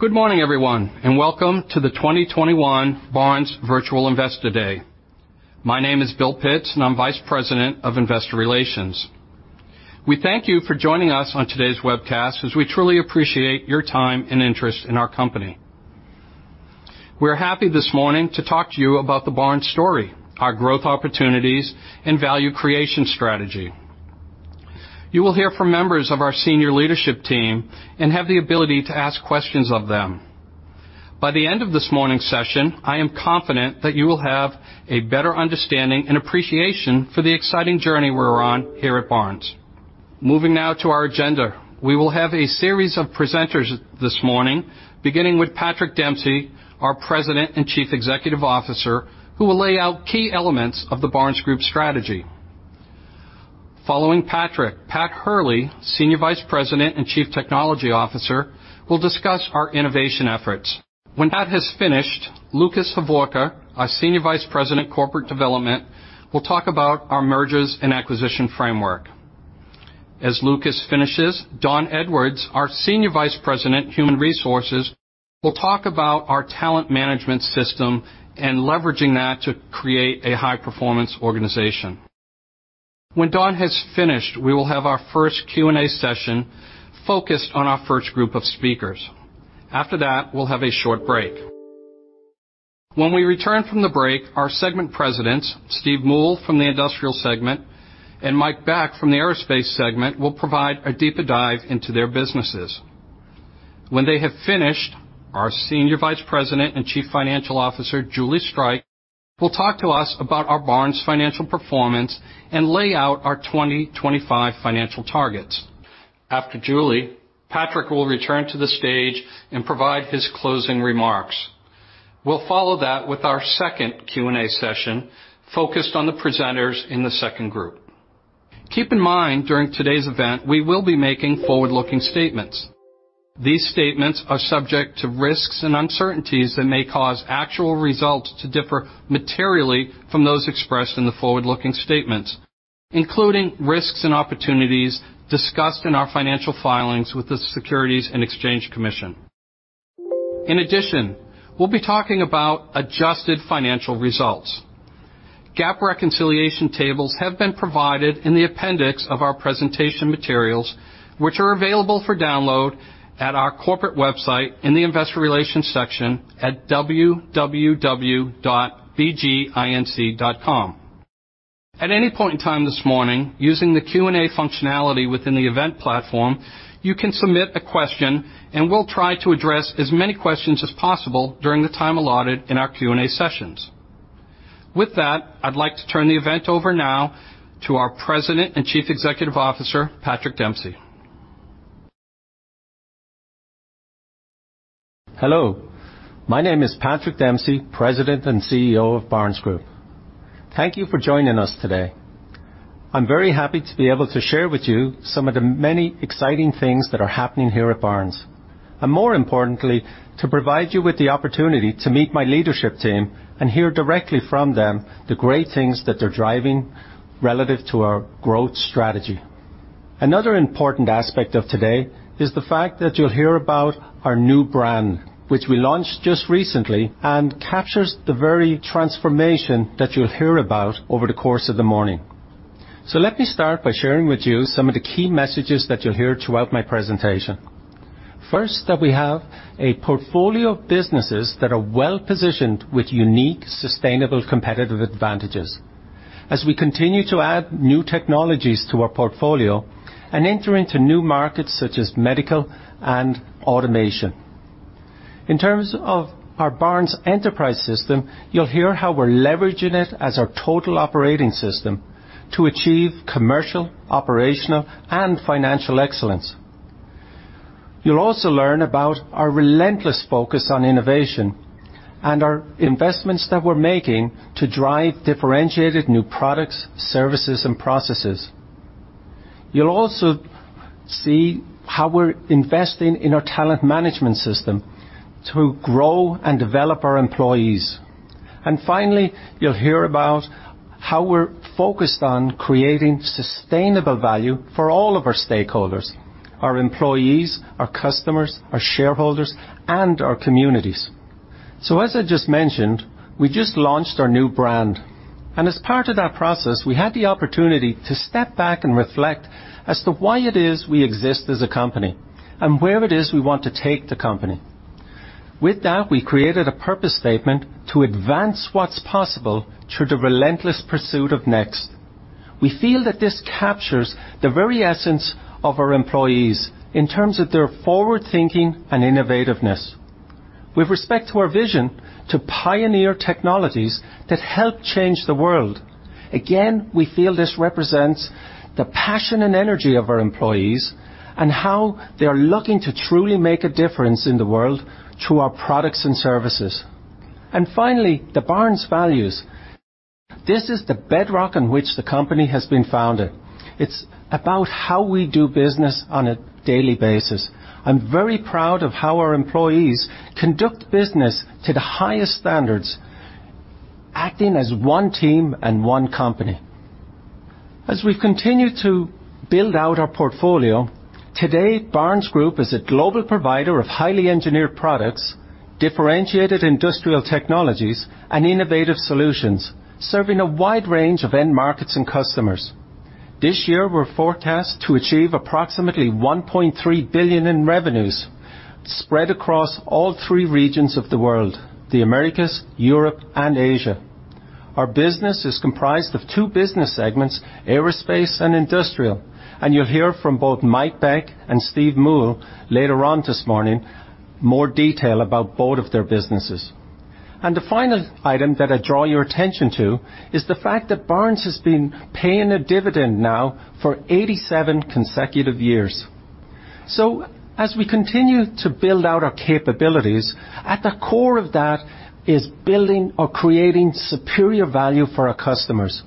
Good morning, everyone, and welcome to the 2021 Barnes Virtual Investor Day. My name is Bill Pitts, and I'm Vice President of Investor Relations. We thank you for joining us on today's webcast, as we truly appreciate your time and interest in our company. We're happy this morning to talk to you about the Barnes story, our growth opportunities, and value creation strategy. You will hear from members of our senior leadership team and have the ability to ask questions of them. By the end of this morning's session, I am confident that you will have a better understanding and appreciation for the exciting journey we're on here at Barnes. Moving now to our agenda. We will have a series of presenters this morning, beginning with Patrick Dempsey, our President and Chief Executive Officer, who will lay out key elements of the Barnes Group strategy. Following Patrick, Pat Hurley, Senior Vice President and Chief Technology Officer, will discuss our innovation efforts. When Pat has finished, Lukas Hovorka, our Senior Vice President, Corporate Development, will talk about our mergers and acquisition framework. As Lukas finishes, Dawn Edwards, our Senior Vice President, Human Resources, will talk about our talent management system and leveraging that to create a high-performance organization. When Dawn has finished, we will have our first Q&A session focused on our first group of speakers. After that, we'll have a short break. When we return from the break, our segment presidents, Steve Moule from the industrial segment, and Mike Beck from the aerospace segment, will provide a deeper dive into their businesses. When they have finished, our Senior Vice President and Chief Financial Officer, Julie Streich, will talk to us about our Barnes financial performance and lay out our 2025 financial targets. After Julie, Patrick will return to the stage and provide his closing remarks. We'll follow that with our second Q&A session focused on the presenters in the second group. Keep in mind, during today's event, we will be making forward-looking statements. These statements are subject to risks and uncertainties that may cause actual results to differ materially from those expressed in the forward-looking statements, including risks and opportunities discussed in our financial filings with the Securities and Exchange Commission. In addition, we'll be talking about adjusted financial results. GAAP reconciliation tables have been provided in the appendix of our presentation materials, which are available for download at our corporate website in the investor relations section at www.bginc.com. At any point in time this morning, using the Q&A functionality within the event platform, you can submit a question, and we'll try to address as many questions as possible during the time allotted in our Q&A sessions. With that, I'd like to turn the event over now to our President and Chief Executive Officer, Patrick Dempsey. Hello. My name is Patrick Dempsey, President and CEO of Barnes Group. Thank you for joining us today. I'm very happy to be able to share with you some of the many exciting things that are happening here at Barnes, and more importantly, to provide you with the opportunity to meet my leadership team and hear directly from them the great things that they're driving relative to our growth strategy. Another important aspect of today is the fact that you'll hear about our new brand, which we launched just recently and captures the very transformation that you'll hear about over the course of the morning. Let me start by sharing with you some of the key messages that you'll hear throughout my presentation. First, that we have a portfolio of businesses that are well-positioned with unique, sustainable, competitive advantages as we continue to add new technologies to our portfolio and enter into new markets such as medical and automation. In terms of our Barnes Enterprise System, you'll hear how we're leveraging it as our total operating system to achieve commercial, operational, and financial excellence. You'll also learn about our relentless focus on innovation and our investments that we're making to drive differentiated new products, services, and processes. You'll also see how we're investing in our talent management system to grow and develop our employees. Finally, you'll hear about how we're focused on creating sustainable value for all of our stakeholders, our employees, our customers, our shareholders, and our communities. As I just mentioned, we just launched our new brand, and as part of that process, we had the opportunity to step back and reflect as to why it is we exist as a company and where it is we want to take the company. With that, we created a purpose statement to advance what's possible through the relentless pursuit of next. We feel that this captures the very essence of our employees in terms of their forward-thinking and innovativeness. With respect to our vision to pioneer technologies that help change the world, again, we feel this represents the passion and energy of our employees and how they're looking to truly make a difference in the world through our products and services. Finally, the Barnes Values. This is the bedrock on which the company has been founded. It's about how we do business on a daily basis. I'm very proud of how our employees conduct business to the highest standards, acting as one team and one company. As we've continued to build out our portfolio, today, Barnes Group is a global provider of highly engineered products, differentiated industrial technologies, and innovative solutions, serving a wide range of end markets and customers. This year, we're forecast to achieve approximately $1.3 billion in revenues, spread across all three regions of the world, the Americas, Europe, and Asia. Our business is comprised of two business segments, aerospace and industrial, and you'll hear from both Mike Beck and Steve Moule later on this morning, more detail about both of their businesses. The final item that I draw your attention to is the fact that Barnes has been paying a dividend now for 87 consecutive years. As we continue to build out our capabilities, at the core of that is building or creating superior value for our customers.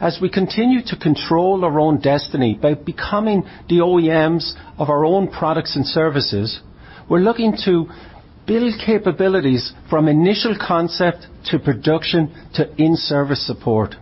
As we continue to control our own destiny by becoming the OEMs of our own products and services, we're looking to build capabilities from initial concept to production to in-service support.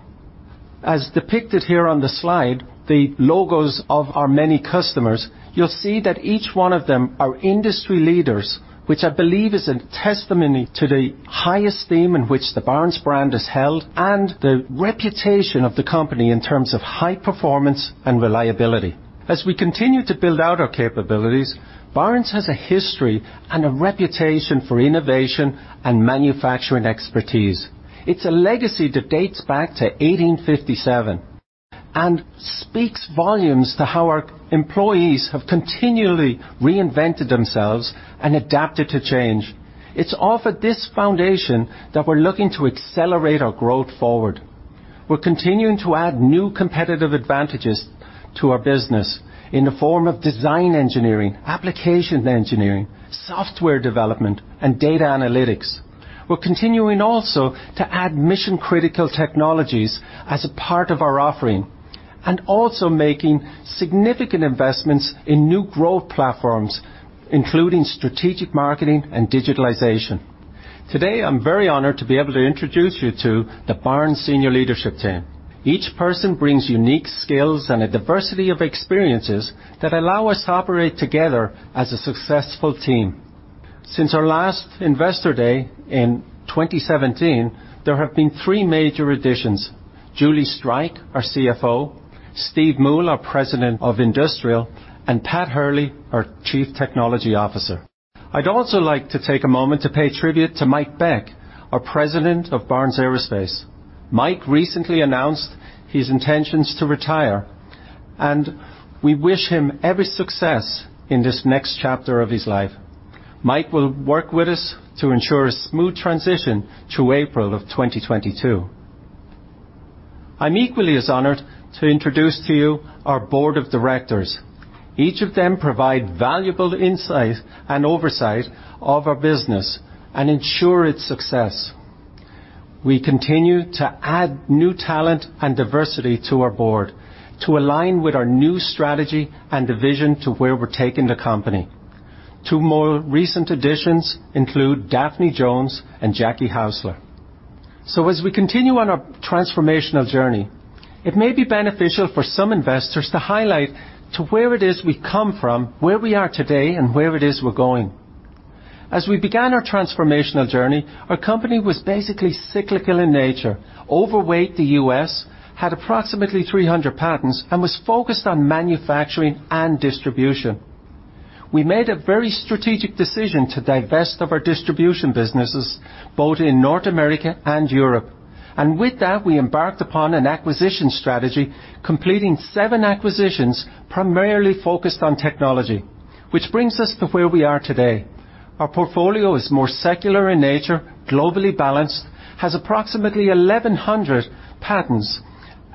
As depicted here on the slide, the logos of our many customers, you'll see that each one of them are industry leaders, which I believe is a testimony to the highest esteem in which the Barnes brand is held and the reputation of the company in terms of high performance and reliability. As we continue to build out our capabilities, Barnes has a history and a reputation for innovation and manufacturing expertise. It's a legacy that dates back to 1857 and speaks volumes to how our employees have continually reinvented themselves and adapted to change. It's off of this foundation that we're looking to accelerate our growth forward. We're continuing to add new competitive advantages to our business in the form of design engineering, application engineering, software development, and data analytics. We're continuing also to add mission-critical technologies as a part of our offering, and also making significant investments in new growth platforms, including strategic marketing and digitalization. Today, I'm very honored to be able to introduce you to the Barnes senior leadership team. Each person brings unique skills and a diversity of experiences that allow us to operate together as a successful team. Since our last Investor Day in 2017, there have been three major additions. Julie Streich, our CFO, Steve Moule, our President of Industrial, and Pat Hurley, our Chief Technology Officer. I'd also like to take a moment to pay tribute to Mike Beck, our President of Barnes Aerospace. Mike recently announced his intentions to retire, and we wish him every success in this next chapter of his life. Mike will work with us to ensure a smooth transition through April 2022. I'm equally as honored to introduce to you our board of directors. Each of them provide valuable insight and oversight of our business and ensure its success. We continue to add new talent and diversity to our board to align with our new strategy and the vision to where we're taking the company. Two more recent additions include Daphne Jones and Jakki Haussler. As we continue on our transformational journey, it may be beneficial for some investors to highlight to where it is we come from, where we are today, and where it is we're going. As we began our transformational journey, our company was basically cyclical in nature, overweight the U.S., had approximately 300 patents, and was focused on manufacturing and distribution. We made a very strategic decision to divest of our distribution businesses, both in North America and Europe. With that, we embarked upon an acquisition strategy, completing seven acquisitions, primarily focused on technology, which brings us to where we are today. Our portfolio is more secular in nature, globally balanced, has approximately 1,100 patents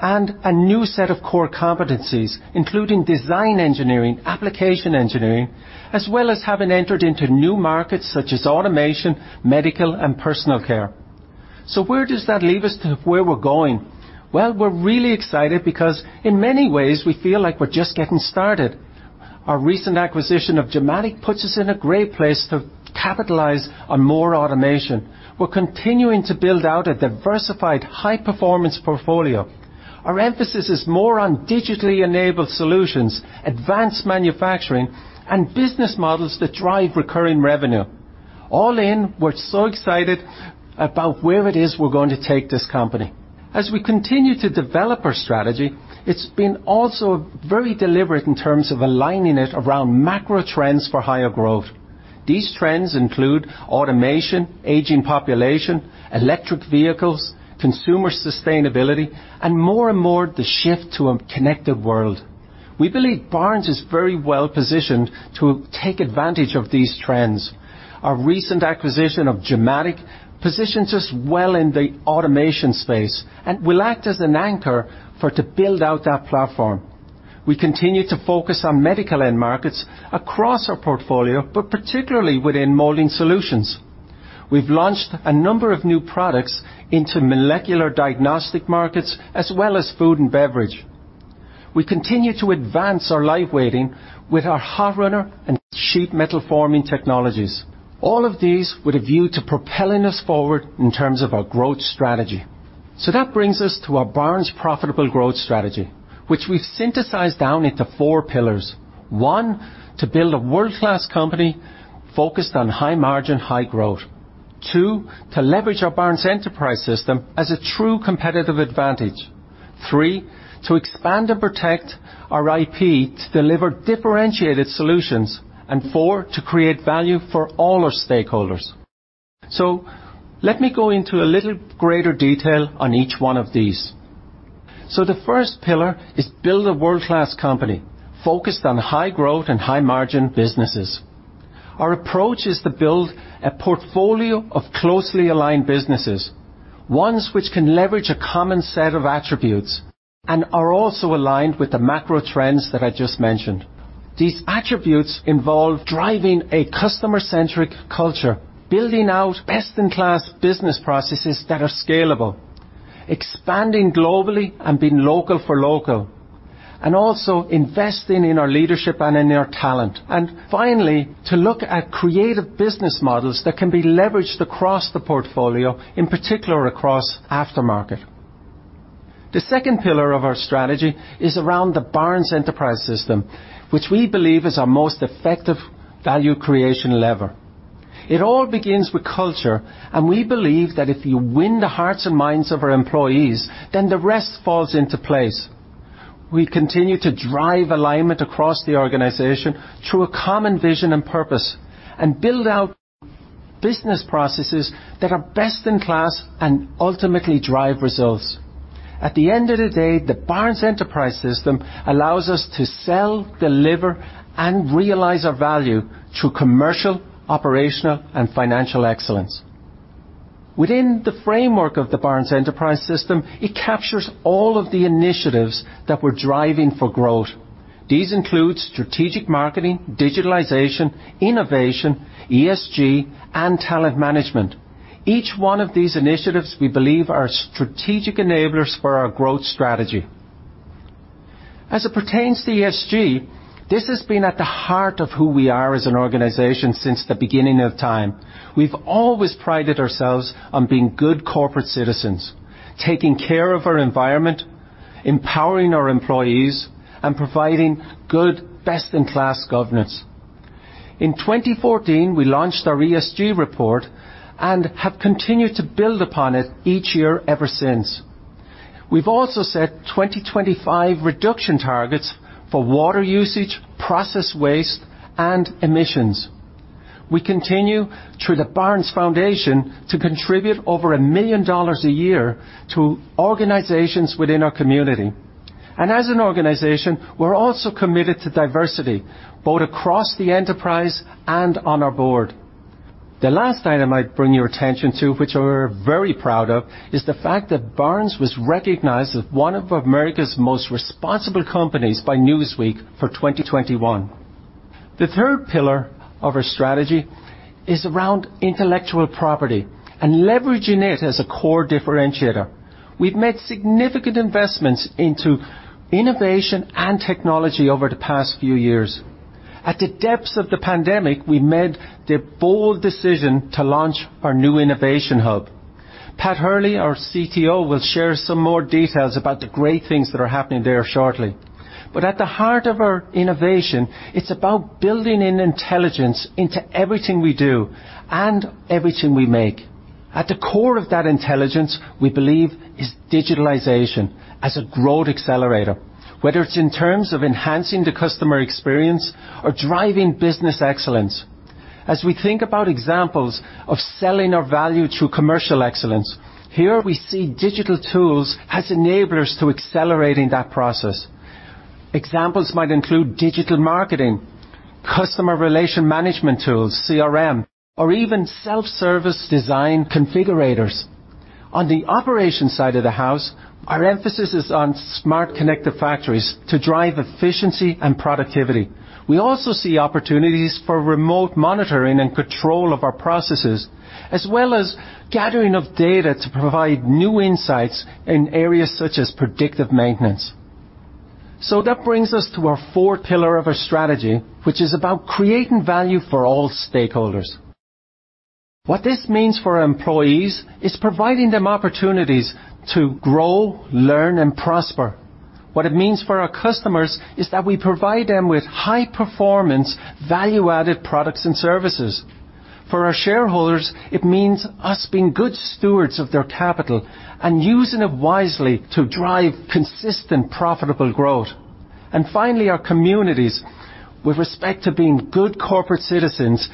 and a new set of core competencies, including design engineering, application engineering, as well as having entered into new markets such as automation, medical, and personal care. Where does that leave us to where we're going? Well, we're really excited because in many ways, we feel like we're just getting started. Our recent acquisition of Gimatic puts us in a great place to capitalize on more automation. We're continuing to build out a diversified high-performance portfolio. Our emphasis is more on digitally-enabled solutions, advanced manufacturing, and business models that drive recurring revenue. All in, we're so excited about where it is we're going to take this company. As we continue to develop our strategy, it's been also very deliberate in terms of aligning it around macro trends for higher growth. These trends include automation, aging population, electric vehicles, consumer sustainability, and more and more the shift to a connected world. We believe Barnes is very well-positioned to take advantage of these trends. Our recent acquisition of Gimatic positions us well in the automation space and will act as an anchor for to build out that platform. We continue to focus on medical end markets across our portfolio, but particularly within Molding Solutions. We've launched a number of new products into molecular diagnostic markets, as well as food and beverage. We continue to advance our lightweighting with our hot runner and sheet metal forming technologies. All of these with a view to propelling us forward in terms of our growth strategy. That brings us to our Barnes Profitable Growth Strategy, which we've synthesized down into four pillars. One, to build a world-class company focused on high margin, high growth. Two, to leverage our Barnes Enterprise System as a true competitive advantage. Three, to expand and protect our IP to deliver differentiated solutions. And four, to create value for all our stakeholders. Let me go into a little greater detail on each one of these. The first pillar is build a world-class company focused on high growth and high margin businesses. Our approach is to build a portfolio of closely aligned businesses, ones which can leverage a common set of attributes and are also aligned with the macro trends that I just mentioned. These attributes involve driving a customer-centric culture, building out best-in-class business processes that are scalable, expanding globally and being local for local, and also investing in our leadership and in their talent. Finally, to look at creative business models that can be leveraged across the portfolio, in particular across aftermarket. The second pillar of our strategy is around the Barnes Enterprise System, which we believe is our most effective value creation lever. It all begins with culture, and we believe that if you win the hearts and minds of our employees, then the rest falls into place. We continue to drive alignment across the organization through a common vision and purpose, and build out business processes that are best in class and ultimately drive results. At the end of the day, the Barnes Enterprise System allows us to sell, deliver, and realize our value through commercial, operational, and financial excellence. Within the framework of the Barnes Enterprise System, it captures all of the initiatives that we're driving for growth. These include strategic marketing, digitalization, innovation, ESG, and talent management. Each one of these initiatives we believe are strategic enablers for our growth strategy. As it pertains to ESG, this has been at the heart of who we are as an organization since the beginning of time. We've always prided ourselves on being good corporate citizens, taking care of our environment, empowering our employees, and providing good, best-in-class governance. In 2014, we launched our ESG report and have continued to build upon it each year ever since. We've also set 2025 reduction targets for water usage, process waste, and emissions. We continue through the Barnes Group Foundation to contribute over $1 million a year to organizations within our community. As an organization, we're also committed to diversity, both across the enterprise and on our board. The last item I'd bring your attention to, which we're very proud of, is the fact that Barnes was recognized as one of America's most responsible companies by Newsweek for 2021. The third pillar of our strategy is around intellectual property and leveraging it as a core differentiator. We've made significant investments into innovation and technology over the past few years. At the depths of the pandemic, we made the bold decision to launch our new innovation hub. Pat Hurley, our CTO, will share some more details about the great things that are happening there shortly. At the heart of our innovation, it's about building in intelligence into everything we do and everything we make. At the core of that intelligence, we believe, is digitalization as a growth accelerator, whether it's in terms of enhancing the customer experience or driving business excellence. As we think about examples of selling our value through commercial excellence, here we see digital tools as enablers to accelerating that process. Examples might include digital marketing, customer relationship management tools, CRM, or even self-service design configurators. On the operation side of the house, our emphasis is on smart connected factories to drive efficiency and productivity. We also see opportunities for remote monitoring and control of our processes, as well as gathering of data to provide new insights in areas such as predictive maintenance. That brings us to our fourth pillar of our strategy, which is about creating value for all stakeholders. What this means for our employees is providing them opportunities to grow, learn, and prosper. What it means for our customers is that we provide them with high performance, value-added products and services. For our shareholders, it means us being good stewards of their capital and using it wisely to drive consistent profitable growth. Finally, our communities with respect to being good corporate citizens,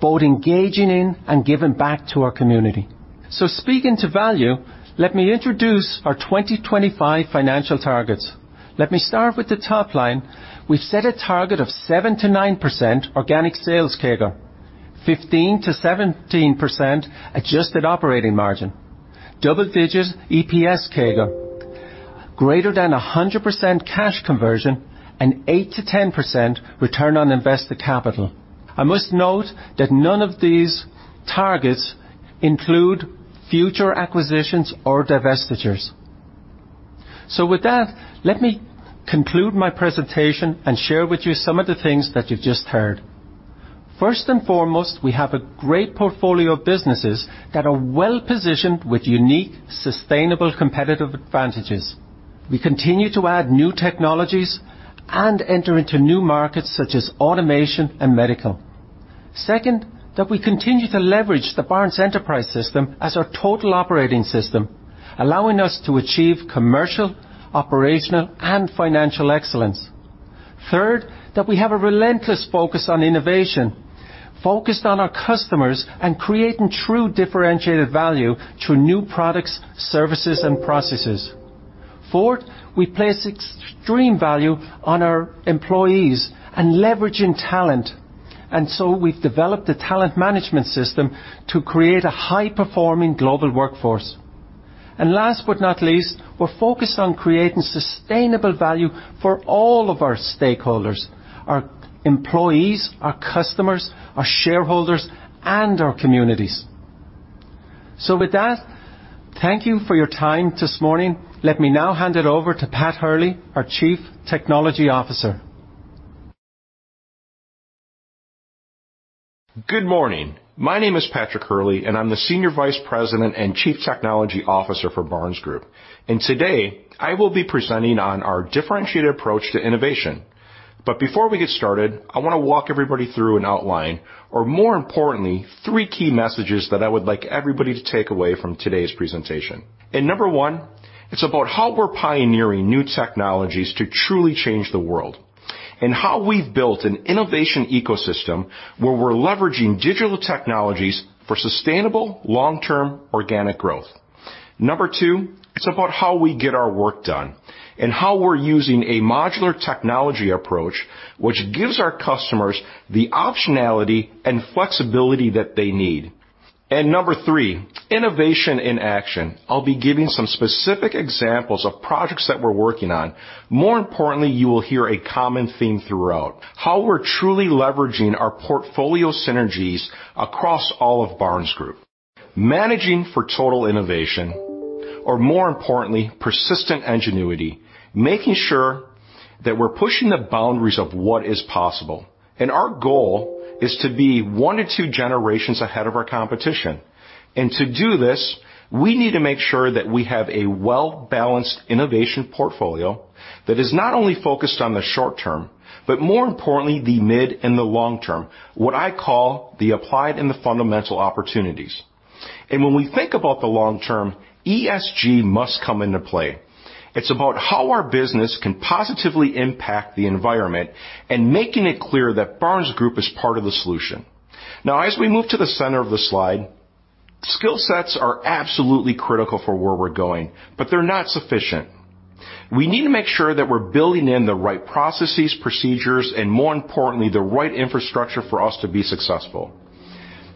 both engaging in and giving back to our community. Speaking to value, let me introduce our 2025 financial targets. Let me start with the top line. We've set a target of 7%-9% organic sales CAGR, 15%-17% adjusted operating margin, double-digit EPS CAGR, greater than 100% cash conversion, and 8%-10% return on invested capital. I must note that none of these targets include future acquisitions or divestitures. With that, let me conclude my presentation and share with you some of the things that you've just heard. First and foremost, we have a great portfolio of businesses that are well-positioned with unique, sustainable competitive advantages. We continue to add new technologies and enter into new markets such as automation and medical. Second, that we continue to leverage the Barnes Enterprise System as our total operating system, allowing us to achieve commercial, operational, and financial excellence. Third, that we have a relentless focus on innovation, focused on our customers and creating true differentiated value through new products, services, and processes. Fourth, we place extreme value on our employees and leveraging talent. We've developed a talent management system to create a high-performing global workforce. Last but not least, we're focused on creating sustainable value for all of our stakeholders, our employees, our customers, our shareholders, and our communities. With that, thank you for your time this morning. Let me now hand it over to Pat Hurley, our Chief Technology Officer. Good morning. My name is Patrick Hurley, and I'm the Senior Vice President and Chief Technology Officer for Barnes Group. Today, I will be presenting on our differentiated approach to innovation. Before we get started, I wanna walk everybody through an outline, or more importantly, three key messages that I would like everybody to take away from today's presentation. Number one, it's about how we're pioneering new technologies to truly change the world, and how we've built an innovation ecosystem where we're leveraging digital technologies for sustainable long-term organic growth. Number two, it's about how we get our work done and how we're using a modular technology approach which gives our customers the optionality and flexibility that they need. Number three, innovation in action. I'll be giving some specific examples of projects that we're working on. More importantly, you will hear a common theme throughout, how we're truly leveraging our portfolio synergies across all of Barnes Group. Managing for total innovation, or more importantly, persistent ingenuity, making sure that we're pushing the boundaries of what is possible. Our goal is to be one to two generations ahead of our competition. To do this, we need to make sure that we have a well-balanced innovation portfolio that is not only focused on the short term, but more importantly, the mid and the long term, what I call the applied and the fundamental opportunities. When we think about the long term, ESG must come into play. It's about how our business can positively impact the environment and making it clear that Barnes Group is part of the solution. Now as we move to the center of the slide, skill sets are absolutely critical for where we're going, but they're not sufficient. We need to make sure that we're building in the right processes, procedures, and more importantly, the right infrastructure for us to be successful.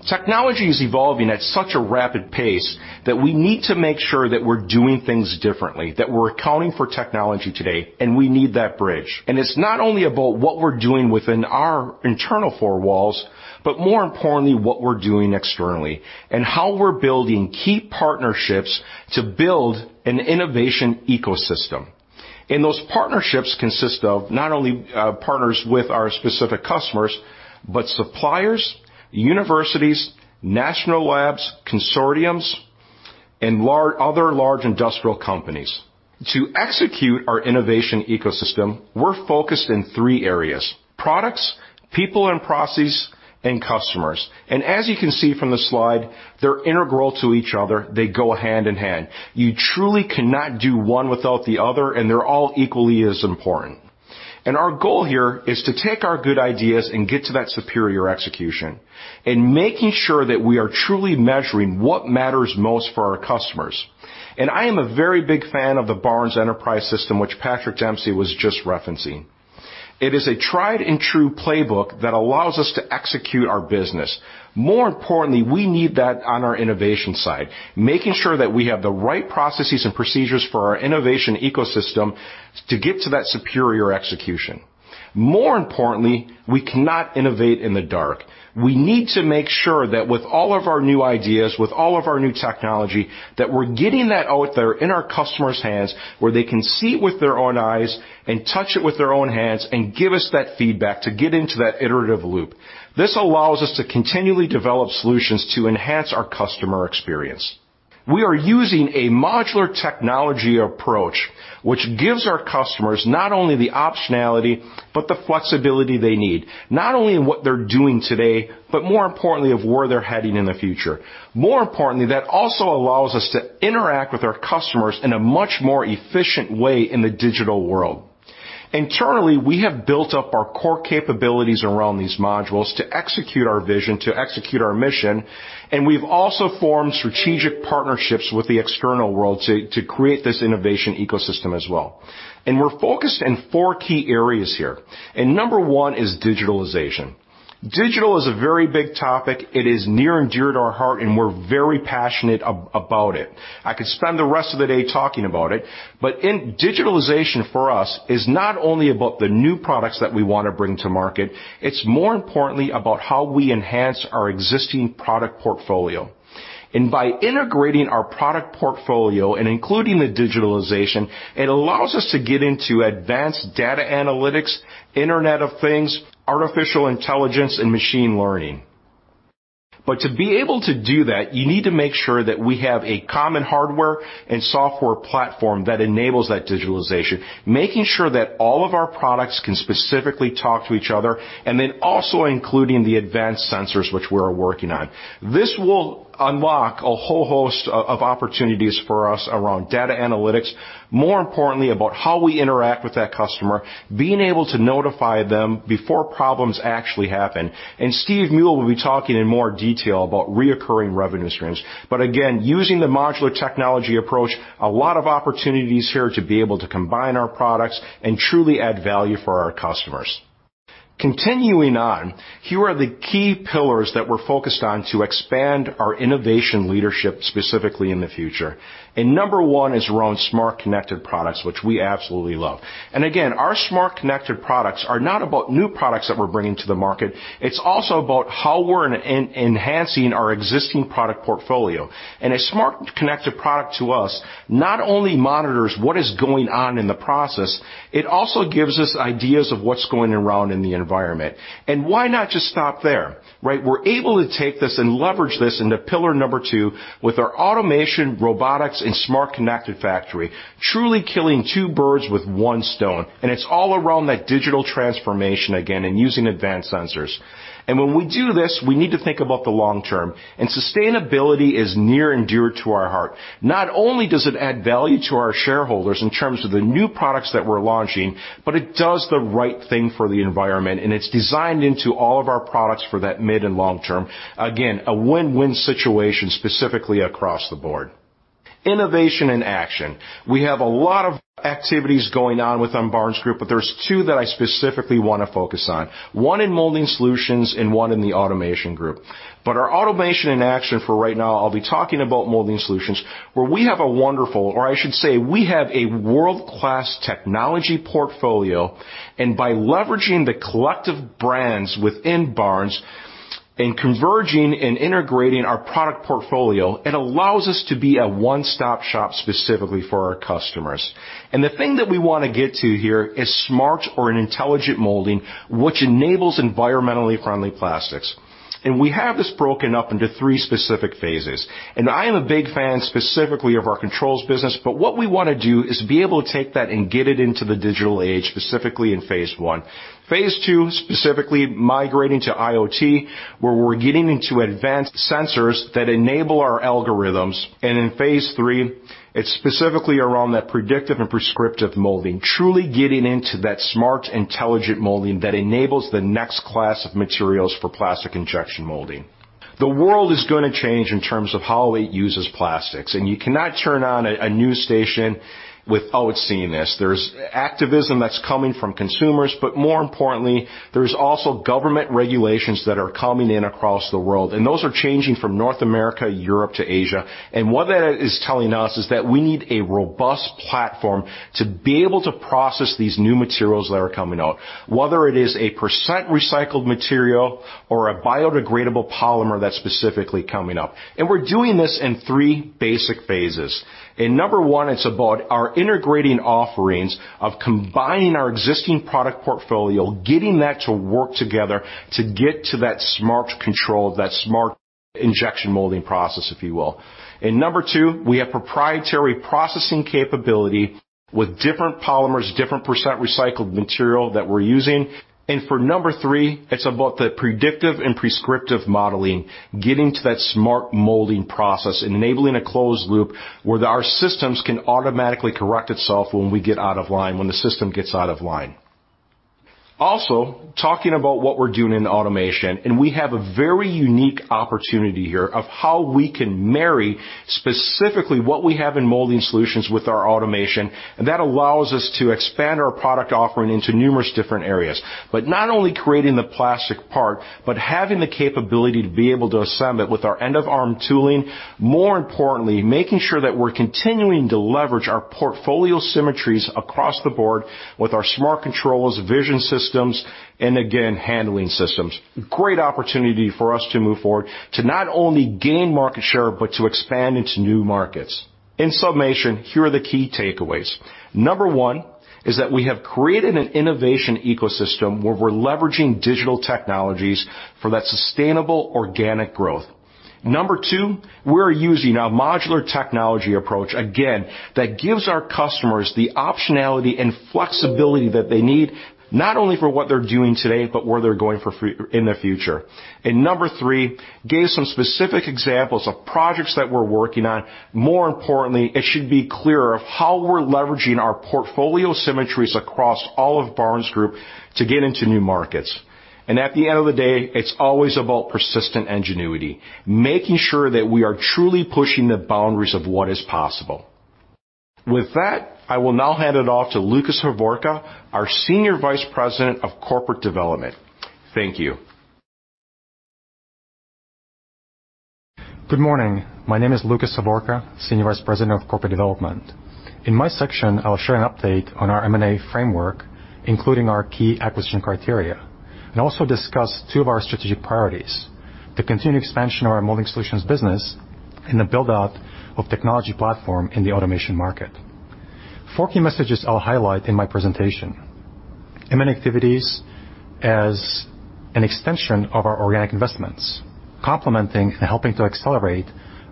Technology is evolving at such a rapid pace that we need to make sure that we're doing things differently, that we're accounting for technology today, and we need that bridge. It's not only about what we're doing within our internal four walls, but more importantly, what we're doing externally, and how we're building key partnerships to build an innovation ecosystem. Those partnerships consist of not only partners with our specific customers, but suppliers, universities, national labs, consortiums, and other large industrial companies. To execute our innovation ecosystem, we're focused in three areas, products, people and processes, and customers. As you can see from the slide, they're integral to each other. They go hand in hand. You truly cannot do one without the other, and they're all equally as important. Our goal here is to take our good ideas and get to that superior execution in making sure that we are truly measuring what matters most for our customers. I am a very big fan of the Barnes Enterprise System, which Patrick Dempsey was just referencing. It is a tried and true playbook that allows us to execute our business. More importantly, we need that on our innovation side, making sure that we have the right processes and procedures for our innovation ecosystem to get to that superior execution. More importantly, we cannot innovate in the dark. We need to make sure that with all of our new ideas, with all of our new technology, that we're getting that out there in our customers' hands where they can see it with their own eyes and touch it with their own hands and give us that feedback to get into that iterative loop. This allows us to continually develop solutions to enhance our customer experience. We are using a modular technology approach, which gives our customers not only the optionality, but the flexibility they need, not only in what they're doing today, but more importantly, of where they're heading in the future. More importantly, that also allows us to interact with our customers in a much more efficient way in the digital world. Internally, we have built up our core capabilities around these modules to execute our vision, to execute our mission, and we've also formed strategic partnerships with the external world to create this innovation ecosystem as well. We're focused in four key areas here, and number one is digitalization. Digital is a very big topic. It is near and dear to our heart, and we're very passionate about it. I could spend the rest of the day talking about it, but digitalization for us is not only about the new products that we wanna bring to market, it's more importantly about how we enhance our existing product portfolio. By integrating our product portfolio and including the digitalization, it allows us to get into advanced data analytics, Internet of Things, artificial intelligence, and machine learning. To be able to do that, you need to make sure that we have a common hardware and software platform that enables that digitalization, making sure that all of our products can specifically talk to each other, and then also including the advanced sensors which we're working on. This will unlock a whole host of opportunities for us around data analytics, more importantly, about how we interact with that customer, being able to notify them before problems actually happen. Stephen Moule will be talking in more detail about recurring revenue streams. Again, using the modular technology approach, a lot of opportunities here to be able to combine our products and truly add value for our customers. Continuing on, here are the key pillars that we're focused on to expand our innovation leadership specifically in the future. Number one is around smart, connected products, which we absolutely love. Again, our smart connected products are not about new products that we're bringing to the market. It's also about how we're enhancing our existing product portfolio. A smart connected product to us not only monitors what is going on in the process, it also gives us ideas of what's going around in the environment. Why not just stop there, right? We're able to take this and leverage this into pillar number two with our automation, robotics, and smart connected factory, truly killing two birds with one stone, and it's all around that digital transformation again and using advanced sensors. When we do this, we need to think about the long term, and sustainability is near and dear to our heart. Not only does it add value to our shareholders in terms of the new products that we're launching, but it does the right thing for the environment, and it's designed into all of our products for that mid and long term. Again, a win-win situation specifically across the board. Innovation in action. We have a lot of activities going on within Barnes Group, but there's two that I specifically wanna focus on, one in Molding Solutions and one in the automation group. Our automation in action for right now, I'll be talking about Molding Solutions, where we have a wonderful, or I should say we have a world-class technology portfolio, and by leveraging the collective brands within Barnes and converging and integrating our product portfolio, it allows us to be a one-stop shop specifically for our customers. The thing that we wanna get to here is smart or an intelligent molding, which enables environmentally friendly plastics. We have this broken up into three specific phases. I am a big fan specifically of our controls business, but what we wanna do is be able to take that and get it into the digital age, specifically in phase I. Phase II, specifically migrating to IoT, where we're getting into advanced sensors that enable our algorithms. In phase III, it's specifically around that predictive and prescriptive molding, truly getting into that smart, intelligent molding that enables the next class of materials for plastic injection molding. The world is gonna change in terms of how it uses plastics, and you cannot turn on a news station without seeing this. There's activism that's coming from consumers, but more importantly, there's also government regulations that are coming in across the world, and those are changing from North America, Europe to Asia. What that is telling us is that we need a robust platform to be able to process these new materials that are coming out, whether it is a percent recycled material or a biodegradable polymer that's specifically coming up. We're doing this in three basic phases. In number one, it's about our integrated offerings of combining our existing product portfolio, getting that to work together to get to that smart control, that smart injection molding process, if you will. In number two, we have proprietary processing capability with different polymers, different percent recycled material that we're using. For number three, it's about the predictive and prescriptive modeling, getting to that smart molding process, enabling a closed loop where our systems can automatically correct itself when we get out of line, when the system gets out of line. Also, talking about what we're doing in automation, and we have a very unique opportunity here of how we can marry specifically what we have in Molding Solutions with our automation, and that allows us to expand our product offering into numerous different areas. Not only creating the plastic part, but having the capability to be able to assemble it with our end-of-arm tooling, more importantly, making sure that we're continuing to leverage our portfolio synergies across the board with our smart controls, vision systems, and again, handling systems. Great opportunity for us to move forward to not only gain market share, but to expand into new markets. In summation, here are the key takeaways. Number one is that we have created an innovation ecosystem where we're leveraging digital technologies for that sustainable organic growth. Number two, we're using a modular technology approach, again, that gives our customers the optionality and flexibility that they need, not only for what they're doing today, but where they're going in the future. Number three, gave some specific examples of projects that we're working on. More importantly, it should be clear of how we're leveraging our portfolio symmetries across all of Barnes Group to get into new markets. At the end of the day, it's always about persistent ingenuity, making sure that we are truly pushing the boundaries of what is possible. With that, I will now hand it off to Lukas Hovorka, our Senior Vice President, Corporate Development. Thank you. Good morning. My name is Lukas Hovorka, Senior Vice President of Corporate Development. In my section, I'll share an update on our M&A framework, including our key acquisition criteria, and also discuss two of our strategic priorities, the continued expansion of our Molding Solutions business and the build-out of technology platform in the automation market. Four key messages I'll highlight in my presentation. M&A activities as an extension of our organic investments, complementing and helping to accelerate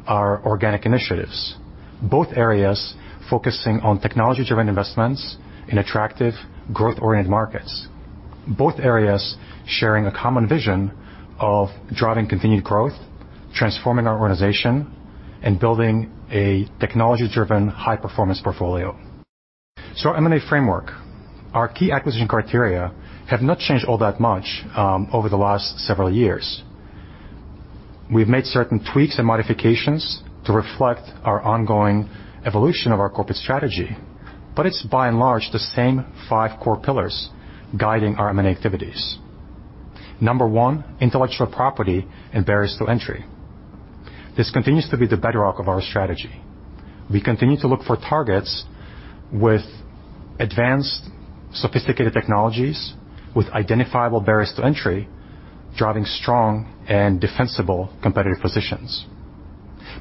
our organic initiatives, both areas focusing on technology-driven investments in attractive growth-oriented markets, both areas sharing a common vision of driving continued growth, transforming our organization, and building a technology-driven high-performance portfolio. M&A framework. Our key acquisition criteria have not changed all that much over the last several years. We've made certain tweaks and modifications to reflect our ongoing evolution of our corporate strategy, but it's by and large the same five core pillars guiding our M&A activities. Number one, intellectual property and barriers to entry. This continues to be the bedrock of our strategy. We continue to look for targets with advanced, sophisticated technologies, with identifiable barriers to entry, driving strong and defensible competitive positions.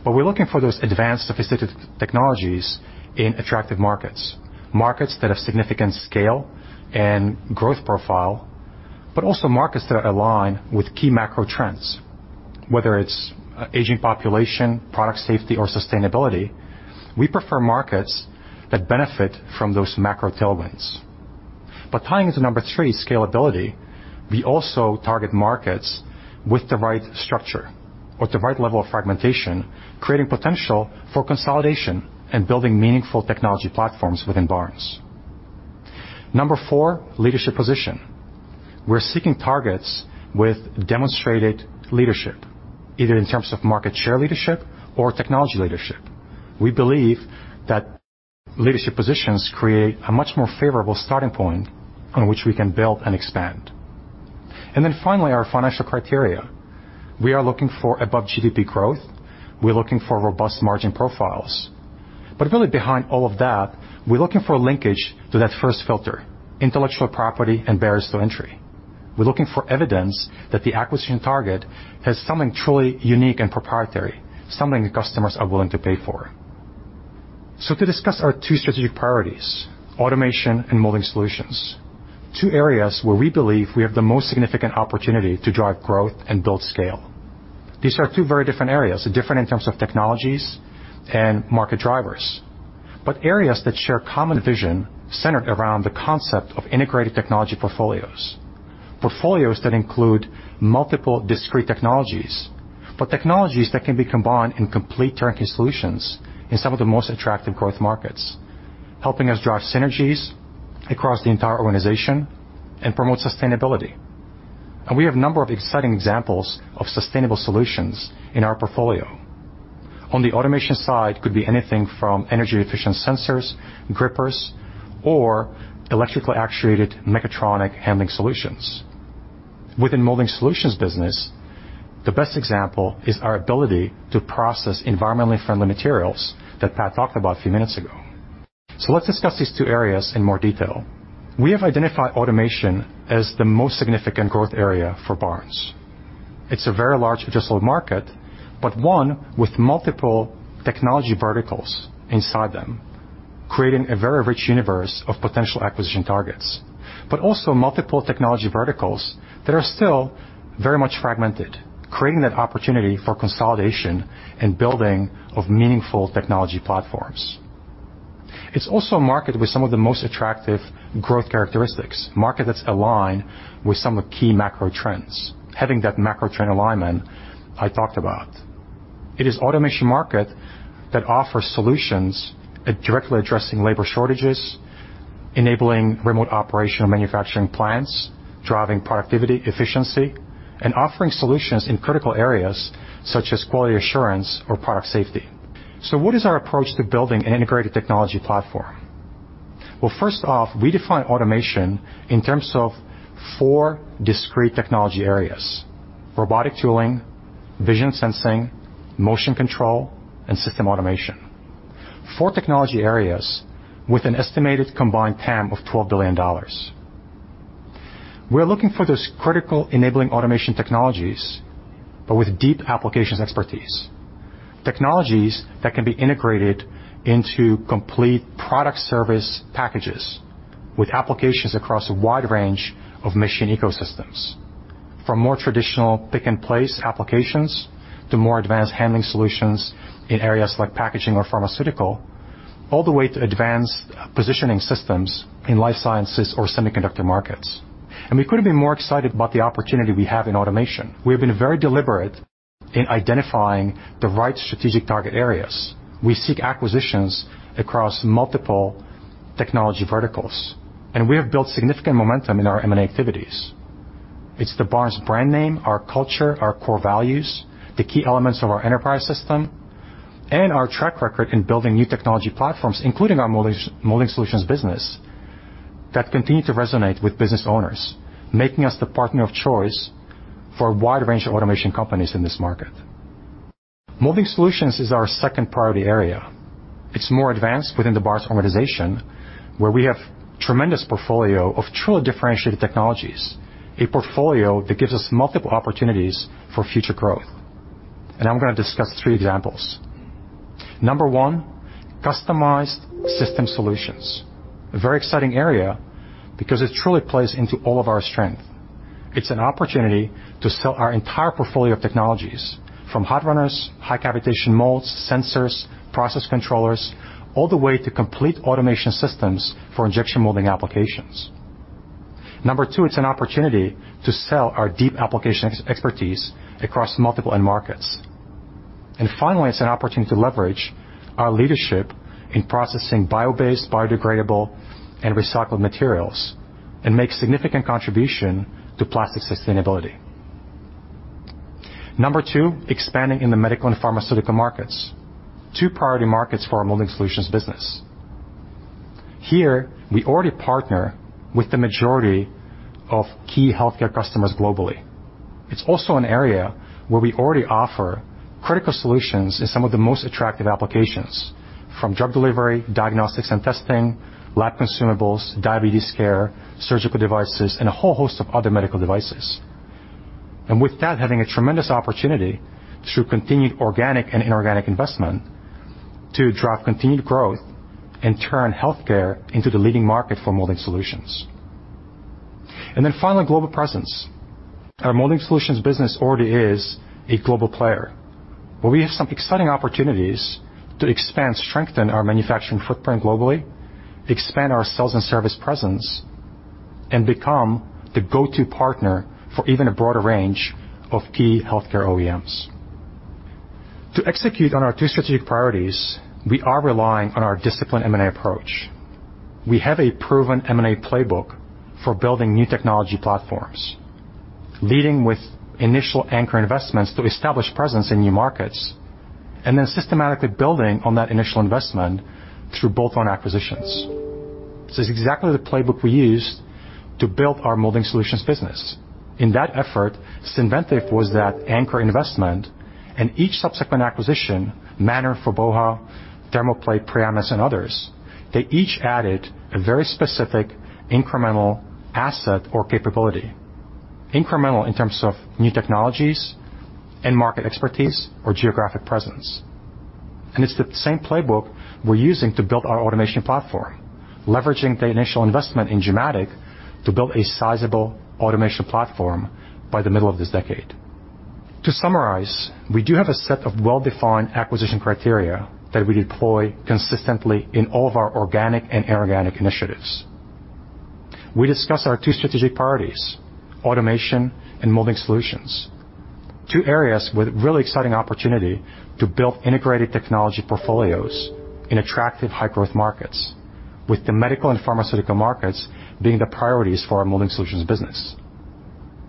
We're looking for those advanced, sophisticated technologies in attractive markets that have significant scale and growth profile, but also markets that align with key macro trends, whether it's aging population, product safety, or sustainability. We prefer markets that benefit from those macro tailwinds. Tying into number three, scalability, we also target markets with the right structure or the right level of fragmentation, creating potential for consolidation and building meaningful technology platforms within Barnes. Number four, leadership position. We're seeking targets with demonstrated leadership, either in terms of market share leadership or technology leadership. We believe that leadership positions create a much more favorable starting point on which we can build and expand. Finally, our financial criteria. We are looking for above GDP growth. We're looking for robust margin profiles. Really behind all of that, we're looking for a linkage to that first filter, intellectual property and barriers to entry. We're looking for evidence that the acquisition target has something truly unique and proprietary, something that customers are willing to pay for. To discuss our two strategic priorities, automation and Molding Solutions, two areas where we believe we have the most significant opportunity to drive growth and build scale. These are two very different areas, different in terms of technologies and market drivers, but areas that share common vision centered around the concept of integrated technology portfolios that include multiple discrete technologies, but technologies that can be combined in complete turnkey solutions in some of the most attractive growth markets, helping us drive synergies across the entire organization and promote sustainability. We have a number of exciting examples of sustainable solutions in our portfolio. On the automation side, could be anything from energy-efficient sensors, grippers, or electrically actuated mechatronic handling solutions. Within Molding Solutions business, the best example is our ability to process environmentally friendly materials that Pat talked about a few minutes ago. Let's discuss these two areas in more detail. We have identified automation as the most significant growth area for Barnes. It's a very large addressable market, but one with multiple technology verticals inside them, creating a very rich universe of potential acquisition targets, but also multiple technology verticals that are still very much fragmented, creating that opportunity for consolidation and building of meaningful technology platforms. It's also a market with some of the most attractive growth characteristics, market that's aligned with some of the key macro trends, having that macro trend alignment I talked about. It is an automation market that offers solutions directly addressing labor shortages, enabling remote operation of manufacturing plants, driving productivity, efficiency, and offering solutions in critical areas such as quality assurance or product safety. What is our approach to building an integrated technology platform? Well, first off, we define automation in terms of four discrete technology areas, robotic tooling, vision sensing, motion control, and system automation. Four technology areas with an estimated combined TAM of $12 billion. We're looking for those critical enabling automation technologies, but with deep applications expertise, technologies that can be integrated into complete product service packages with applications across a wide range of machine ecosystems. From more traditional pick-and-place applications to more advanced handling solutions in areas like packaging or pharmaceutical, all the way to advanced positioning systems in life sciences or semiconductor markets. We couldn't be more excited about the opportunity we have in automation. We have been very deliberate in identifying the right strategic target areas. We seek acquisitions across multiple technology verticals, and we have built significant momentum in our M&A activities. It's the Barnes brand name, our culture, our core values, the key elements of our enterprise system, and our track record in building new technology platforms, including our molding, Molding Solutions business, that continue to resonate with business owners, making us the partner of choice for a wide range of automation companies in this market. Molding Solutions is our second priority area. It's more advanced within the Barnes organization, where we have tremendous portfolio of truly differentiated technologies, a portfolio that gives us multiple opportunities for future growth. I'm gonna discuss three examples. Number one, customized system solutions. A very exciting area because it truly plays into all of our strength. It's an opportunity to sell our entire portfolio of technologies, from hot runners, high cavitation molds, sensors, process controllers, all the way to complete automation systems for injection molding applications. Number two, it's an opportunity to sell our deep application expertise across multiple end markets. Finally, it's an opportunity to leverage our leadership in processing bio-based, biodegradable, and recycled materials and make significant contribution to plastic sustainability. Number two, expanding in the medical and pharmaceutical markets. Two priority markets for our Molding Solutions business. Here, we already partner with the majority of key healthcare customers globally. It's also an area where we already offer critical solutions in some of the most attractive applications, from drug delivery, diagnostics and testing, lab consumables, diabetes care, surgical devices, and a whole host of other medical devices. With that, having a tremendous opportunity through continued organic and inorganic investment to drive continued growth and turn healthcare into the leading market for Molding Solutions. Then finally, global presence. Our Molding Solutions business already is a global player, but we have some exciting opportunities to expand, strengthen our manufacturing footprint globally, expand our sales and service presence, and become the go-to partner for even a broader range of key healthcare OEMs. To execute on our two strategic priorities, we are relying on our disciplined M&A approach. We have a proven M&A playbook for building new technology platforms, leading with initial anchor investments to establish presence in new markets, and then systematically building on that initial investment through bolt-on acquisitions. This is exactly the playbook we used to build our Molding Solutions business. In that effort, Synventive was that anchor investment, and each subsequent acquisition, Männer, FOBOHA, Thermoplay, Priamus, and others, they each added a very specific incremental asset or capability. Incremental in terms of new technologies and market expertise or geographic presence. It's the same playbook we're using to build our automation platform, leveraging the initial investment in Gimatic to build a sizable automation platform by the middle of this decade. To summarize, we do have a set of well-defined acquisition criteria that we deploy consistently in all of our organic and inorganic initiatives. We discussed our two strategic priorities, automation and Molding Solutions, two areas with really exciting opportunity to build integrated technology portfolios in attractive high-growth markets, with the medical and pharmaceutical markets being the priorities for our Molding Solutions business.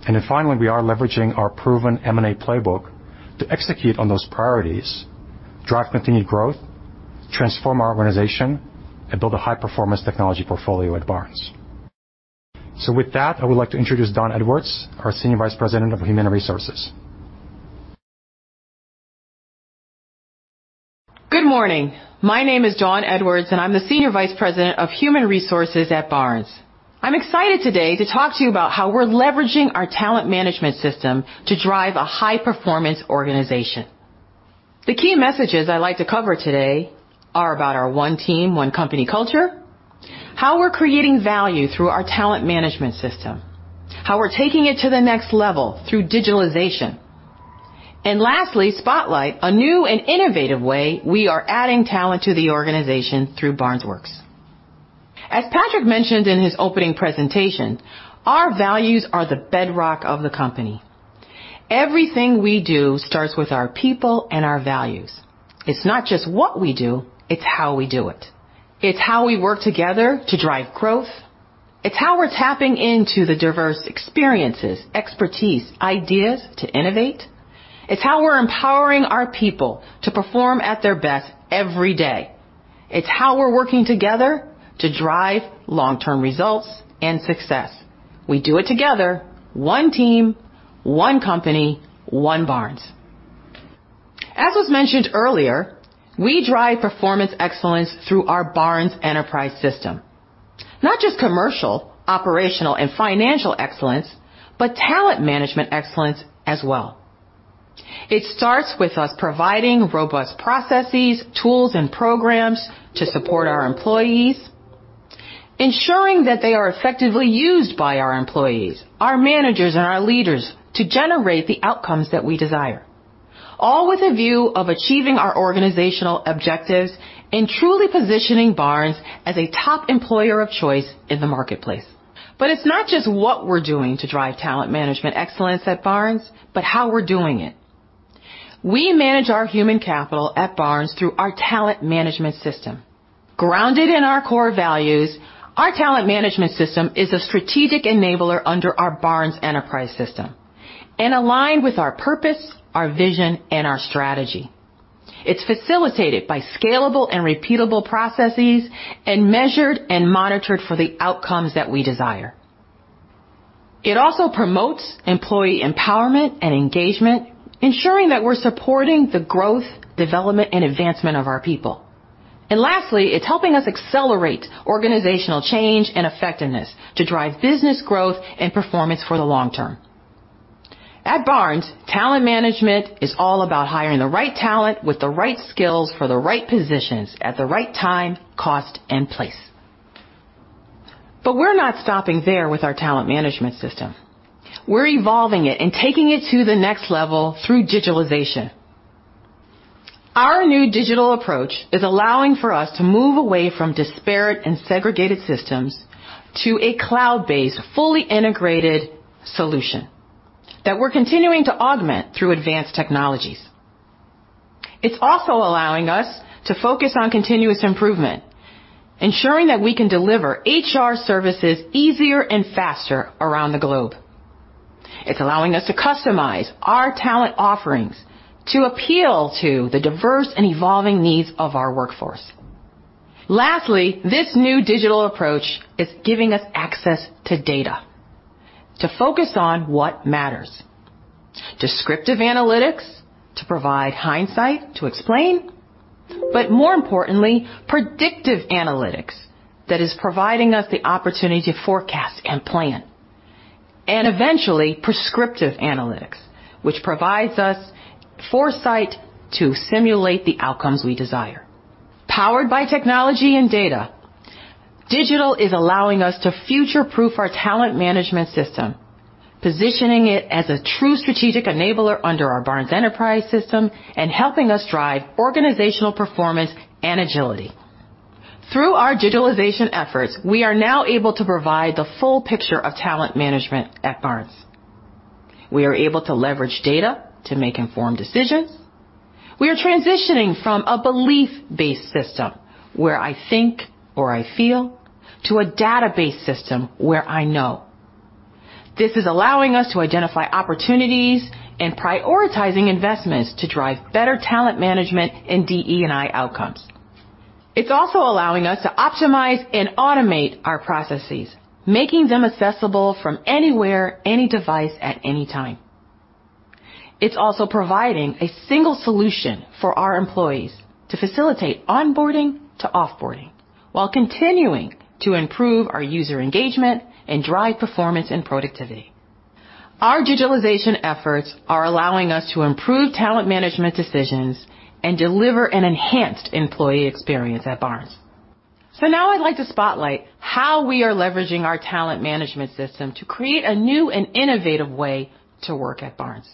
Then finally, we are leveraging our proven M&A playbook to execute on those priorities, drive continued growth, transform our organization, and build a high-performance technology portfolio at Barnes. With that, I would like to introduce Dawn Edwards, our Senior Vice President of Human Resources. Good morning. My name is Dawn Edwards, and I'm the Senior Vice President of Human Resources at Barnes. I'm excited today to talk to you about how we're leveraging our talent management system to drive a high-performance organization. The key messages I'd like to cover today are about our one team, one company culture, how we're creating value through our talent management system, how we're taking it to the next level through digitalization, and lastly, spotlight a new and innovative way we are adding talent to the organization through Barnes Works. As Patrick mentioned in his opening presentation, our values are the bedrock of the company. Everything we do starts with our people and our values. It's not just what we do, it's how we do it. It's how we work together to drive growth. It's how we're tapping into the diverse experiences, expertise, ideas to innovate. It's how we're empowering our people to perform at their best every day. It's how we're working together to drive long-term results and success. We do it together, one team, one company, one Barnes. As was mentioned earlier, we drive performance excellence through our Barnes Enterprise System. Not just commercial, operational, and financial excellence, but talent management excellence as well. It starts with us providing robust processes, tools, and programs to support our employees, ensuring that they are effectively used by our employees, our managers, and our leaders to generate the outcomes that we desire, all with a view of achieving our organizational objectives and truly positioning Barnes as a top employer of choice in the marketplace. It's not just what we're doing to drive talent management excellence at Barnes, but how we're doing it. We manage our human capital at Barnes through our talent management system. Grounded in our core values, our talent management system is a strategic enabler under our Barnes Enterprise System and aligned with our purpose, our vision, and our strategy. It's facilitated by scalable and repeatable processes and measured and monitored for the outcomes that we desire. It also promotes employee empowerment and engagement, ensuring that we're supporting the growth, development, and advancement of our people. Lastly, it's helping us accelerate organizational change and effectiveness to drive business growth and performance for the long term. At Barnes, talent management is all about hiring the right talent with the right skills for the right positions at the right time, cost, and place. We're not stopping there with our talent management system. We're evolving it and taking it to the next level through digitalization. Our new digital approach is allowing for us to move away from disparate and segregated systems to a cloud-based, fully integrated solution that we're continuing to augment through advanced technologies. It's also allowing us to focus on continuous improvement, ensuring that we can deliver HR services easier and faster around the globe. It's allowing us to customize our talent offerings to appeal to the diverse and evolving needs of our workforce. Lastly, this new digital approach is giving us access to data to focus on what matters. Descriptive analytics to provide hindsight to explain, but more importantly, predictive analytics that is providing us the opportunity to forecast and plan, and eventually prescriptive analytics, which provides us foresight to simulate the outcomes we desire. Powered by technology and data, digital is allowing us to future-proof our talent management system, positioning it as a true strategic enabler under our Barnes Enterprise System and helping us drive organizational performance and agility. Through our digitalization efforts, we are now able to provide the full picture of talent management at Barnes. We are able to leverage data to make informed decisions. We are transitioning from a belief-based system where I think or I feel to a data-based system where I know. This is allowing us to identify opportunities and prioritizing investments to drive better talent management and DE&I outcomes. It's also allowing us to optimize and automate our processes, making them accessible from anywhere, any device, at any time. It's also providing a single solution for our employees to facilitate onboarding to offboarding while continuing to improve our user engagement and drive performance and productivity. Our digitalization efforts are allowing us to improve talent management decisions and deliver an enhanced employee experience at Barnes. Now I'd like to spotlight how we are leveraging our talent management system to create a new and innovative way to work at Barnes.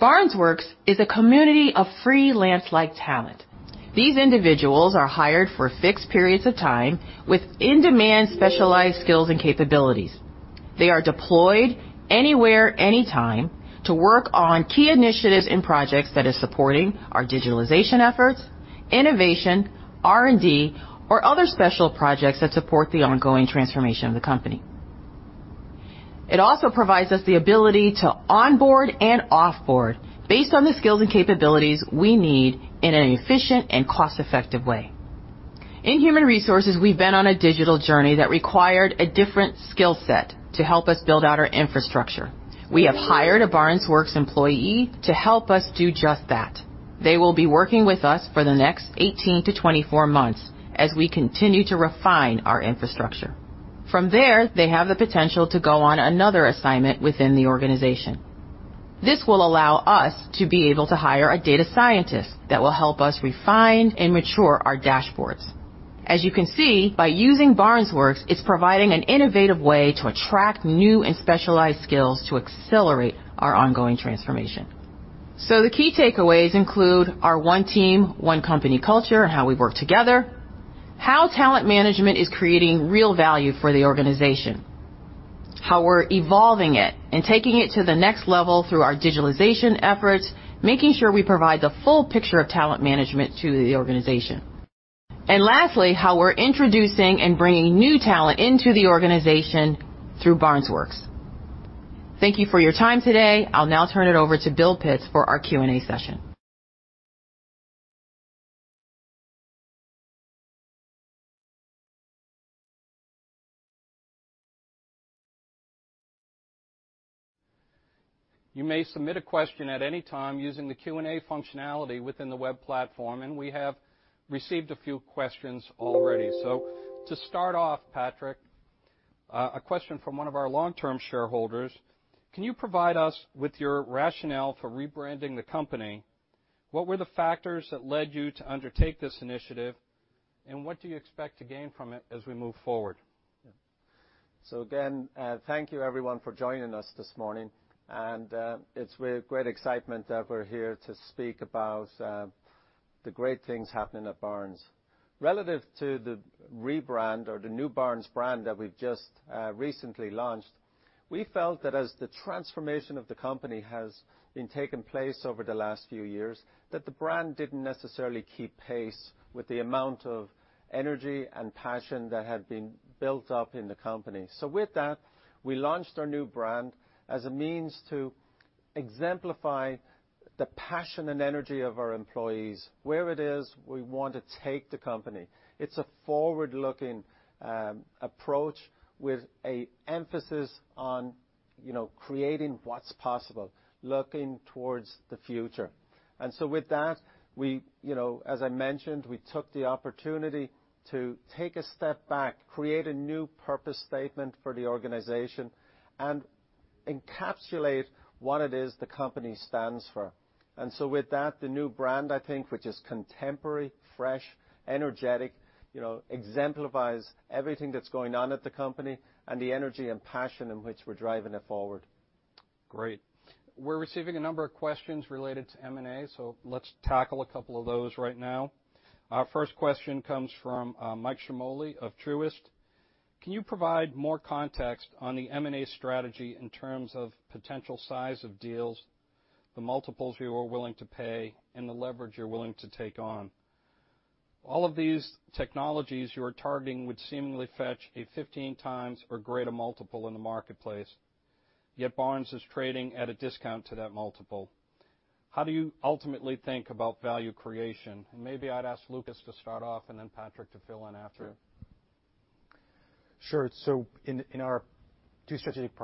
Barnes Works is a community of freelance-like talent. These individuals are hired for fixed periods of time with in-demand specialized skills and capabilities. They are deployed anywhere, anytime to work on key initiatives and projects that are supporting our digitalization efforts, innovation, R&D, or other special projects that support the ongoing transformation of the company. It also provides us the ability to onboard and offboard based on the skills and capabilities we need in an efficient and cost-effective way. In human resources, we've been on a digital journey that required a different skill set to help us build out our infrastructure. We have hired a Barnes Works employee to help us do just that. They will be working with us for the next 18-24 months as we continue to refine our infrastructure. From there, they have the potential to go on another assignment within the organization. This will allow us to be able to hire a data scientist that will help us refine and mature our dashboards. As you can see, by using Barnes Works, it's providing an innovative way to attract new and specialized skills to accelerate our ongoing transformation. The key takeaways include our one team, one company culture, and how we work together, how talent management is creating real value for the organization, how we're evolving it and taking it to the next level through our digitalization efforts, making sure we provide the full picture of talent management to the organization. Lastly, how we're introducing and bringing new talent into the organization through Barnes Works. Thank you for your time today. I'll now turn it over to Bill Pitts for our Q&A session. You may submit a question at any time using the Q&A functionality within the web platform, and we have received a few questions already. To start off, Patrick, a question from one of our long-term shareholders. Can you provide us with your rationale for rebranding the company? What were the factors that led you to undertake this initiative, and what do you expect to gain from it as we move forward? Again, thank you everyone for joining us this morning. It's with great excitement that we're here to speak about the great things happening at Barnes. Relative to the rebrand or the new Barnes brand that we've just recently launched, we felt that as the transformation of the company has been taking place over the last few years, that the brand didn't necessarily keep pace with the amount of energy and passion that had been built up in the company. With that, we launched our new brand as a means to exemplify the passion and energy of our employees where it is we want to take the company. It's a forward-looking approach with a emphasis on, you know, creating what's possible, looking towards the future. With that, we, you know, as I mentioned, we took the opportunity to take a step back, create a new purpose statement for the organization, and encapsulate what it is the company stands for. With that, the new brand, I think, which is contemporary, fresh, energetic, you know, exemplifies everything that's going on at the company and the energy and passion in which we're driving it forward. Great. We're receiving a number of questions related to M&A, so let's tackle a couple of those right now. Our first question comes from Michael Ciarmoli of Truist. Can you provide more context on the M&A strategy in terms of potential size of deals, the multiples you are willing to pay and the leverage you're willing to take on? All of these technologies you are targeting would seemingly fetch a 15x or greater multiple in the marketplace, yet Barnes is trading at a discount to that multiple. How do you ultimately think about value creation? Maybe I'd ask Lukas to start off and then Patrick to fill in after. Sure. In our two strategic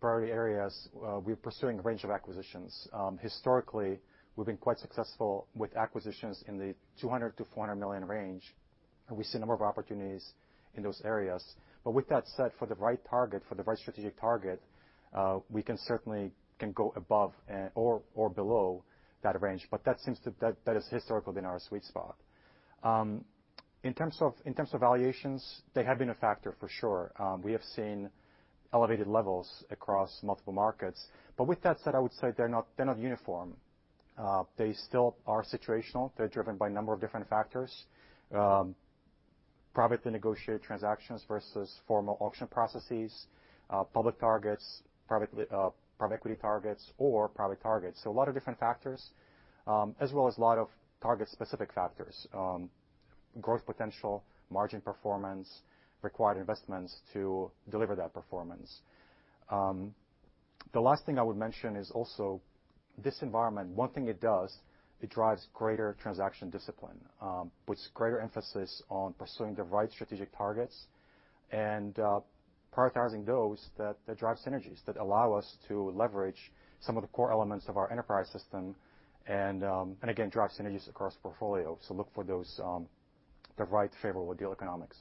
priority areas, we're pursuing a range of acquisitions. Historically, we've been quite successful with acquisitions in the $200 million-$400 million range, and we see a number of opportunities in those areas. With that said, for the right target, for the right strategic target, we can certainly go above or below that range, but that has historically been our sweet spot. In terms of valuations, they have been a factor for sure. We have seen elevated levels across multiple markets. With that said, I would say they're not uniform. They still are situational. They're driven by a number of different factors. Private negotiated transactions versus formal auction processes, public targets, private equity targets, or private targets. A lot of different factors, as well as a lot of target-specific factors, growth potential, margin performance, required investments to deliver that performance. The last thing I would mention is also this environment. One thing it does, it drives greater transaction discipline, puts greater emphasis on pursuing the right strategic targets and, prioritizing those that drive synergies, that allow us to leverage some of the core elements of our enterprise system and again, drive synergies across portfolio. Look for those, the right favorable deal economics.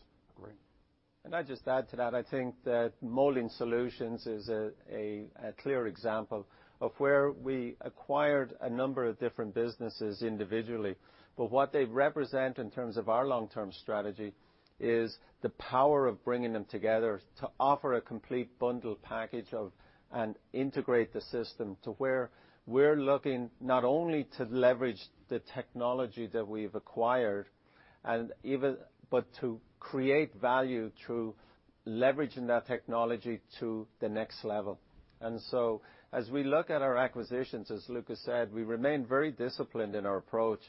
Great. I'd just add to that. I think that Molding Solutions is a clear example of where we acquired a number of different businesses individually. What they represent in terms of our long-term strategy is the power of bringing them together to offer a complete bundle package of and integrate the system to where we're looking not only to leverage the technology that we've acquired but to create value through leveraging that technology to the next level. As we look at our acquisitions, as Lukas said, we remain very disciplined in our approach.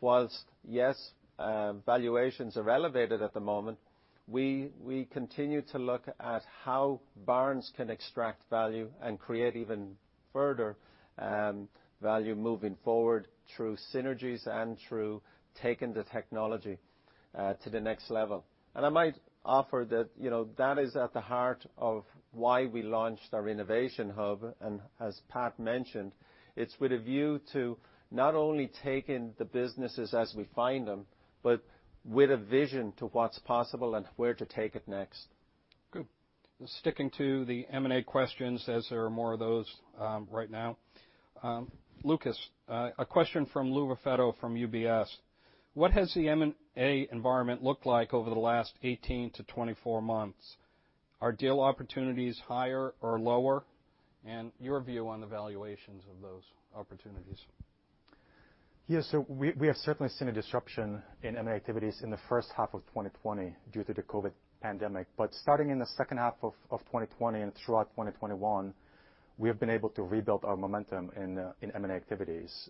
While, yes, valuations are elevated at the moment, we continue to look at how Barnes can extract value and create even further value moving forward through synergies and through taking the technology to the next level. I might offer that, you know, that is at the heart of why we launched our innovation hub. As Pat mentioned, it's with a view to not only taking the businesses as we find them, but with a vision to what's possible and where to take it next. Good. Sticking to the M&A questions, as there are more of those, right now. Lukas, a question from Lou Raffetto from UBS. What has the M&A environment looked like over the last 18-24 months? Are deal opportunities higher or lower? And your view on the valuations of those opportunities. We have certainly seen a disruption in M&A activities in the first half of 2020 due to the COVID pandemic. Starting in the second half of 2020 and throughout 2021, we have been able to rebuild our momentum in M&A activities.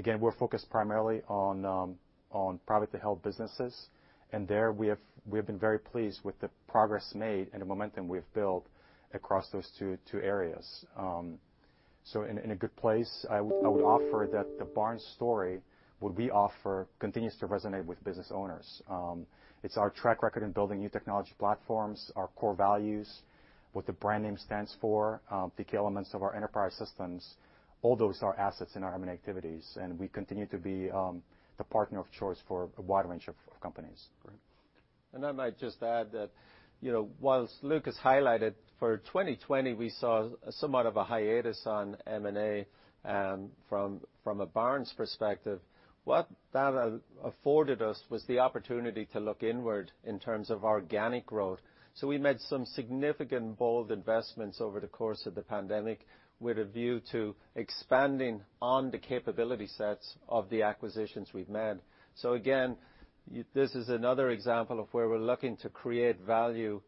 Again, we're focused primarily on privately held businesses, and there we have been very pleased with the progress made and the momentum we've built across those two areas. We're in a good place. I would offer that the Barnes story, what we offer continues to resonate with business owners. It's our track record in building new technology platforms, our core values, what the brand name stands for, the key elements of our enterprise systems, all those are assets in our M&A activities, and we continue to be the partner of choice for a wide range of companies. Great. I might just add that, you know, while Lukas highlighted for 2020, we saw somewhat of a hiatus on M&A from a Barnes perspective. What that afforded us was the opportunity to look inward in terms of organic growth. We made some significant bold investments over the course of the pandemic with a view to expanding on the capability sets of the acquisitions we've made. We again, this is another example of where we're looking to create value.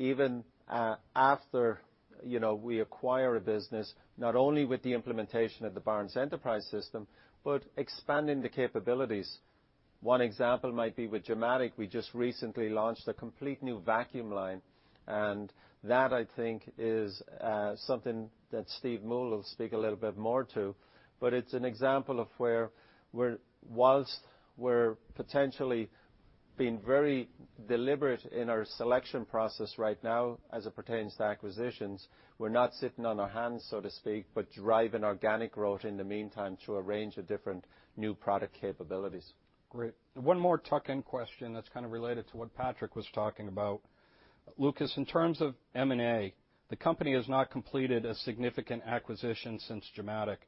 Even after, you know, we acquire a business, not only with the implementation of the Barnes Enterprise System but expanding the capabilities. One example might be with Gimatic, we just recently launched a complete new vacuum line, and that I think is something that Stephen Moule will speak a little bit more to. It's an example of where we're while we're potentially being very deliberate in our selection process right now as it pertains to acquisitions. We're not sitting on our hands, so to speak, but driving organic growth in the meantime through a range of different new product capabilities. Great. One more tuck-in question that's kind of related to what Patrick was talking about. Lukas, in terms of M&A, the company has not completed a significant acquisition since Gimatic.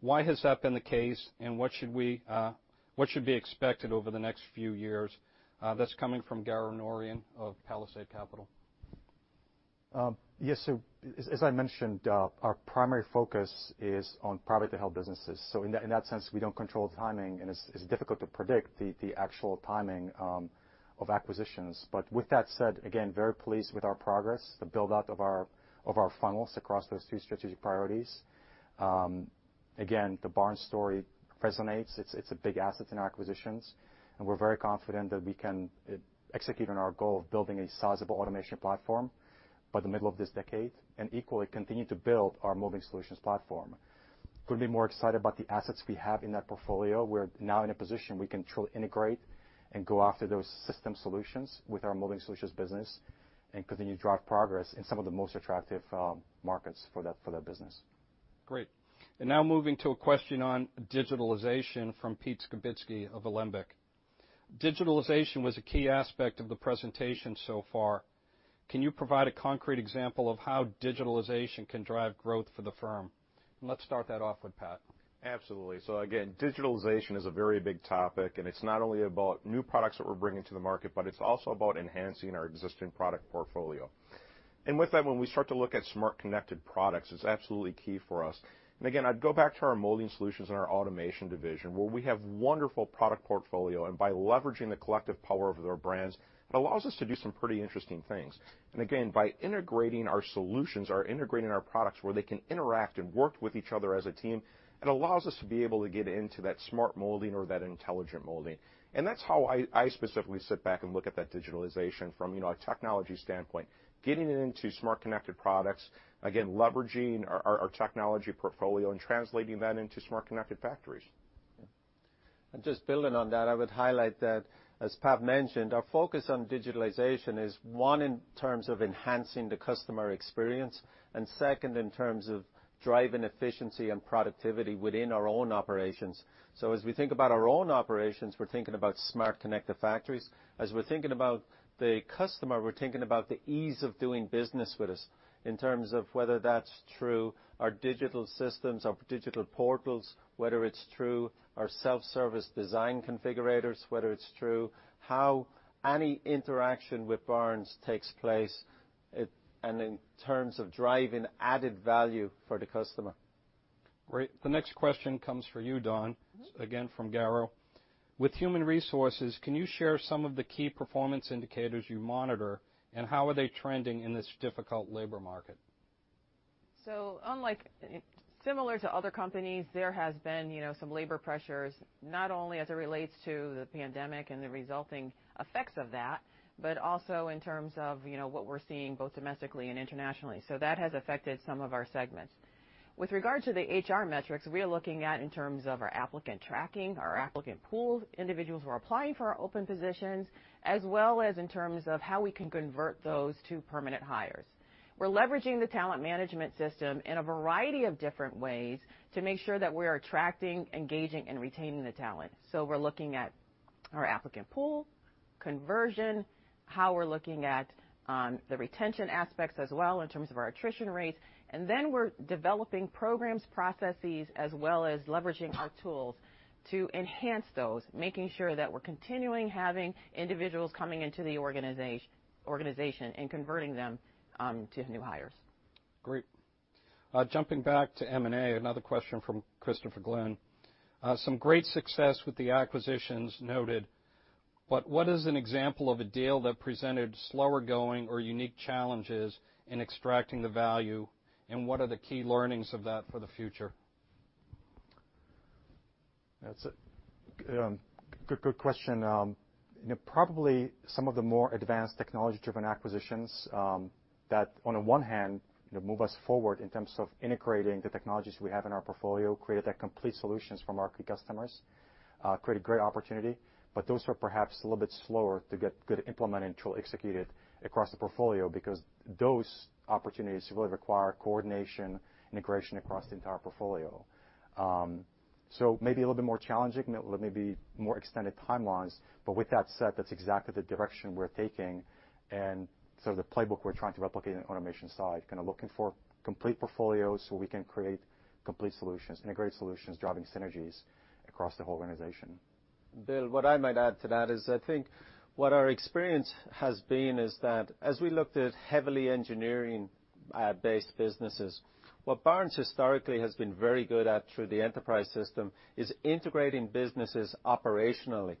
Why has that been the case, and what should be expected over the next few years? That's coming from Garo Norian of Palisade Capital. Yes. As I mentioned, our primary focus is on privately held businesses. In that sense, we don't control timing, and it's difficult to predict the actual timing of acquisitions. With that said, again, very pleased with our progress, the build-out of our funnels across those two strategic priorities. Again, the Barnes story resonates. It's a big asset in our acquisitions, and we're very confident that we can execute on our goal of building a sizable automation platform by the middle of this decade, and equally continue to build our Molding Solutions platform. Couldn't be more excited about the assets we have in that portfolio. We're now in a position we can truly integrate and go after those system solutions with our Molding Solutions business and continue to drive progress in some of the most attractive markets for that business. Great. Now moving to a question on digitalization from Pete Skibitski of Alembic. Digitalization was a key aspect of the presentation so far. Can you provide a concrete example of how digitalization can drive growth for the firm? Let's start that off with Pat. Absolutely. Again, digitalization is a very big topic, and it's not only about new products that we're bringing to the market, but it's also about enhancing our existing product portfolio. With that, when we start to look at smart connected products, it's absolutely key for us. Again, I'd go back to our Molding Solutions and our automation division, where we have wonderful product portfolio, and by leveraging the collective power of their brands, it allows us to do some pretty interesting things. Again, by integrating our solutions or integrating our products where they can interact and work with each other as a team, it allows us to be able to get into that smart molding or that intelligent molding. That's how I specifically sit back and look at that digitalization from, you know, a technology standpoint, getting it into smart connected products, again, leveraging our technology portfolio and translating that into smart connected factories. Just building on that, I would highlight that, as Pat mentioned, our focus on digitalization is, one, in terms of enhancing the customer experience, and second, in terms of driving efficiency and productivity within our own operations. So as we think about our own operations, we're thinking about smart connected factories. As we're thinking about the customer, we're thinking about the ease of doing business with us in terms of whether that's through our digital systems, our digital portals, whether it's through our self-service design configurators, whether it's through how any interaction with Barnes takes place, and in terms of driving added value for the customer. Great. The next question comes for you, Dawn. Mm-hmm. Again, from Garo. With human resources, can you share some of the key performance indicators you monitor, and how are they trending in this difficult labor market? Similar to other companies, there has been, you know, some labor pressures, not only as it relates to the pandemic and the resulting effects of that, but also in terms of, you know, what we're seeing both domestically and internationally. That has affected some of our segments. With regard to the HR metrics, we are looking at in terms of our applicant tracking, our applicant pool, individuals who are applying for our open positions, as well as in terms of how we can convert those to permanent hires. We're leveraging the talent management system in a variety of different ways to make sure that we're attracting, engaging, and retaining the talent. We're looking at our applicant pool, conversion, how we're looking at, the retention aspects as well in terms of our attrition rates. We're developing programs, processes, as well as leveraging our tools to enhance those, making sure that we're continuing having individuals coming into the organization and converting them to new hires. Great. Jumping back to M&A, another question from Christopher Glynn. Some great success with the acquisitions noted, but what is an example of a deal that presented slower going or unique challenges in extracting the value, and what are the key learnings of that for the future? That's a good question. You know, probably some of the more advanced technology-driven acquisitions that on the one hand, you know, move us forward in terms of integrating the technologies we have in our portfolio, create that complete solutions for market customers, create a great opportunity. Those are perhaps a little bit slower to get good implemented and truly executed across the portfolio because those opportunities really require coordination, integration across the entire portfolio. Maybe a little bit more challenging, maybe more extended timelines. With that said, that's exactly the direction we're taking and sort of the playbook we're trying to replicate on the automation side, kind of looking for complete portfolios so we can create complete solutions, integrated solutions, driving synergies across the whole organization. Bill, what I might add to that is I think what our experience has been is that as we looked at heavily engineering-based businesses, what Barnes historically has been very good at through the Enterprise System is integrating businesses operationally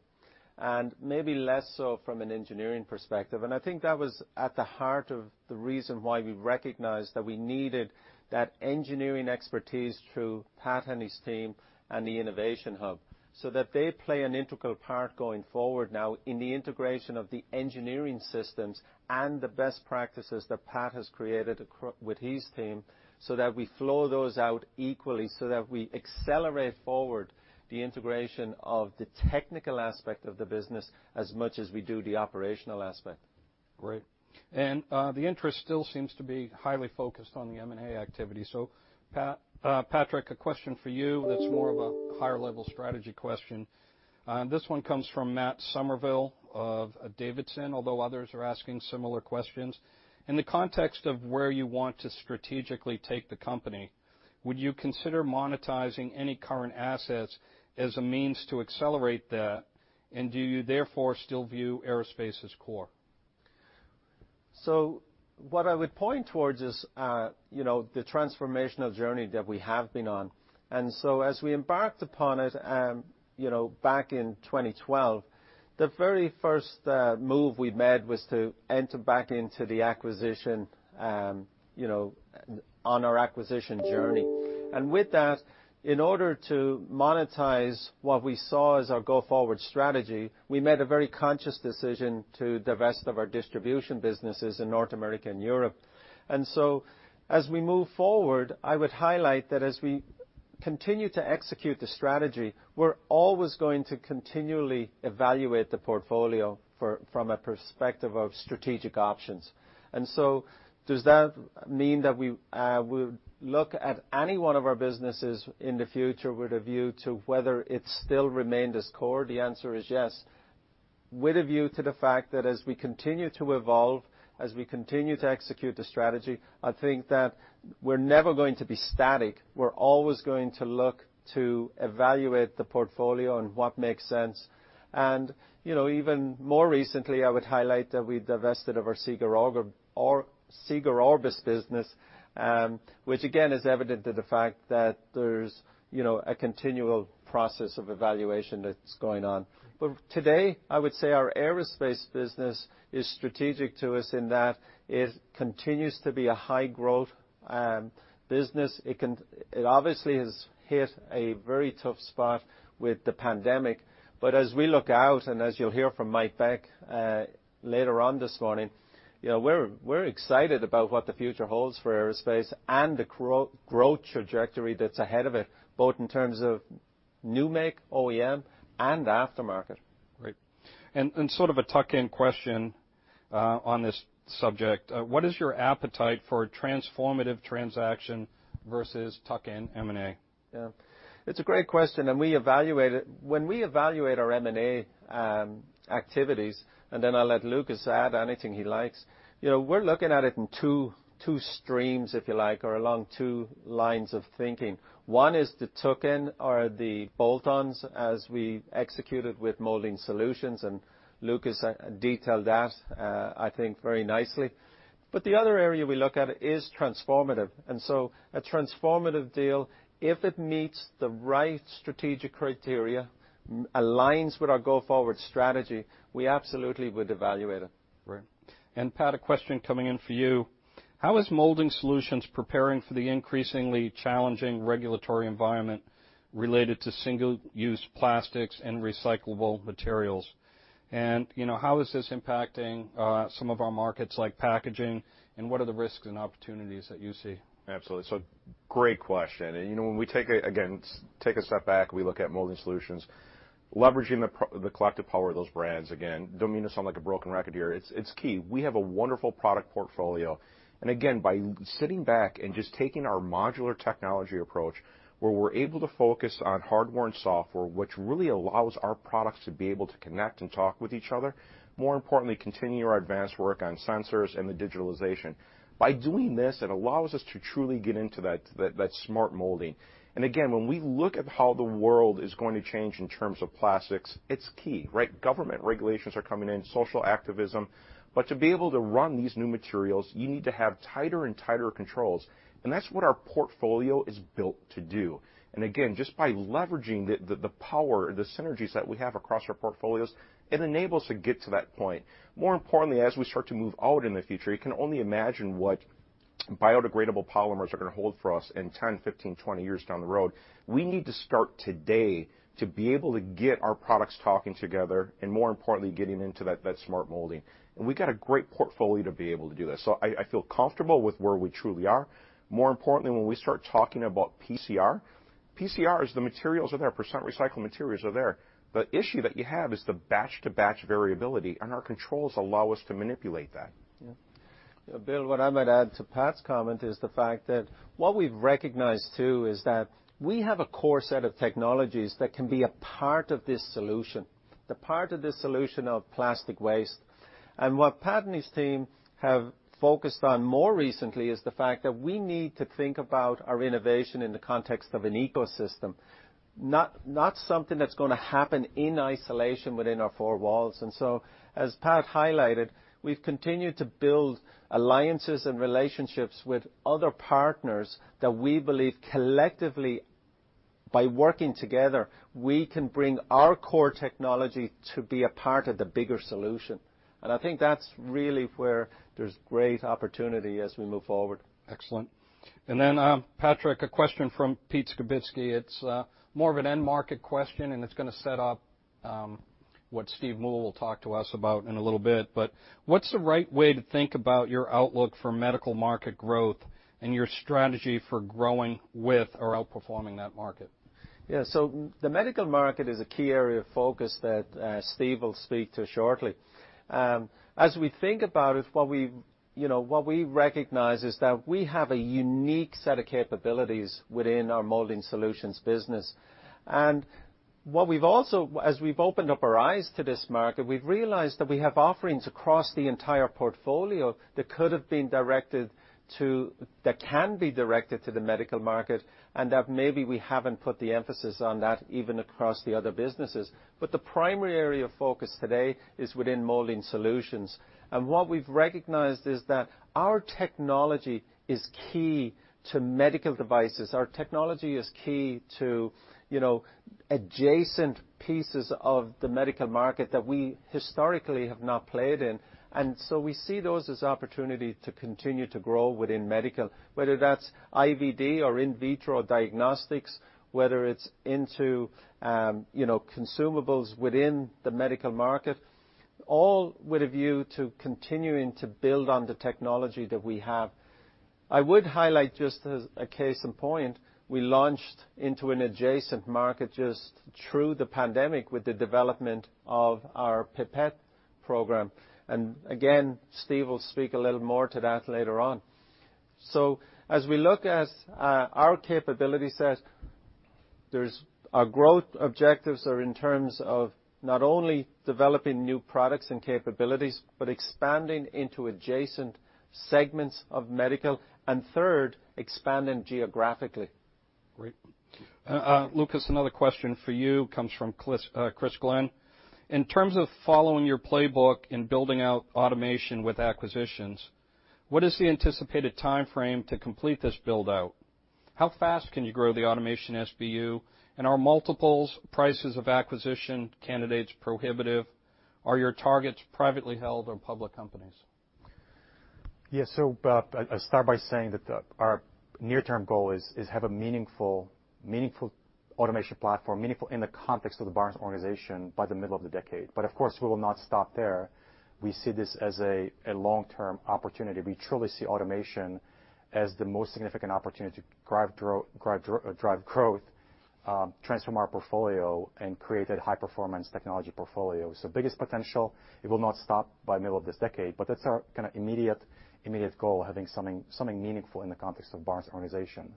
and maybe less so from an engineering perspective. I think that was at the heart of the reason why we recognized that we needed that engineering expertise through Pat and his team and the innovation hub, so that they play an integral part going forward now in the integration of the engineering systems and the best practices that Pat has created with his team, so that we flow those out equally, so that we accelerate forward the integration of the technical aspect of the business as much as we do the operational aspect. Great. The interest still seems to be highly focused on the M&A activity. Patrick, a question for you that's more of a higher level strategy question. This one comes from Matt Summerville of D.A. Davidson, although others are asking similar questions. In the context of where you want to strategically take the company, would you consider monetizing any current assets as a means to accelerate that? And do you therefore still view aerospace as core? What I would point towards is, you know, the transformational journey that we have been on. As we embarked upon it, you know, back in 2012, the very first move we made was to enter back into the acquisition, you know, on our acquisition journey. With that, in order to monetize what we saw as our go-forward strategy, we made a very conscious decision to divest of our distribution businesses in North America and Europe. As we move forward, I would highlight that as we continue to execute the strategy, we're always going to continually evaluate the portfolio from a perspective of strategic options. Does that mean that we look at any one of our businesses in the future with a view to whether it still remained as core? The answer is yes. With a view to the fact that as we continue to evolve, as we continue to execute the strategy, I think that we're never going to be static. We're always going to look to evaluate the portfolio and what makes sense. You know, even more recently, I would highlight that we divested of our Seeger-Orbis business, which again is evident to the fact that there's, you know, a continual process of evaluation that's going on. Today, I would say our aerospace business is strategic to us in that it continues to be a high growth business. It obviously has hit a very tough spot with the pandemic. As we look out, and as you'll hear from Mike Beck later on this morning, you know, we're excited about what the future holds for aerospace and the growth trajectory that's ahead of it, both in terms of new make OEM and aftermarket. Great. Sort of a tuck-in question on this subject. What is your appetite for transformative transaction versus tuck-in M&A? Yeah. It's a great question, and we evaluate it. When we evaluate our M&A activities, and then I'll let Lukas add anything he likes, you know, we're looking at it in two streams, if you like, or along two lines of thinking. One is the tuck-in or the bolt-ons as we executed with Molding Solutions, and Lukas detailed that, I think very nicely. The other area we look at is transformative. A transformative deal, if it meets the right strategic criteria, aligns with our go-forward strategy, we absolutely would evaluate it. Great. Pat, a question coming in for you. How is Molding Solutions preparing for the increasingly challenging regulatory environment related to single-use plastics and recyclable materials? You know, how is this impacting some of our markets like packaging, and what are the risks and opportunities that you see? Absolutely. Great question. You know, when we take a step back, we look at Molding Solutions, leveraging the collective power of those brands. Again, don't mean to sound like a broken record here, it's key. We have a wonderful product portfolio. Again, by sitting back and just taking our modular technology approach where we're able to focus on hardware and software, which really allows our products to be able to connect and talk with each other, more importantly, continue our advanced work on sensors and the digitalization. By doing this, it allows us to truly get into that smart molding. Again, when we look at how the world is going to change in terms of plastics, it's key, right? Government regulations are coming in, social activism. To be able to run these new materials, you need to have tighter and tighter controls, and that's what our portfolio is built to do. Again, just by leveraging the power, the synergies that we have across our portfolios, it enables to get to that point. More importantly, as we start to move out in the future, you can only imagine what biodegradable polymers are gonna hold for us in 10, 15, 20 years down the road. We need to start today to be able to get our products talking together and more importantly, getting into that smart molding. We got a great portfolio to be able to do that. I feel comfortable with where we truly are. More importantly, when we start talking about PCR is the materials are there, percent recycled materials are there. The issue that you have is the batch to batch variability, and our controls allow us to manipulate that. Yeah. Bill, what I might add to Pat's comment is the fact that what we've recognized too is that we have a core set of technologies that can be a part of this solution. The part of the solution to plastic waste, and what Pat and his team have focused on more recently, is the fact that we need to think about our innovation in the context of an ecosystem, not something that's gonna happen in isolation within our four walls. As Pat highlighted, we've continued to build alliances and relationships with other partners that we believe collectively by working together, we can bring our core technology to be a part of the bigger solution. I think that's really where there's great opportunity as we move forward. Excellent. Then, Patrick, a question from Pete Skibitski. It's more of an end market question, and it's gonna set up what Steve Moule will talk to us about in a little bit. What's the right way to think about your outlook for medical market growth and your strategy for growing with or outperforming that market? Yeah. The medical market is a key area of focus that Steve will speak to shortly. As we think about it, what we recognize is that we have a unique set of capabilities within our Molding Solutions business. As we've opened up our eyes to this market, we've realized that we have offerings across the entire portfolio that can be directed to the medical market, and that maybe we haven't put the emphasis on that even across the other businesses. The primary area of focus today is within Molding Solutions. What we've recognized is that our technology is key to medical devices. Our technology is key to, you know, adjacent pieces of the medical market that we historically have not played in. We see those as opportunities to continue to grow within medical, whether that's IVD or in vitro diagnostics, whether it's into, you know, consumables within the medical market, all with a view to continuing to build on the technology that we have. I would highlight just as a case in point, we launched into an adjacent market just through the pandemic with the development of our pipette program. Again, Steve will speak a little more to that later on. As we look at our capability set, our growth objectives are in terms of not only developing new products and capabilities, but expanding into adjacent segments of medical, and third, expanding geographically. Great. Lukas, another question for you comes from Chris Glynn. In terms of following your playbook in building out automation with acquisitions, what is the anticipated timeframe to complete this build-out? How fast can you grow the automation SBU? And are multiples prices of acquisition candidates prohibitive? Are your targets privately held or public companies? Yeah. I'll start by saying that our near-term goal is to have a meaningful automation platform, meaningful in the context of the Barnes organization by the middle of the decade. Of course, we will not stop there. We see this as a long-term opportunity. We truly see automation as the most significant opportunity to drive growth, transform our portfolio, and create a high-performance technology portfolio. Biggest potential, it will not stop by middle of this decade, but that's our immediate goal, having something meaningful in the context of Barnes organization.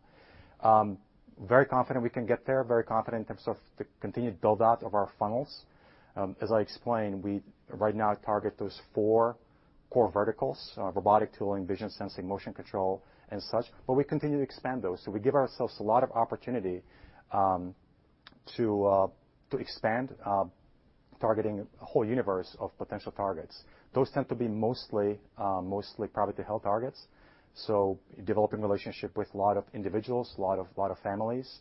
Very confident we can get there, very confident in terms of the continued build-out of our funnels. As I explained, we right now target those four core verticals, robotic tooling, vision sensing, motion control, and such, but we continue to expand those. We give ourselves a lot of opportunity to expand, targeting a whole universe of potential targets. Those tend to be mostly private held targets, so developing relationship with a lot of individuals, a lot of families.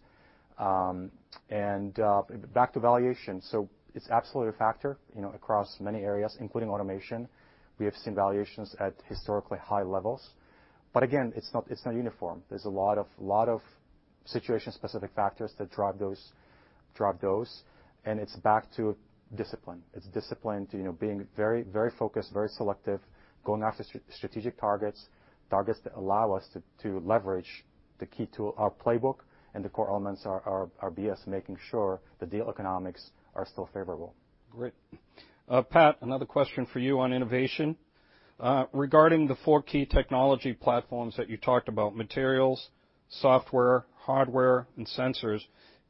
Back to valuation. It's absolutely a factor, you know, across many areas, including automation. We have seen valuations at historically high levels. But again, it's not uniform. There's a lot of situation-specific factors that drive those, and it's back to discipline. It's discipline to, you know, being very focused, very selective, going after strategic targets that allow us to leverage the key tool, our playbook, and the core elements are BES, making sure the deal economics are still favorable. Great. Pat, another question for you on innovation. Regarding the four key technology platforms that you talked about, materials, software, hardware, and sensors,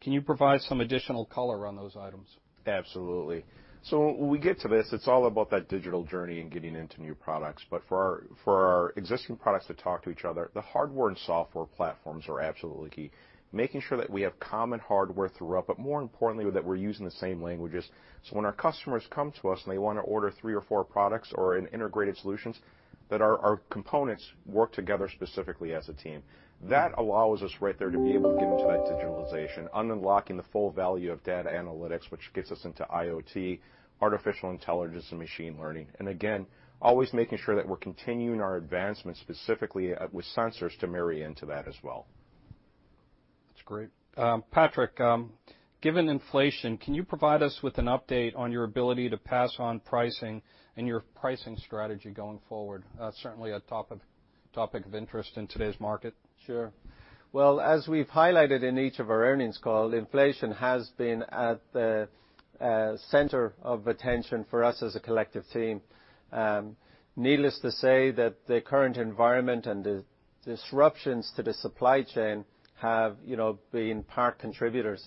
can you provide some additional color on those items? Absolutely. When we get to this, it's all about that digital journey and getting into new products. For our existing products to talk to each other, the hardware and software platforms are absolutely key, making sure that we have common hardware throughout, but more importantly, that we're using the same languages. When our customers come to us, and they wanna order three or four products or an integrated solutions, that our components work together specifically as a team. That allows us right there to be able to get into that digitalization, unlocking the full value of data analytics, which gets us into IoT, artificial intelligence, and machine learning. Again, always making sure that we're continuing our advancement specifically with sensors to marry into that as well. That's great. Patrick, given inflation, can you provide us with an update on your ability to pass on pricing and your pricing strategy going forward? Certainly a hot topic of interest in today's market. Sure. Well, as we've highlighted in each of our earnings calls, inflation has been at the center of attention for us as a collective team. Needless to say that the current environment and the disruptions to the supply chain have, you know, been part contributors.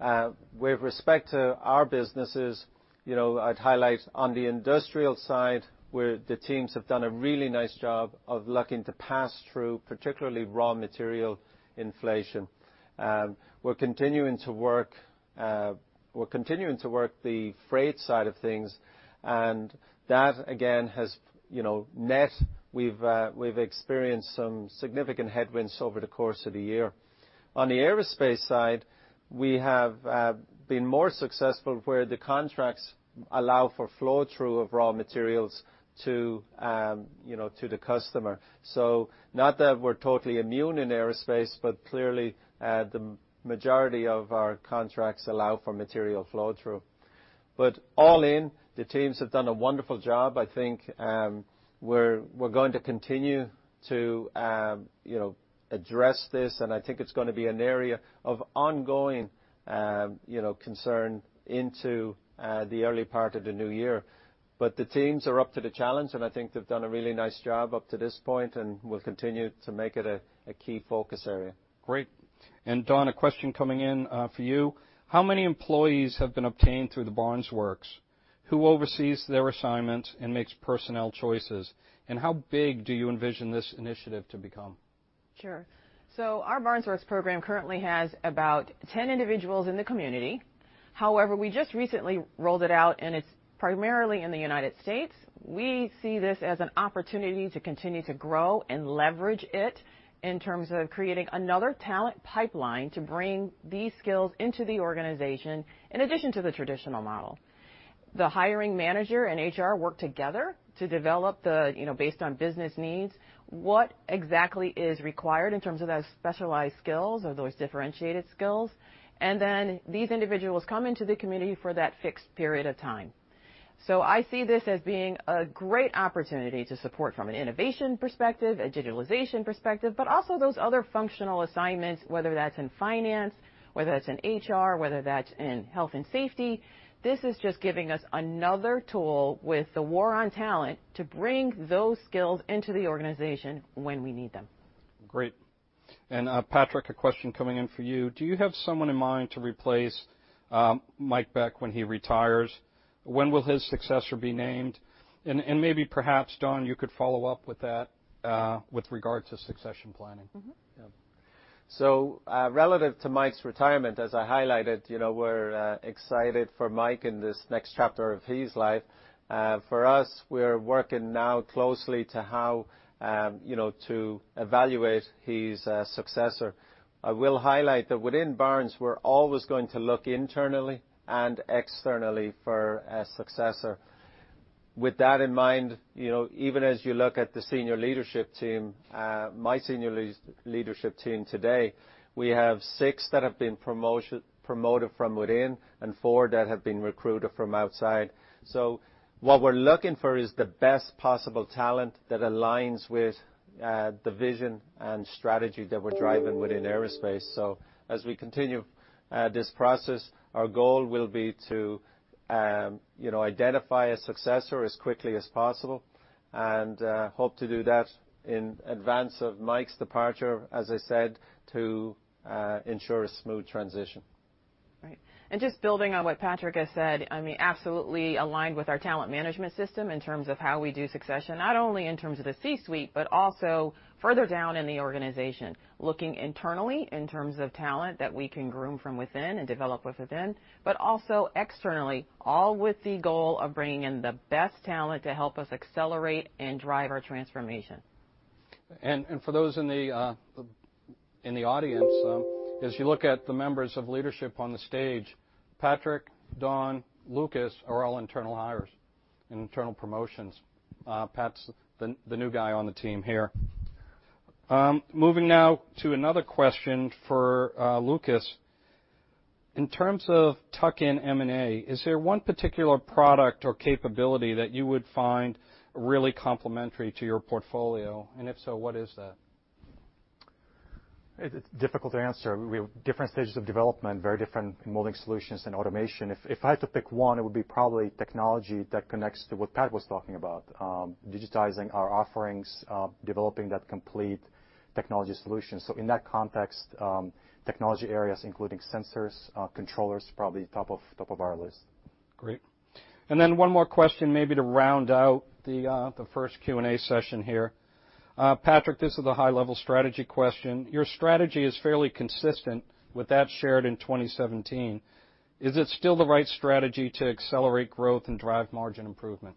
With respect to our businesses, you know, I'd highlight on the Industrial side, where the teams have done a really nice job of looking to pass through particularly raw material inflation. We're continuing to work the freight side of things, and that again has, you know, net we've experienced some significant headwinds over the course of the year. On the Aerospace side, we have been more successful where the contracts allow for flow-through of raw materials to, you know, to the customer. Not that we're totally immune in aerospace, but clearly, the majority of our contracts allow for material flow-through. All in, the teams have done a wonderful job. I think, we're going to continue to, you know, address this, and I think it's gonna be an area of ongoing, you know, concern into, the early part of the new year. The teams are up to the challenge, and I think they've done a really nice job up to this point, and we'll continue to make it a key focus area. Great. Dawn, a question coming in, for you. How many employees have been obtained through the Barnes Works? Who oversees their assignments and makes personnel choices? How big do you envision this initiative to become? Sure. Our Barnes Works program currently has about 10 individuals in the community. However, we just recently rolled it out, and it's primarily in the United States. We see this as an opportunity to continue to grow and leverage it in terms of creating another talent pipeline to bring these skills into the organization in addition to the traditional model. The hiring manager and HR work together to develop the, you know, based on business needs, what exactly is required in terms of those specialized skills or those differentiated skills. Then these individuals come into the community for that fixed period of time. I see this as being a great opportunity to support from an innovation perspective, a digitalization perspective, but also those other functional assignments, whether that's in finance, whether that's in HR, whether that's in health and safety. This is just giving us another tool with the war on talent to bring those skills into the organization when we need them. Great. Patrick, a question coming in for you. Do you have someone in mind to replace Mike Beck when he retires? When will his successor be named? Maybe perhaps Dawn, you could follow up with that with regard to succession planning. Mm-hmm. Relative to Mike's retirement, as I highlighted, you know, we're excited for Mike in this next chapter of his life. For us, we're working now closely on how, you know, to evaluate his successor. I will highlight that within Barnes, we're always going to look internally and externally for a successor. With that in mind, you know, even as you look at the senior leadership team, my senior leadership team today, we have six that have been promoted from within and four that have been recruited from outside. What we're looking for is the best possible talent that aligns with the vision and strategy that we're driving within aerospace. As we continue this process, our goal will be to, you know, identify a successor as quickly as possible and hope to do that in advance of Mike's departure, as I said, to ensure a smooth transition. Right. Just building on what Patrick has said, I mean, absolutely aligned with our talent management system in terms of how we do succession, not only in terms of the C-suite, but also further down in the organization, looking internally in terms of talent that we can groom from within and develop within, but also externally, all with the goal of bringing in the best talent to help us accelerate and drive our transformation. For those in the audience, as you look at the members of leadership on the stage, Patrick, Dawn, Lukas are all internal hires and internal promotions. Pat's the new guy on the team here. Moving now to another question for Lukas. In terms of tuck-in M&A, is there one particular product or capability that you would find really complementary to your portfolio? If so, what is that? It's difficult to answer. We have different stages of development, very different molding solutions and automation. If I had to pick one, it would be probably technology that connects to what Pat was talking about, digitizing our offerings, developing that complete technology solution. In that context, technology areas, including sensors, controllers, probably top of our list. Great. One more question maybe to round out the first Q&A session here. Patrick, this is a high-level strategy question. Your strategy is fairly consistent with that shared in 2017. Is it still the right strategy to accelerate growth and drive margin improvement?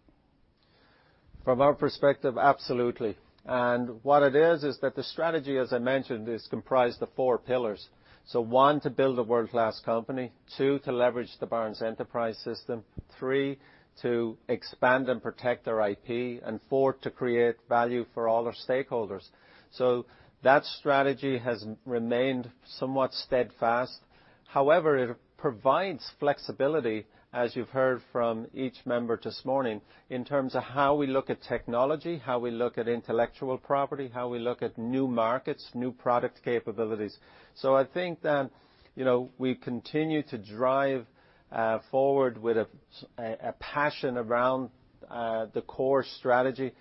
From our perspective, absolutely. What it is that the strategy, as I mentioned, is comprised of four pillars. One, to build a world-class company, two, to leverage the Barnes Enterprise System, three, to expand and protect our IP, and four, to create value for all our stakeholders. That strategy has remained somewhat steadfast. However, it provides flexibility, as you've heard from each member this morning, in terms of how we look at technology, how we look at intellectual property, how we look at new markets, new product capabilities. I think that, you know, we continue to drive forward with a passion around the core strategy.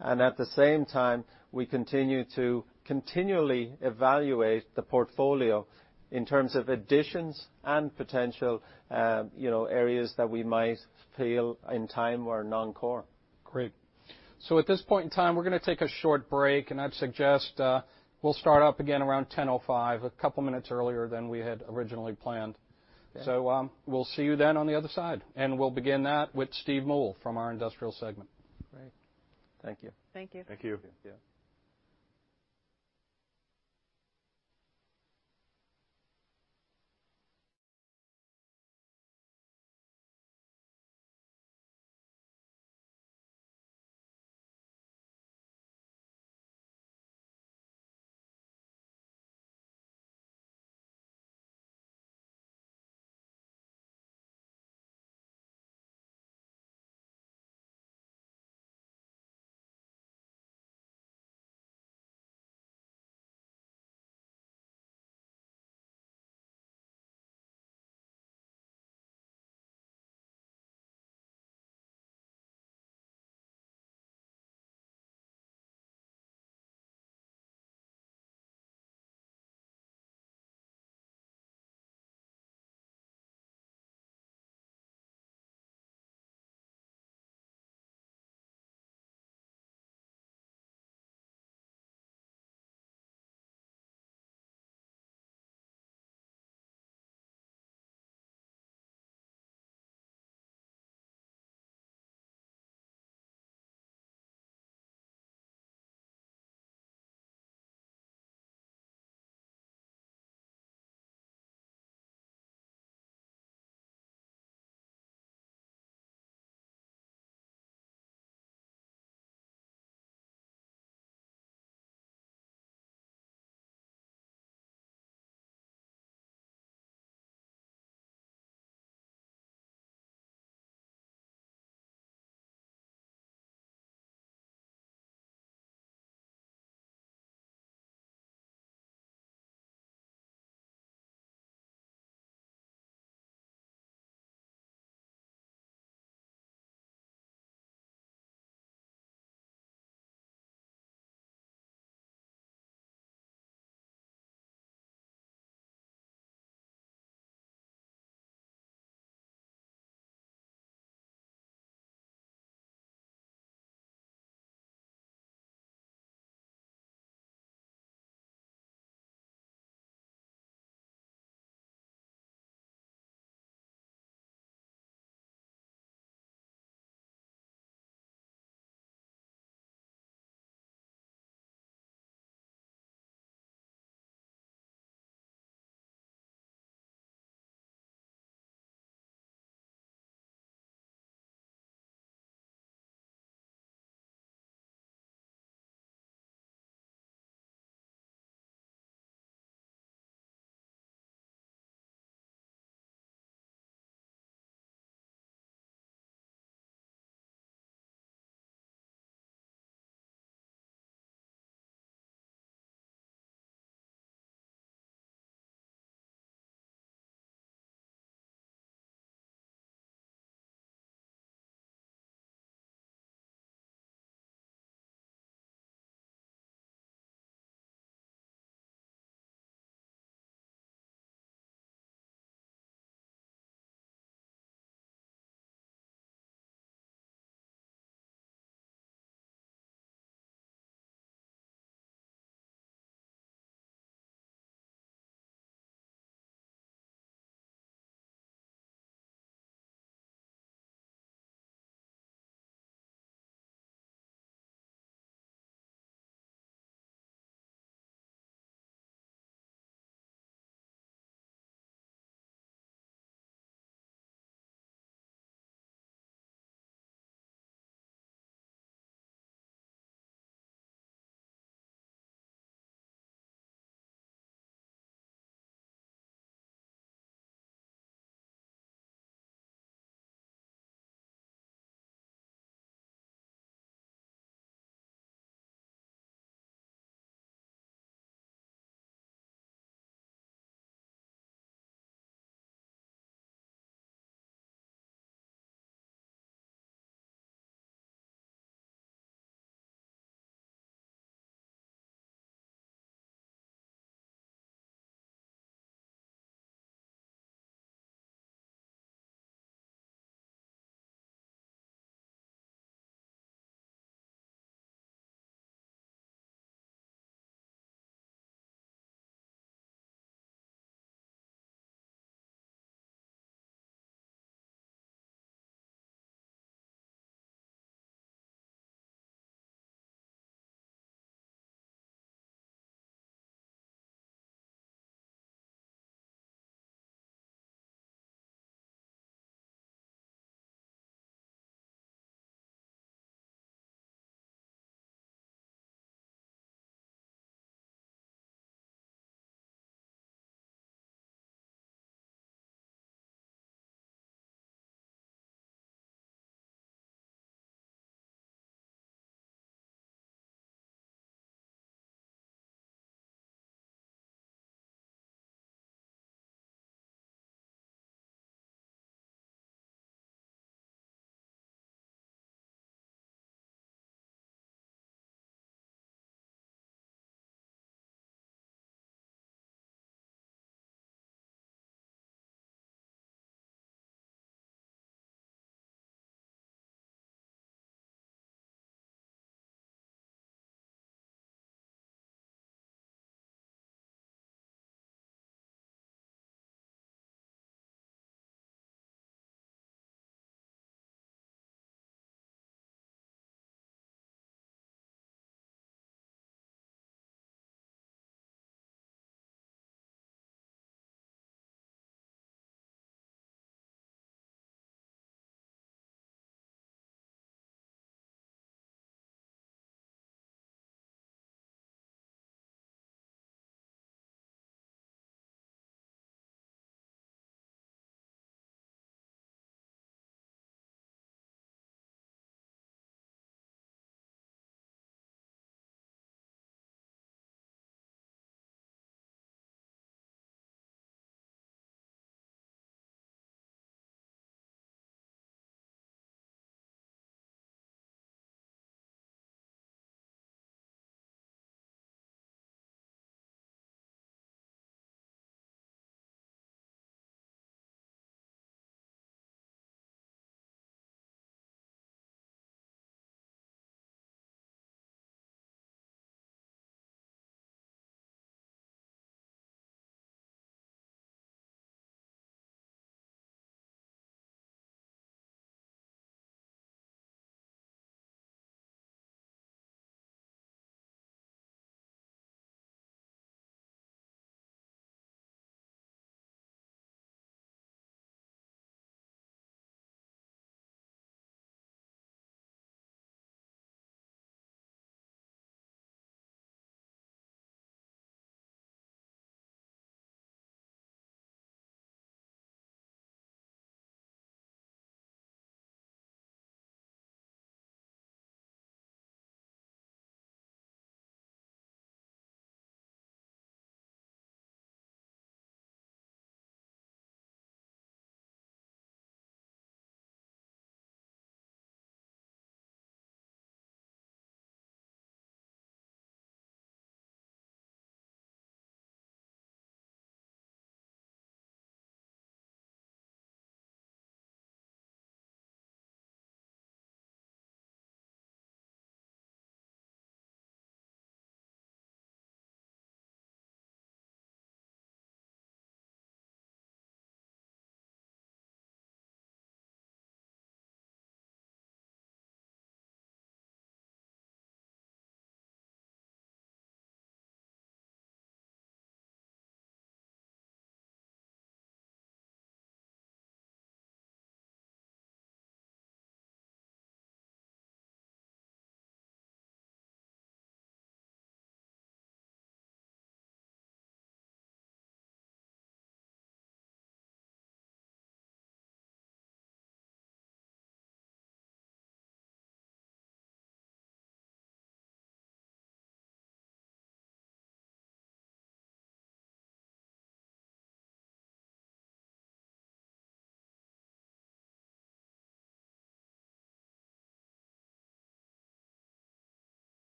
And at the same time, we continue to continually evaluate the portfolio in terms of additions and potential, you know, areas that we might feel in time are non-core. Great. At this point in time, we're gonna take a short break, and I'd suggest we'll start up again around 10:05 A.M., a couple minutes earlier than we had originally planned. Yeah. We'll see you then on the other side, and we'll begin that with Steve Moule from our industrial segment. Great. Thank you. Thank you. Thank you.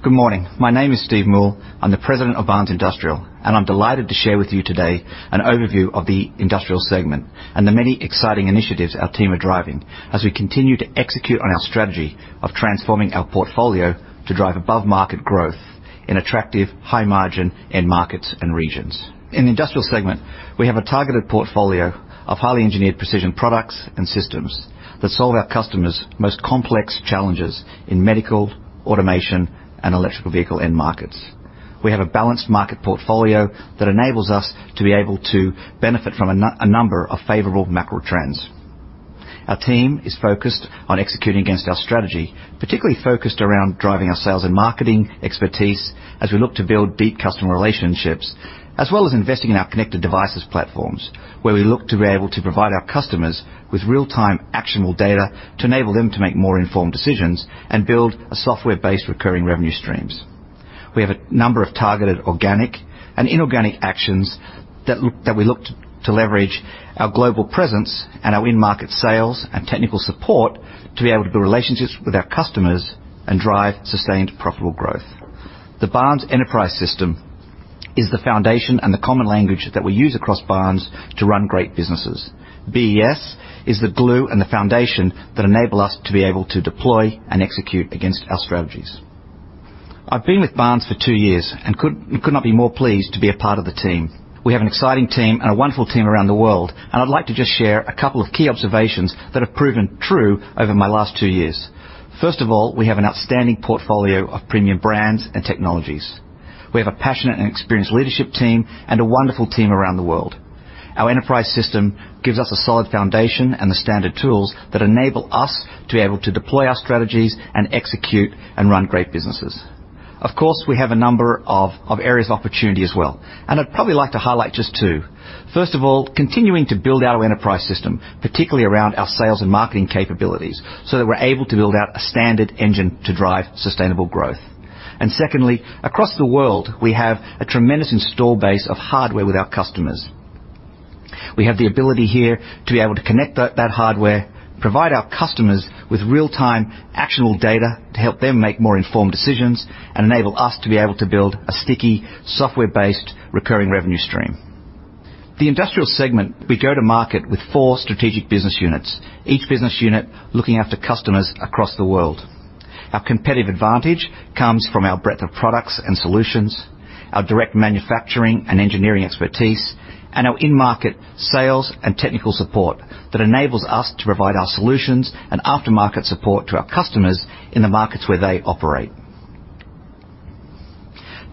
Yeah. Good morning. My name is Steve Moule. I'm the president of Barnes Industrial, and I'm delighted to share with you today an overview of the industrial segment and the many exciting initiatives our team are driving as we continue to execute on our strategy of transforming our portfolio to drive above-market growth in attractive, high-margin end markets and regions. In the industrial segment, we have a targeted portfolio of highly engineered precision products and systems that solve our customers' most complex challenges in medical, automation, and electric vehicle end markets. We have a balanced market portfolio that enables us to be able to benefit from a number of favorable macro trends. Our team is focused on executing against our strategy, particularly focused around driving our sales and marketing expertise as we look to build deep customer relationships, as well as investing in our connected devices platforms, where we look to be able to provide our customers with real-time actionable data to enable them to make more informed decisions and build a software-based recurring revenue streams. We have a number of targeted organic and inorganic actions that we look to leverage our global presence and our in-market sales and technical support to be able to build relationships with our customers and drive sustained profitable growth. The Barnes Enterprise System is the foundation and the common language that we use across Barnes to run great businesses. BES is the glue and the foundation that enable us to be able to deploy and execute against our strategies. I've been with Barnes for two years and could not be more pleased to be a part of the team. We have an exciting team and a wonderful team around the world, and I'd like to just share a couple of key observations that have proven true over my last two years. First of all, we have an outstanding portfolio of premium brands and technologies. We have a passionate and experienced leadership team and a wonderful team around the world. Our enterprise system gives us a solid foundation and the standard tools that enable us to be able to deploy our strategies and execute and run great businesses. Of course, we have a number of areas of opportunity as well, and I'd probably like to highlight just two. First of all, continuing to build our enterprise system, particularly around our sales and marketing capabilities, so that we're able to build out a standard engine to drive sustainable growth. Secondly, across the world, we have a tremendous install base of hardware with our customers. We have the ability here to be able to connect that hardware, provide our customers with real-time actionable data to help them make more informed decisions and enable us to be able to build a sticky software-based recurring revenue stream. The Industrial segment, we go to market with four strategic business units, each business unit looking after customers across the world. Our competitive advantage comes from our breadth of products and solutions, our direct manufacturing and engineering expertise, and our in-market sales and technical support that enables us to provide our solutions and aftermarket support to our customers in the markets where they operate.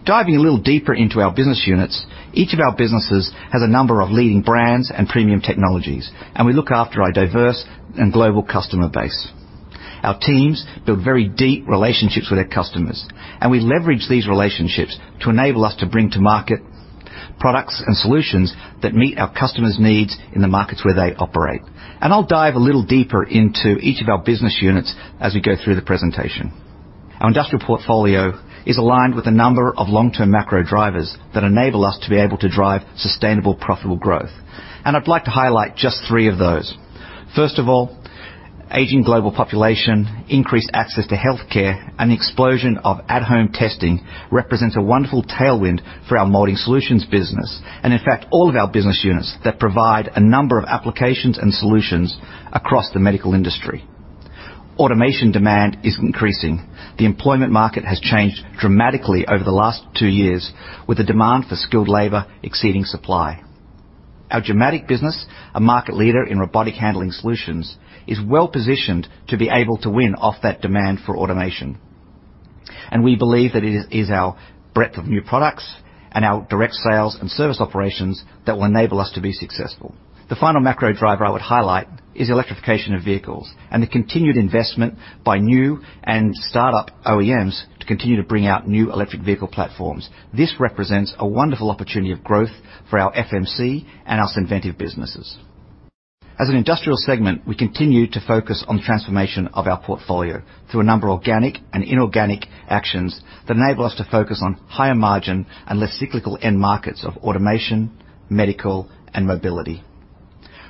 Diving a little deeper into our business units, each of our businesses has a number of leading brands and premium technologies, and we look after our diverse and global customer base. Our teams build very deep relationships with our customers, and we leverage these relationships to enable us to bring to market products and solutions that meet our customers' needs in the markets where they operate. I'll dive a little deeper into each of our business units as we go through the presentation. Our industrial portfolio is aligned with a number of long-term macro drivers that enable us to be able to drive sustainable, profitable growth. I'd like to highlight just three of those. First of all, aging global population, increased access to healthcare, and the explosion of at-home testing represents a wonderful tailwind for our Molding Solutions business, and in fact, all of our business units that provide a number of applications and solutions across the medical industry. Automation demand is increasing. The employment market has changed dramatically over the last two years, with the demand for skilled labor exceeding supply. Our automation business, a market leader in robotic handling solutions, is well-positioned to be able to win from that demand for automation. We believe that it is our breadth of new products and our direct sales and service operations that will enable us to be successful. The final macro driver I would highlight is the electrification of vehicles and the continued investment by new and startup OEMs to continue to bring out new electric vehicle platforms. This represents a wonderful opportunity of growth for our FMC and our Synventive businesses. As an industrial segment, we continue to focus on the transformation of our portfolio through a number of organic and inorganic actions that enable us to focus on higher margin and less cyclical end markets of automation, medical, and mobility.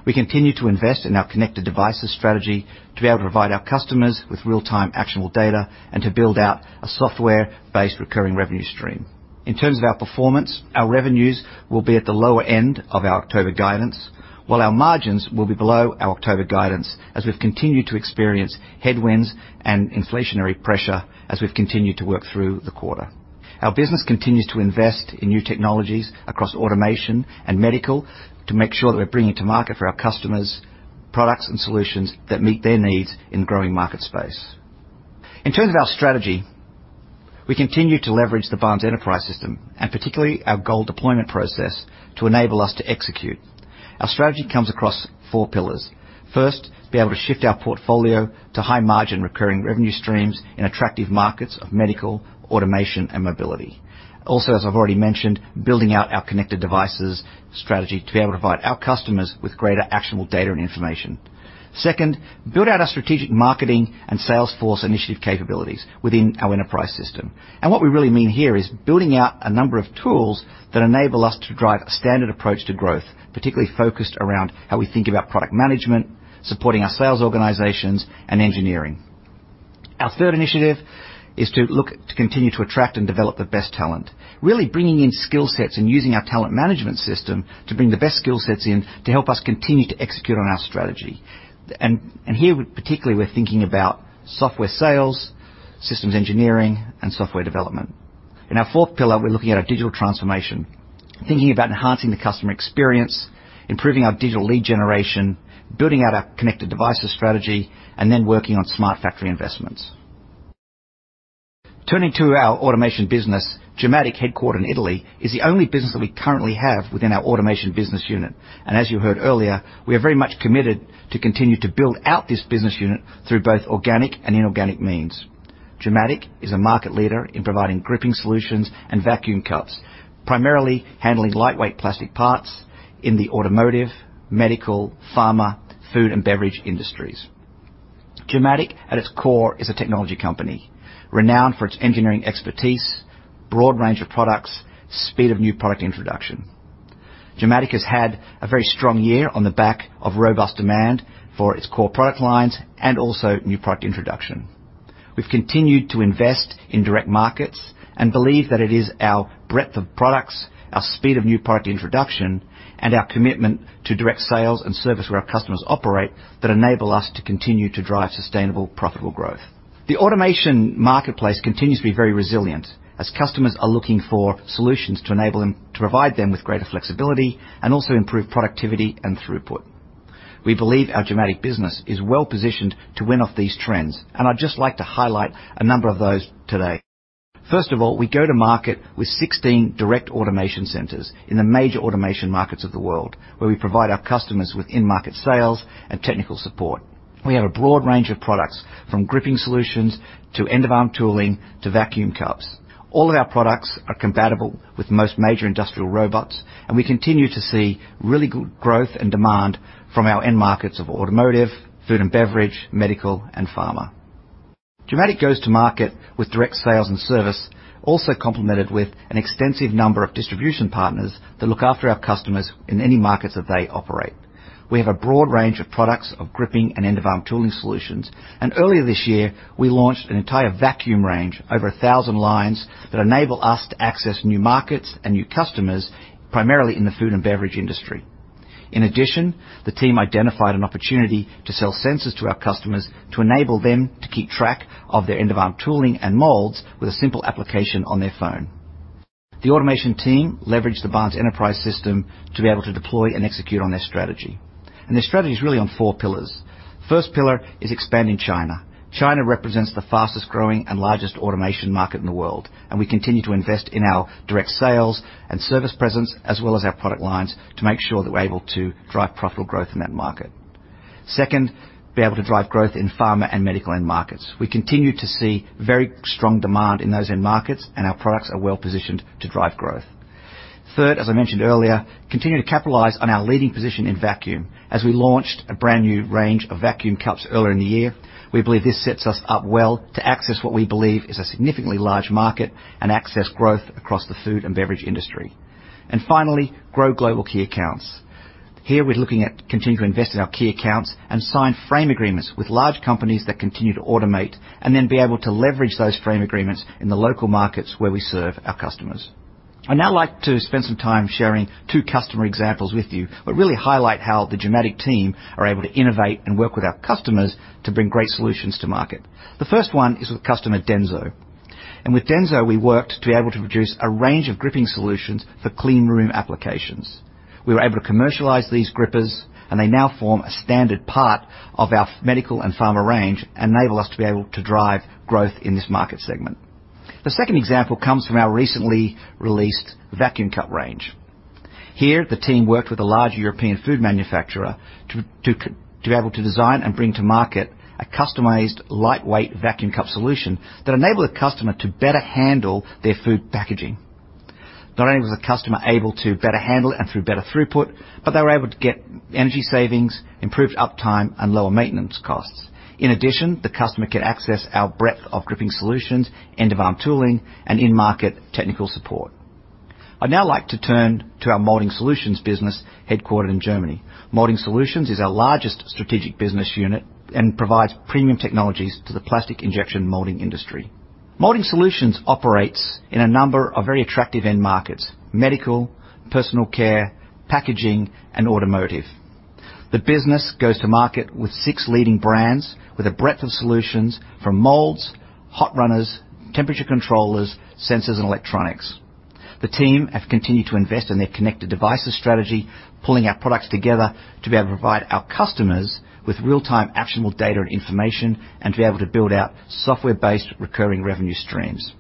We continue to invest in our connected devices strategy to be able to provide our customers with real-time actionable data and to build out a software-based recurring revenue stream. In terms of our performance, our revenues will be at the lower end of our October guidance, while our margins will be below our October guidance as we've continued to experience headwinds and inflationary pressure as we've continued to work through the quarter. Our business continues to invest in new technologies across automation and medical to make sure that we're bringing to market for our customers products and solutions that meet their needs in growing market space. In terms of our strategy, we continue to leverage the Barnes Enterprise System, and particularly our goal deployment process to enable us to execute. Our strategy comes across four pillars. First, be able to shift our portfolio to high margin recurring revenue streams in attractive markets of medical, automation, and mobility. Also, as I've already mentioned, building out our connected devices strategy to be able to provide our customers with greater actionable data and information. Second, build out our strategic marketing and sales force initiative capabilities within our enterprise system. What we really mean here is building out a number of tools that enable us to drive a standard approach to growth, particularly focused around how we think about product management, supporting our sales organizations and engineering. Our third initiative is to look to continue to attract and develop the best talent, really bringing in skill sets and using our talent management system to bring the best skill sets in to help us continue to execute on our strategy. Here, we're particularly thinking about software sales, systems engineering, and software development. In our fourth pillar, we're looking at our digital transformation, thinking about enhancing the customer experience, improving our digital lead generation, building out our connected devices strategy, and then working on smart factory investments. Turning to our automation business, Gimatic, headquartered in Italy, is the only business that we currently have within our automation business unit. As you heard earlier, we are very much committed to continue to build out this business unit through both organic and inorganic means. Gimatic is a market leader in providing gripping solutions and vacuum cups, primarily handling lightweight plastic parts in the automotive, medical, pharma, food, and beverage industries. Gimatic, at its core, is a technology company renowned for its engineering expertise, broad range of products, speed of new product introduction. Gimatic has had a very strong year on the back of robust demand for its core product lines and also new product introduction. We've continued to invest in direct markets and believe that it is our breadth of products, our speed of new product introduction, and our commitment to direct sales and service where our customers operate that enable us to continue to drive sustainable, profitable growth. The automation marketplace continues to be very resilient as customers are looking for solutions to provide them with greater flexibility and also improve productivity and throughput. We believe our Gimatic business is well-positioned to win off these trends, and I'd just like to highlight a number of those today. First of all, we go to market with 16 direct automation centers in the major automation markets of the world, where we provide our customers with in-market sales and technical support. We have a broad range of products, from gripping solutions to end-of-arm tooling to vacuum cups. All of our products are compatible with most major industrial robots, and we continue to see really good growth and demand from our end markets of automotive, food and beverage, medical, and pharma. Gimatic goes to market with direct sales and service, also complemented with an extensive number of distribution partners that look after our customers in any markets that they operate. We have a broad range of products of gripping and end-of-arm tooling solutions. Earlier this year, we launched an entire vacuum range, over 1,000 lines that enable us to access new markets and new customers, primarily in the food and beverage industry. In addition, the team identified an opportunity to sell sensors to our customers to enable them to keep track of their end-of-arm tooling and molds with a simple application on their phone. The automation team leveraged the Barnes Enterprise System to be able to deploy and execute on their strategy. Their strategy is really on four pillars. First pillar is expand in China. China represents the fastest growing and largest automation market in the world, and we continue to invest in our direct sales and service presence as well as our product lines to make sure that we're able to drive profitable growth in that market. Second, be able to drive growth in pharma and medical end markets. We continue to see very strong demand in those end markets, and our products are well-positioned to drive growth. Third, as I mentioned earlier, continue to capitalize on our leading position in vacuum as we launched a brand-new range of vacuum cups earlier in the year. We believe this sets us up well to access what we believe is a significantly large market and access growth across the food and beverage industry. Finally, grow global key accounts. Here, we're looking at continuing to invest in our key accounts and sign frame agreements with large companies that continue to automate and then be able to leverage those frame agreements in the local markets where we serve our customers. I'd now like to spend some time sharing two customer examples with you that really highlight how the Gimatic team are able to innovate and work with our customers to bring great solutions to market. The first one is with customer Denso. With Denso, we worked to be able to produce a range of gripping solutions for cleanroom applications. We were able to commercialize these grippers, and they now form a standard part of our medical and pharma range, enable us to be able to drive growth in this market segment. The second example comes from our recently released vacuum cup range. Here, the team worked with a large European food manufacturer to be able to design and bring to market a customized lightweight vacuum cup solution that enabled the customer to better handle their food packaging. Not only was the customer able to better handle and through better throughput, but they were able to get energy savings, improved uptime, and lower maintenance costs. In addition, the customer can access our breadth of gripping solutions, end-of-arm tooling, and in-market technical support. I'd now like to turn to our Molding Solutions business headquartered in Germany. Molding Solutions is our largest strategic business unit and provides premium technologies to the plastic injection molding industry. Molding Solutions operates in a number of very attractive end markets: medical, personal care, packaging, and automotive. The business goes to market with six leading brands with a breadth of solutions from molds, hot runners, temperature controllers, sensors, and electronics. The team have continued to invest in their connected devices strategy, pulling our products together to be able to provide our customers with real-time actionable data and information and to be able to build out software-based recurring revenue streams.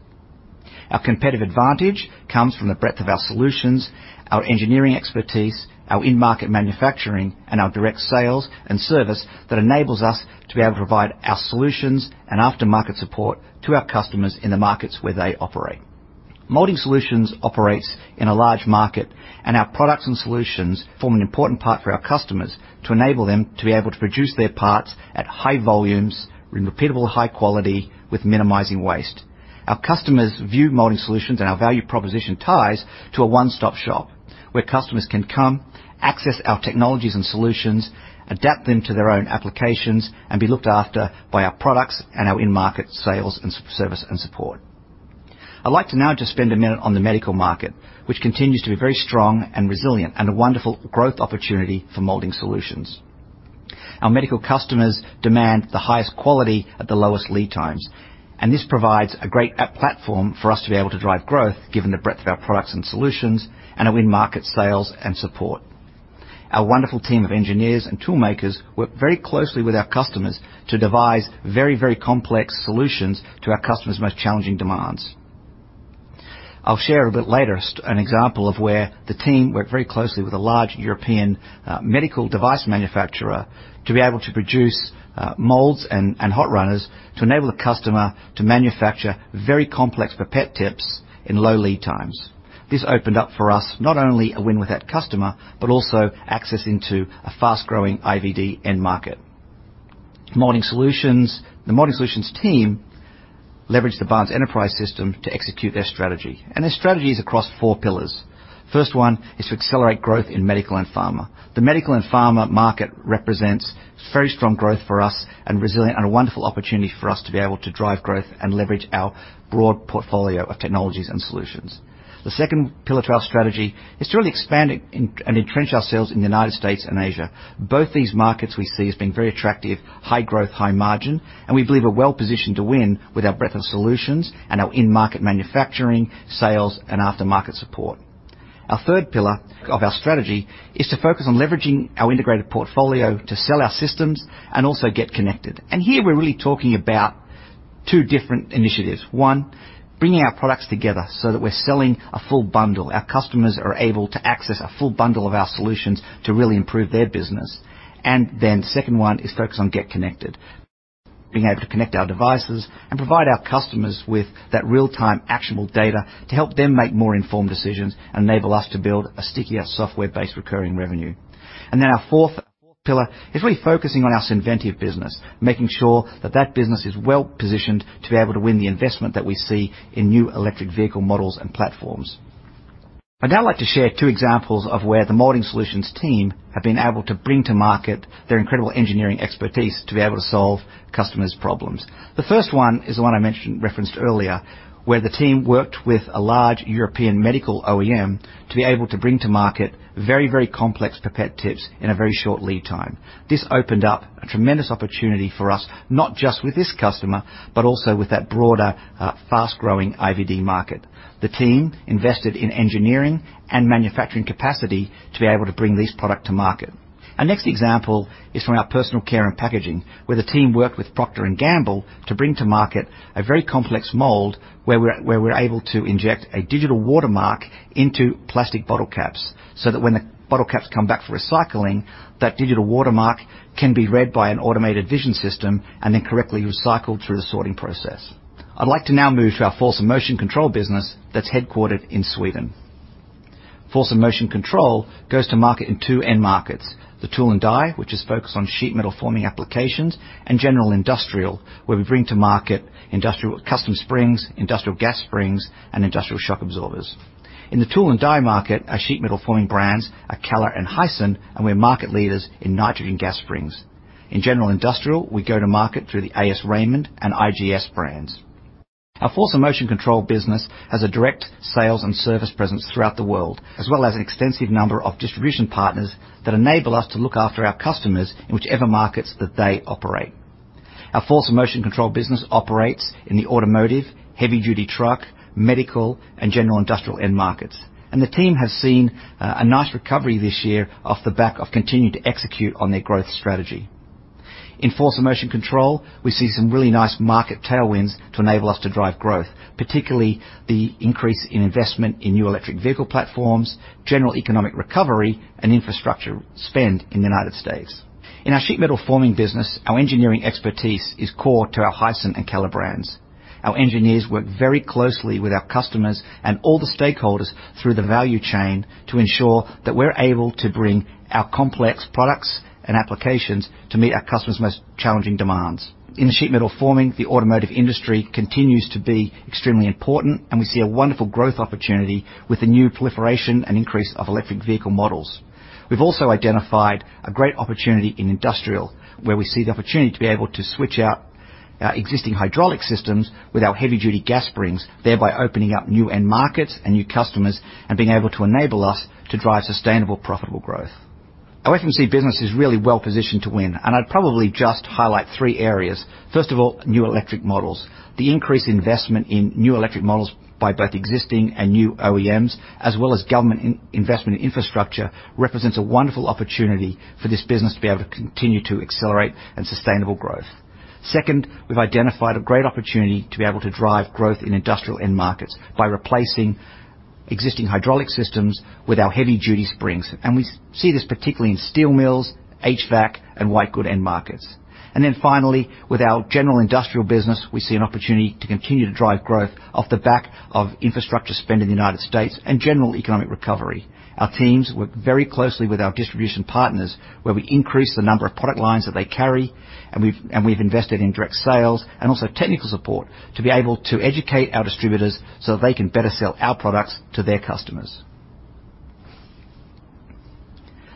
Our competitive advantage comes from the breadth of our solutions, our engineering expertise, our in-market manufacturing, and our direct sales and service that enables us to be able to provide our solutions and aftermarket support to our customers in the markets where they operate. Molding Solutions operates in a large market, and our products and solutions form an important part for our customers to enable them to be able to produce their parts at high volumes, in repeatable high quality with minimizing waste. Our customers view Molding Solutions and our value proposition ties to a one-stop-shop, where customers can come, access our technologies and solutions, adapt them to their own applications, and be looked after by our products and our in-market sales and service and support. I'd like to now just spend a minute on the medical market, which continues to be very strong and resilient and a wonderful growth opportunity for Molding Solutions. Our medical customers demand the highest quality at the lowest lead times, and this provides a great platform for us to be able to drive growth given the breadth of our products and solutions and our in-market sales and support. Our wonderful team of engineers and toolmakers work very closely with our customers to devise very, very complex solutions to our customers' most challenging demands. I'll share a bit later an example of where the team worked very closely with a large European medical device manufacturer to be able to produce molds and hot runners to enable the customer to manufacture very complex pipette tips in low lead times. This opened up for us not only a win with that customer, but also access into a fast-growing IVD end market. Molding Solutions. The Molding Solutions team leveraged the Barnes Enterprise System to execute their strategy. Their strategy is across four pillars. First one is to accelerate growth in medical and pharma. The medical and pharma market represents very strong growth for us and resilient and a wonderful opportunity for us to be able to drive growth and leverage our broad portfolio of technologies and solutions. The second pillar to our strategy is to really expand it and entrench ourselves in the United States and Asia. Both these markets we see as being very attractive, high growth, high margin, and we believe are well-positioned to win with our breadth of solutions and our in-market manufacturing, sales, and aftermarket support. Our third pillar of our strategy is to focus on leveraging our integrated portfolio to sell our systems and also getting connected. Here, we're really talking about two different initiatives. One, bringing our products together so that we're selling a full bundle. Our customers are able to access a full bundle of our solutions to really improve their business. Second one is focused on getting connected. Being able to connect our devices and provide our customers with that real-time actionable data to help them make more informed decisions and enable us to build a stickier software-based recurring revenue. Our fourth pillar is really focusing on our Synventive business, making sure that that business is well-positioned to be able to win the investment that we see in new electric vehicle models and platforms. I'd now like to share two examples of where the Molding Solutions team have been able to bring to market their incredible engineering expertise to be able to solve customers' problems. The first one is the one I mentioned, referenced earlier, where the team worked with a large European medical OEM to be able to bring to market very, very complex pipette tips in a very short lead time. This opened up a tremendous opportunity for us, not just with this customer, but also with that broader, fast-growing IVD market. The team invested in engineering and manufacturing capacity to be able to bring this product to market. Our next example is from our personal care and packaging, where the team worked with Procter & Gamble to bring to market a very complex mold where we're able to inject a digital watermark into plastic bottle caps, so that when the bottle caps come back for recycling, that digital watermark can be read by an automated vision system and then correctly recycled through the sorting process. I'd like to now move to our Force & Motion Control business that's headquartered in Sweden. Force & Motion Control goes to market in two end markets, the tool and die, which is focused on sheet metal forming applications, and general industrial, where we bring to market industrial custom springs, industrial gas springs, and industrial shock absorbers. In the tool and die market, our sheet metal forming brands are KALLER and Hyson, and we're market leaders in nitrogen gas springs. In general industrial, we go to market through the ARaymond and IGS brands. Our Force & Motion Control business has a direct sales and service presence throughout the world, as well as an extensive number of distribution partners that enable us to look after our customers in whichever markets that they operate. Our Force & Motion Control business operates in the automotive, heavy-duty truck, medical, and general industrial end markets. The team has seen a nice recovery this year off the back of continuing to execute on their growth strategy. In Force & Motion Control, we see some really nice market tailwinds to enable us to drive growth, particularly the increase in investment in new electric vehicle platforms, general economic recovery, and infrastructure spend in the United States. In our sheet metal forming business, our engineering expertise is core to our Hyson and KALLER brands. Our engineers work very closely with our customers and all the stakeholders through the value chain to ensure that we're able to bring our complex products and applications to meet our customers' most challenging demands. In the sheet metal forming, the automotive industry continues to be extremely important, and we see a wonderful growth opportunity with the new proliferation and increase of electric vehicle models. We've also identified a great opportunity in industrial, where we see the opportunity to be able to switch out existing hydraulic systems with our heavy-duty gas springs, thereby opening up new end markets and new customers and being able to enable us to drive sustainable, profitable growth. Our FMC business is really well positioned to win, and I'd probably just highlight three areas. First of all, new electric models. The increased investment in new electric models by both existing and new OEMs, as well as government investment in infrastructure, represents a wonderful opportunity for this business to be able to continue to accelerate in sustainable growth. Second, we've identified a great opportunity to be able to drive growth in industrial end markets by replacing existing hydraulic systems with our heavy duty springs. We see this particularly in steel mills, HVAC, and white goods end markets. Then finally, with our general industrial business, we see an opportunity to continue to drive growth off the back of infrastructure spend in the United States and general economic recovery. Our teams work very closely with our distribution partners, where we increase the number of product lines that they carry, and we've invested in direct sales and also technical support to be able to educate our distributors so they can better sell our products to their customers.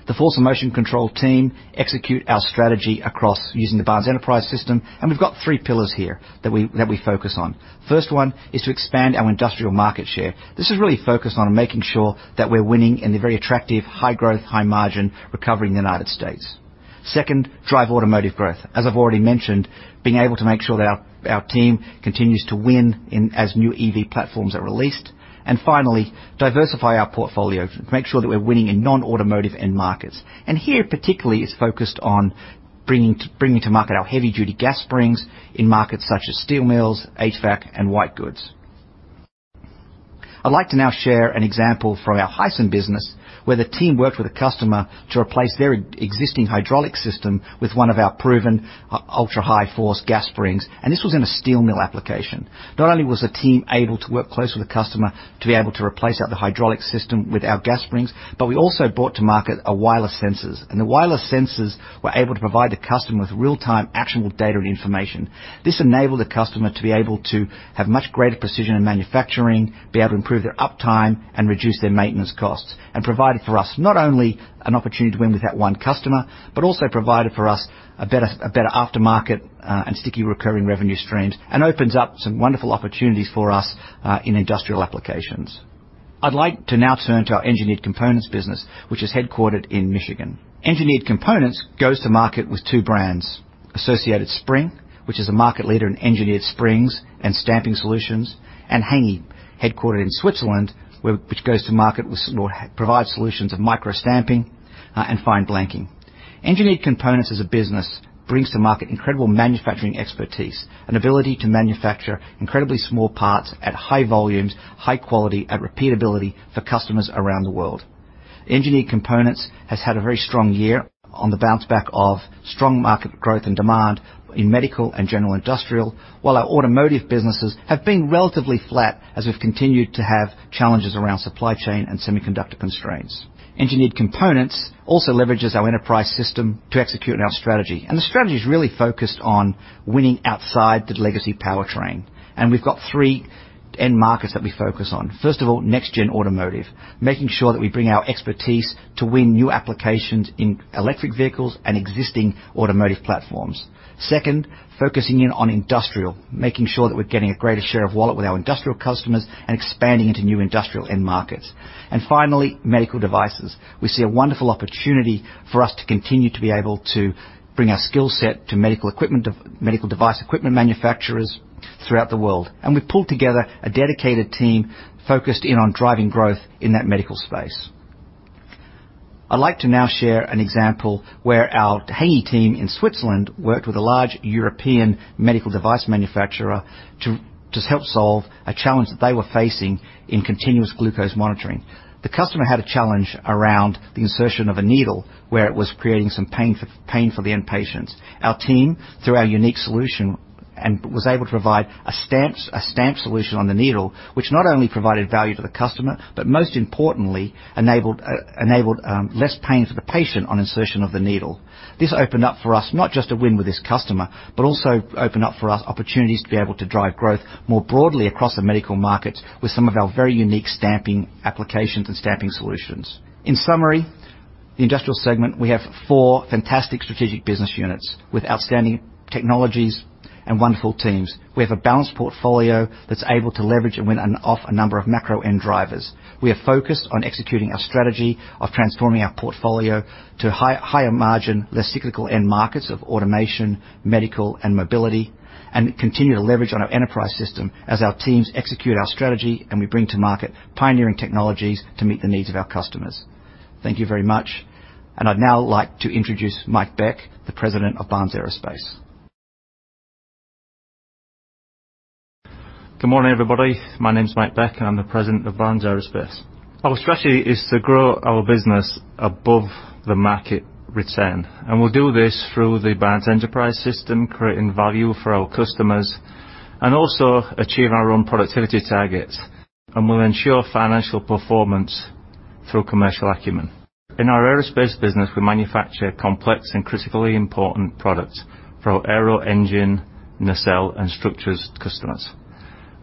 The Force & Motion Control team executes our strategy across using the Barnes Enterprise System, and we've got three pillars here that we focus on. First one is to expand our industrial market share. This is really focused on making sure that we're winning in the very attractive high growth, high margin recovery in the United States. Second, drive automotive growth. As I've already mentioned, being able to make sure that our team continues to win as new EV platforms are released. Finally, diversify our portfolio to make sure that we're winning in non-automotive end markets. Here, particularly, is focused on bringing to market our heavy duty gas springs in markets such as steel mills, HVAC, and white goods. I'd like to now share an example from our Hyson business, where the team worked with a customer to replace their existing hydraulic system with one of our proven ultra high force gas springs, and this was in a steel mill application. Not only was the team able to work closely with the customer to be able to replace the hydraulic system with our gas springs, but we also brought to market a wireless sensors. The wireless sensors were able to provide the customer with real-time actionable data and information. This enabled the customer to be able to have much greater precision in manufacturing, be able to improve their uptime, and reduce their maintenance costs. Provided for us not only an opportunity to win with that one customer, but also provided for us a better aftermarket, and sticky recurring revenue streams, and opens up some wonderful opportunities for us, in industrial applications. I'd like to now turn to our Engineered Components business, which is headquartered in Michigan. Engineered Components goes to market with two brands, Associated Spring, which is a market leader in engineered springs and stamping solutions, and Hänggi, headquartered in Switzerland, which provides solutions in microstamping and fine blanking. Engineered Components as a business brings to market incredible manufacturing expertise, an ability to manufacture incredibly small parts at high volumes, high quality, and repeatability for customers around the world. Engineered Components has had a very strong year on the bounce back of strong market growth and demand in medical and general industrial, while our automotive businesses have been relatively flat as we've continued to have challenges around supply chain and semiconductor constraints. Engineered Components also leverages our enterprise system to execute on our strategy, and the strategy is really focused on winning outside the legacy powertrain. We've got three end markets that we focus on. First of all, next gen automotive, making sure that we bring our expertise to win new applications in electric vehicles and existing automotive platforms. Second, focusing in on industrial, making sure that we're getting a greater share of wallet with our industrial customers and expanding into new industrial end markets. Finally, medical devices. We see a wonderful opportunity for us to continue to be able to bring our skill set to medical device equipment manufacturers throughout the world. We've pulled together a dedicated team focused in on driving growth in that medical space. I'd like to now share an example where our Hänggi team in Switzerland worked with a large European medical device manufacturer to help solve a challenge that they were facing in continuous glucose monitoring. The customer had a challenge around the insertion of a needle where it was creating some pain for the end patients. Our team, through our unique solution, was able to provide a stamp solution on the needle, which not only provided value to the customer, but most importantly, enabled less pain for the patient on insertion of the needle. This opened up for us not just to win with this customer, but also opened up for us opportunities to be able to drive growth more broadly across the medical market with some of our very unique stamping applications and stamping solutions. In summary, the industrial segment, we have four fantastic strategic business units with outstanding technologies and wonderful teams. We have a balanced portfolio that's able to leverage and win on a number of macro end drivers. We are focused on executing our strategy of transforming our portfolio to higher margin, less cyclical end markets of automation, medical, and mobility, and continue to leverage on our enterprise system as our teams execute our strategy and we bring to market pioneering technologies to meet the needs of our customers. Thank you very much, and I'd now like to introduce Mike Beck, the President of Barnes Aerospace. Good morning, everybody. My name's Mike Beck, and I'm the President of Barnes Aerospace. Our strategy is to grow our business above the market return, and we'll do this through the Barnes Enterprise System, creating value for our customers, and also achieve our own productivity targets. We'll ensure financial performance through commercial acumen. In our aerospace business, we manufacture complex and critically important products for our aero engine, nacelle, and structures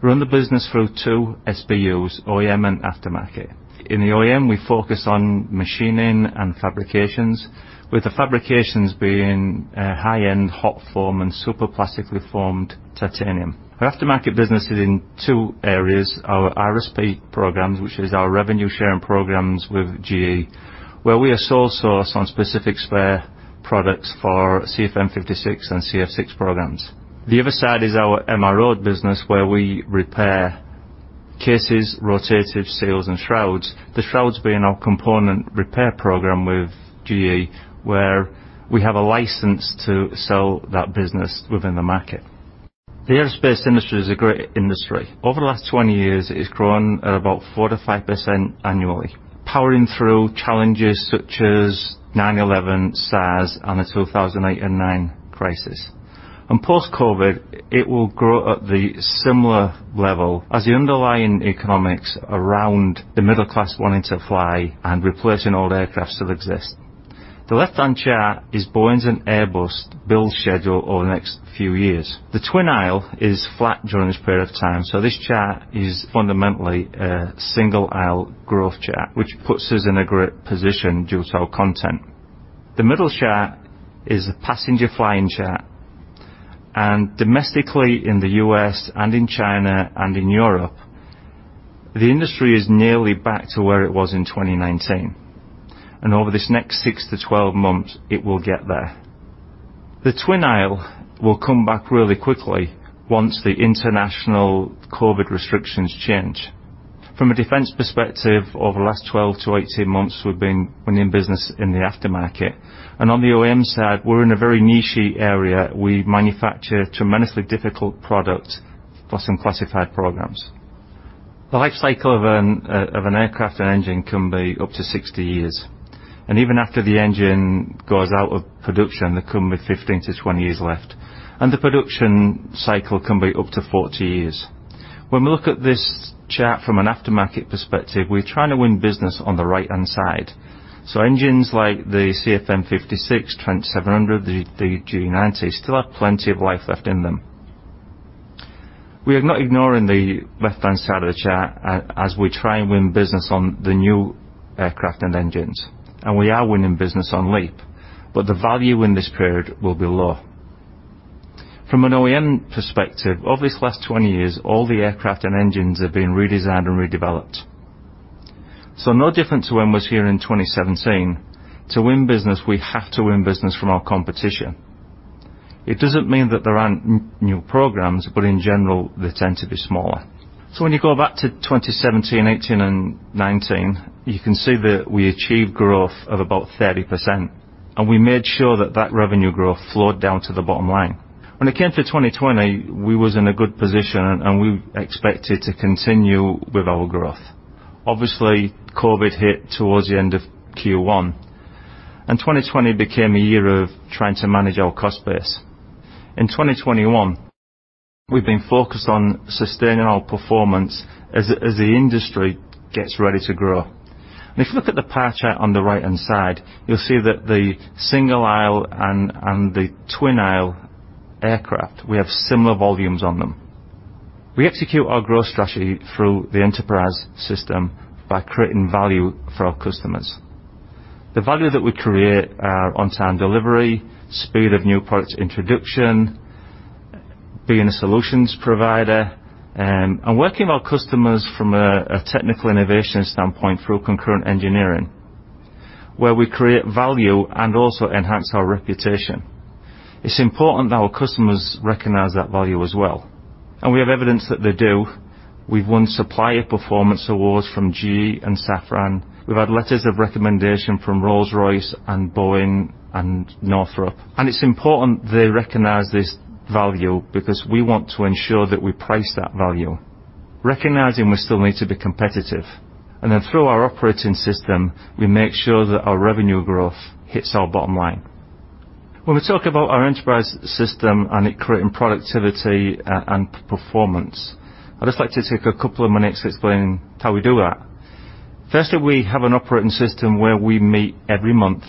customers. We run the business through two SBUs, OEM and aftermarket. In the OEM, we focus on machining and fabrications, with the fabrications being high-end hot form and superplastically formed titanium. Our aftermarket business is in two areas, our RSP programs, which is our revenue-sharing programs with GE, where we are sole source on specific spare products for CFM56 and CF6 programs. The other side is our MRO business, where we repair cases, rotatives, seals, and shrouds, the shrouds being our component repair program with GE, where we have a license to sell that business within the market. The aerospace industry is a great industry. Over the last 20 years, it's grown at about 4%-5% annually, powering through challenges such as 9/11, SARS, and the 2008 and 2009 crisis. Post-COVID, it will grow at the similar level as the underlying economics around the middle class wanting to fly and replacing old aircraft still exist. The left-hand chart is Boeing's and Airbus' build schedule over the next few years. The twin aisle is flat during this period of time, so this chart is fundamentally a single-aisle growth chart, which puts us in a great position due to our content. The middle chart is a passenger flying chart, and domestically in the U.S. and in China and in Europe, the industry is nearly back to where it was in 2019. Over this next 6-12 months, it will get there. The twin aisle will come back really quickly once the international COVID restrictions change. From a defense perspective, over the last 12-18 months, we've been winning business in the aftermarket. On the OEM side, we're in a very niche-y area. We manufacture tremendously difficult product for some classified programs. The life cycle of an aircraft or engine can be up to 60 years. Even after the engine goes out of production, there can be 15-20 years left, and the production cycle can be up to 40 years. When we look at this chart from an aftermarket perspective, we're trying to win business on the right-hand side. Engines like the CFM56, Trent 700, the GE90, still have plenty of life left in them. We are not ignoring the left-hand side of the chart as we try and win business on the new aircraft and engines, and we are winning business on LEAP, but the value in this period will be low. From an OEM perspective, over these last 20 years, all the aircraft and engines have been redesigned and redeveloped. No different to when we was here in 2017, to win business, we have to win business from our competition. It doesn't mean that there aren't new programs, but in general, they tend to be smaller. When you go back to 2017, 2018 and 2019, you can see that we achieved growth of about 30%, and we made sure that that revenue growth flowed down to the bottom line. When it came to 2020, we was in a good position and we expected to continue with our growth. Obviously, COVID hit towards the end of Q1, and 2020 became a year of trying to manage our cost base. In 2021, we've been focused on sustaining our performance as the industry gets ready to grow. If you look at the pie chart on the right-hand side, you'll see that the single aisle and the twin aisle aircraft, we have similar volumes on them. We execute our growth strategy through the enterprise system by creating value for our customers. The value that we create are on-time delivery, speed of new products introduction, being a solutions provider, and working with our customers from a technical innovation standpoint through concurrent engineering, where we create value and also enhance our reputation. It's important that our customers recognize that value as well, and we have evidence that they do. We've won supplier performance awards from GE and Safran. We've had letters of recommendation from Rolls-Royce and Boeing and Northrop. It's important they recognize this value because we want to ensure that we price that value, recognizing we still need to be competitive. Then through our operating system, we make sure that our revenue growth hits our bottom line. When we talk about our enterprise system and it creating productivity and performance, I'd just like to take a couple of minutes explaining how we do that. Firstly, we have an operating system where we meet every month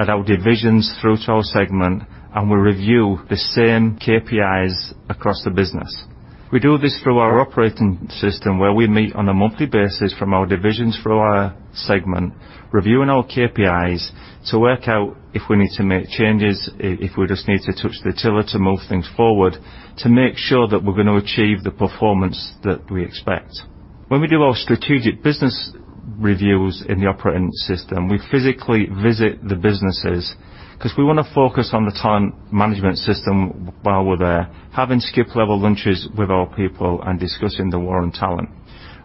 at our divisions through to our segment, and we review the same KPIs across the business. We do this through our operating system, where we meet on a monthly basis from our divisions through our segment, reviewing our KPIs to work out if we need to make changes, if we just need to touch the tiller to move things forward, to make sure that we're gonna achieve the performance that we expect. When we do our strategic business reviews in the operating system, we physically visit the businesses 'cause we wanna focus on the time management system while we're there, having skip-level lunches with our people and discussing the war on talent.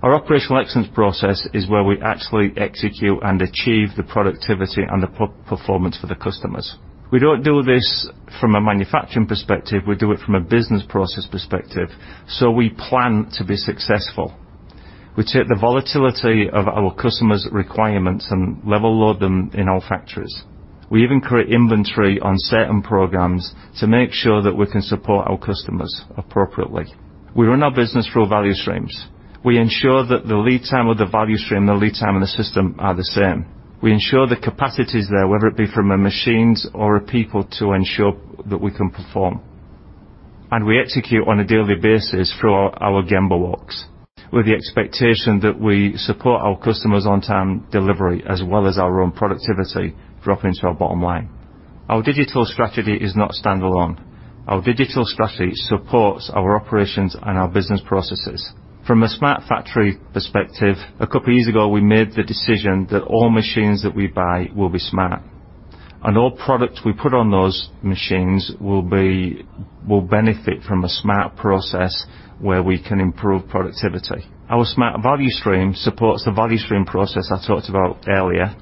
Our operational excellence process is where we actually execute and achieve the productivity and the performance for the customers. We don't do this from a manufacturing perspective. We do it from a business process perspective, so we plan to be successful. We take the volatility of our customers' requirements and level load them in our factories. We even create inventory on certain programs to make sure that we can support our customers appropriately. We run our business through value streams. We ensure that the lead time of the value stream and the lead time in the system are the same. We ensure the capacity is there, whether it be from a machines or a people to ensure that we can perform. We execute on a daily basis through our Gemba walks, with the expectation that we support our customers on time delivery, as well as our own productivity dropping to our bottom line. Our digital strategy is not standalone. Our digital strategy supports our operations and our business processes. From a smart factory perspective, a couple of years ago, we made the decision that all machines that we buy will be smart, and all products we put on those machines will benefit from a smart process where we can improve productivity. Our smart value stream supports the value stream process I talked about earlier,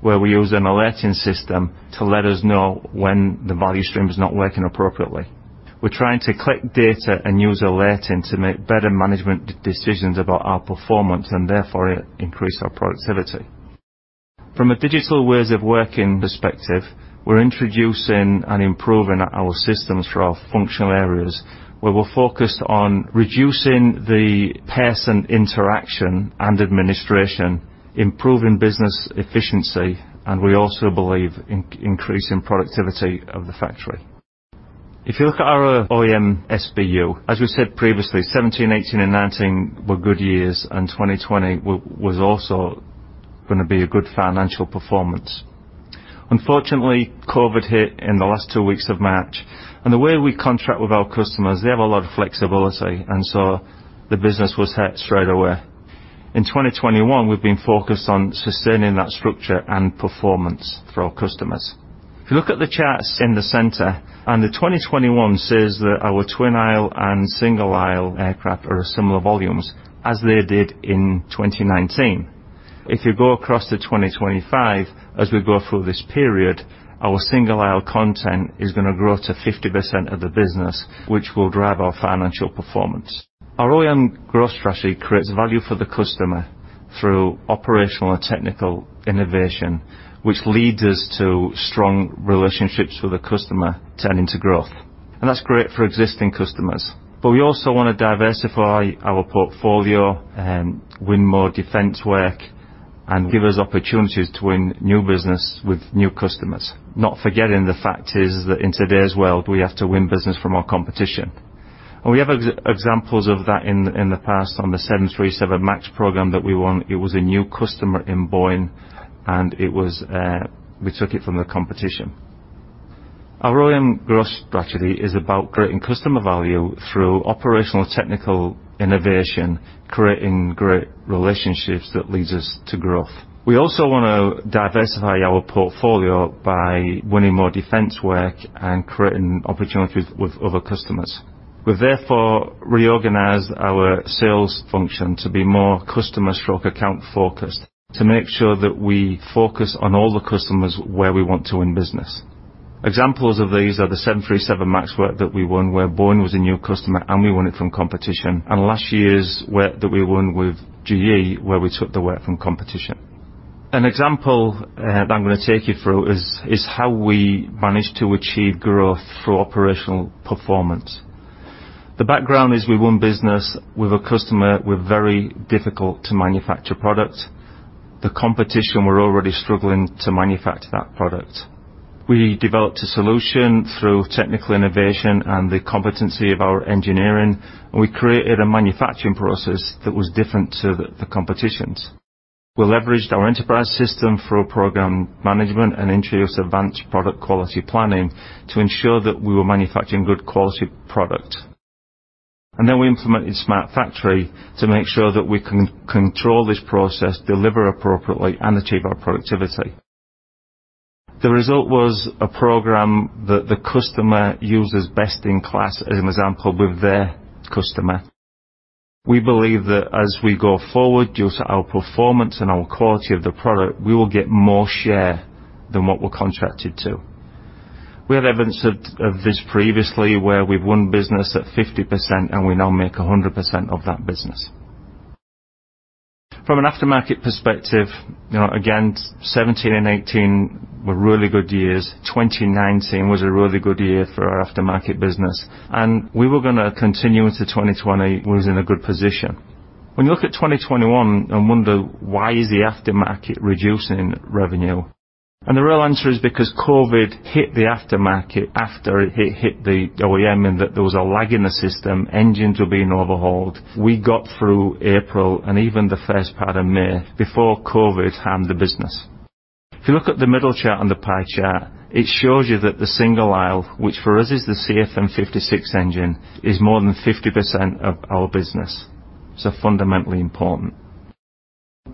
where we use an alerting system to let us know when the value stream is not working appropriately. We're trying to collect data and use alerting to make better management decisions about our performance and therefore increase our productivity. From a digital ways of working perspective, we're introducing and improving our systems for our functional areas, where we're focused on reducing the person interaction and administration, improving business efficiency, and we also believe in increasing productivity of the factory. If you look at our OEM SBU, as we said previously, 2017, 2018, and 2019 were good years, and 2020 was also gonna be a good financial performance. Unfortunately, COVID hit in the last two weeks of March, and the way we contract with our customers, they have a lot of flexibility, and so the business was hit straight away. In 2021, we've been focused on sustaining that structure and performance for our customers. If you look at the charts in the center, and the 2021 says that our twin aisle and single aisle aircraft are similar volumes as they did in 2019. If you go across to 2025, as we go through this period, our single aisle content is gonna grow to 50% of the business, which will drive our financial performance. Our OEM growth strategy creates value for the customer through operational and technical innovation, which leads us to strong relationships with the customer turning to growth. That's great for existing customers. We also wanna diversify our portfolio, win more defense work, and give us opportunities to win new business with new customers. Not forgetting the fact is that in today's world, we have to win business from our competition. We have examples of that in the past on the 737 MAX program that we won. It was a new customer for Boeing, and we took it from the competition. Our OEM growth strategy is about creating customer value through operational, technical innovation, creating great relationships that leads us to growth. We also wanna diversify our portfolio by winning more defense work and creating opportunities with other customers. We therefore reorganized our sales function to be more customer/account-focused to make sure that we focus on all the customers where we want to win business. Examples of these are the 737 MAX work that we won, where Boeing was a new customer and we won it from competition, and last year's work that we won with GE, where we took the work from competition. An example that I'm gonna take you through is how we managed to achieve growth through operational performance. The background is we won business with a customer with very difficult to manufacture products. The competition were already struggling to manufacture that product. We developed a solution through technical innovation and the competency of our engineering, and we created a manufacturing process that was different to the competition's. We leveraged our Enterprise System through program management and introduced Advanced Product Quality Planning to ensure that we were manufacturing good quality product. Then we implemented smart factory to make sure that we can control this process, deliver appropriately, and achieve our productivity. The result was a program that the customer uses best-in-class, as an example, with their customer. We believe that as we go forward, due to our performance and our quality of the product, we will get more share than what we're contracted to. We have evidence of this previously where we've won business at 50% and we now make 100% of that business. From an aftermarket perspective, you know, again, 2017 and 2018 were really good years. 2019 was a really good year for our aftermarket business, and we were gonna continue into 2020 was in a good position. When you look at 2021 and wonder why is the aftermarket reducing revenue? The real answer is because COVID hit the aftermarket after it hit the OEM and that there was a lag in the system, engines were being overhauled. We got through April and even the first part of May before COVID harmed the business. If you look at the middle chart on the pie chart, it shows you that the single aisle, which for us is the CFM56 engine, is more than 50% of our business, so fundamentally important.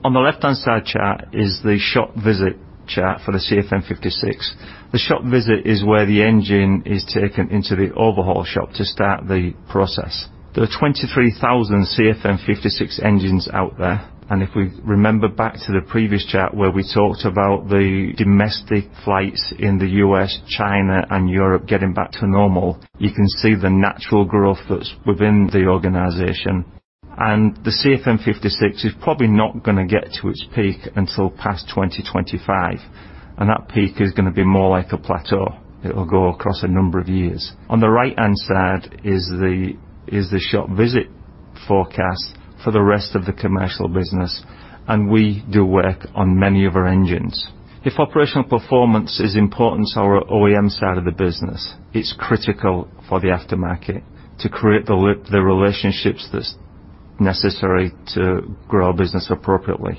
On the left-hand side chart is the shop visit chart for the CFM56. The shop visit is where the engine is taken into the overhaul shop to start the process. There are 23,000 CFM56 engines out there, and if we remember back to the previous chart where we talked about the domestic flights in the U.S., China, and Europe getting back to normal, you can see the natural growth that's within the organization. The CFM56 is probably not gonna get to its peak until past 2025, and that peak is gonna be more like a plateau. It will go across a number of years. On the right-hand side is the shop visit forecast for the rest of the commercial business, and we do work on many of our engines. If operational performance is important to our OEM side of the business, it's critical for the aftermarket to create the relationships that's necessary to grow our business appropriately.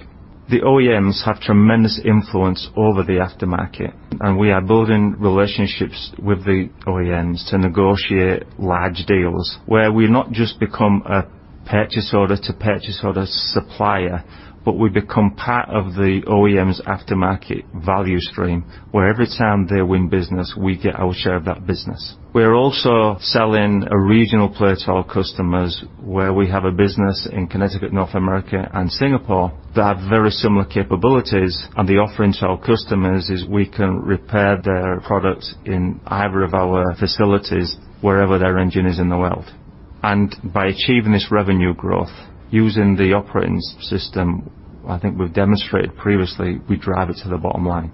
The OEMs have tremendous influence over the aftermarket, and we are building relationships with the OEMs to negotiate large deals where we not just become a purchase order to purchase order supplier, but we become part of the OEM's aftermarket value stream, where every time they win business, we get our share of that business. We are also selling a regional play to our customers where we have a business in Connecticut, North America and Singapore that have very similar capabilities. The offering to our customers is we can repair their products in either of our facilities, wherever their engine is in the world. By achieving this revenue growth using the operating system, I think we've demonstrated previously we drive it to the bottom line.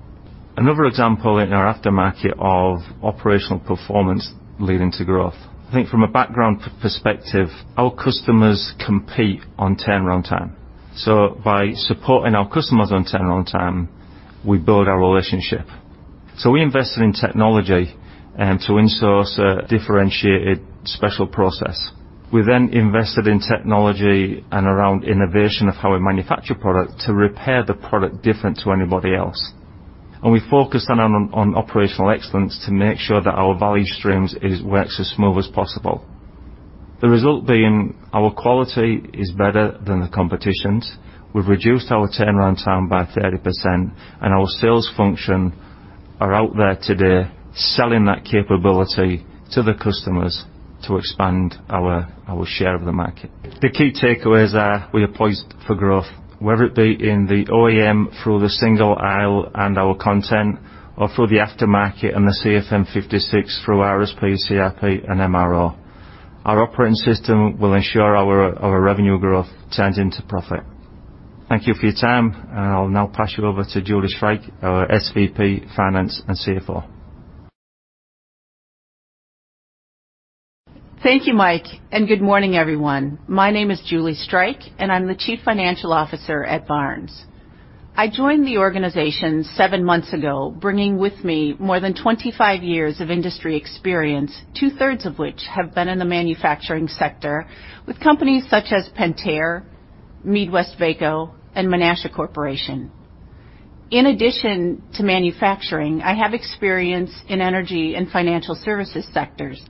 Another example in our aftermarket of operational performance leading to growth, I think from a background perspective, our customers compete on turnaround time. By supporting our customers on turnaround time, we build our relationship. We invested in technology and to in-source a differentiated special process. We then invested in technology and around innovation of how we manufacture product to repair the product different to anybody else. We focused on operational excellence to make sure that our value streams work as smooth as possible. The result being our quality is better than the competition's. We've reduced our turnaround time by 30%, and our sales function are out there today selling that capability to the customers to expand our share of the market. The key takeaways are we are poised for growth, whether it be in the OEM through the single aisle and our content or through the aftermarket and the CFM56 through RSP, CRP and MRO. Our operating system will ensure our revenue growth turns into profit. Thank you for your time. I'll now pass you over to Julie Streich, our SVP, Finance and CFO. Thank you, Mike, and good morning, everyone. My name is Julie Streich, and I'm the Chief Financial Officer at Barnes. I joined the organization seven months ago, bringing with me more than 25 years of industry experience, two-thirds of which have been in the manufacturing sector with companies such as Pentair, MeadWestvaco, and Menasha Corporation. In addition to manufacturing, I have experience in energy and financial services sectors.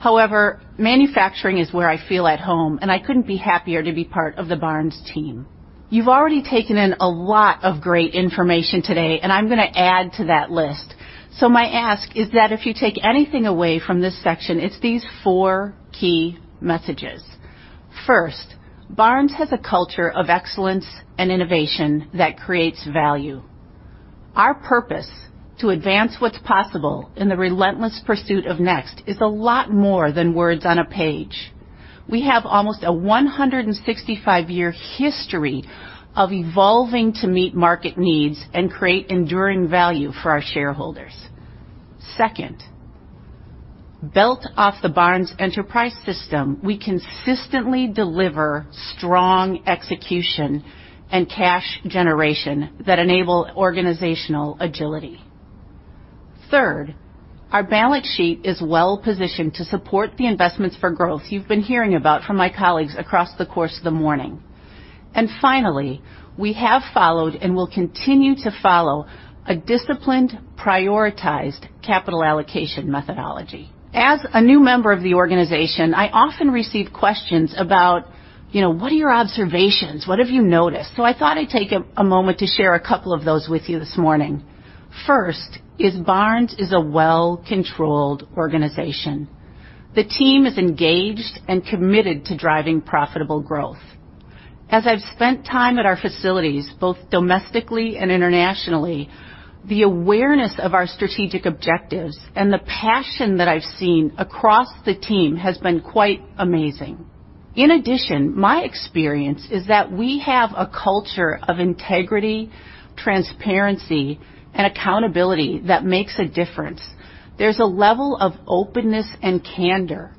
However, manufacturing is where I feel at home, and I couldn't be happier to be part of the Barnes team. You've already taken in a lot of great information today, and I'm gonna add to that list. My ask is that if you take anything away from this section, it's these four key messages. First, Barnes has a culture of excellence and innovation that creates value. Our purpose, to advance what's possible in the relentless pursuit of next, is a lot more than words on a page. We have almost a 165-year history of evolving to meet market needs and create enduring value for our shareholders. Second, built off the Barnes Enterprise System, we consistently deliver strong execution and cash generation that enable organizational agility. Third, our balance sheet is well positioned to support the investments for growth you've been hearing about from my colleagues across the course of the morning. Finally, we have followed and will continue to follow a disciplined, prioritized capital allocation methodology. As a new member of the organization, I often receive questions about, you know, what are your observations? What have you noticed? I thought I'd take a moment to share a couple of those with you this morning. First, Barnes is a well-controlled organization. The team is engaged and committed to driving profitable growth. As I've spent time at our facilities, both domestically and internationally, the awareness of our strategic objectives and the passion that I've seen across the team has been quite amazing. In addition, my experience is that we have a culture of integrity, transparency, and accountability that makes a difference. There's a level of openness and candor,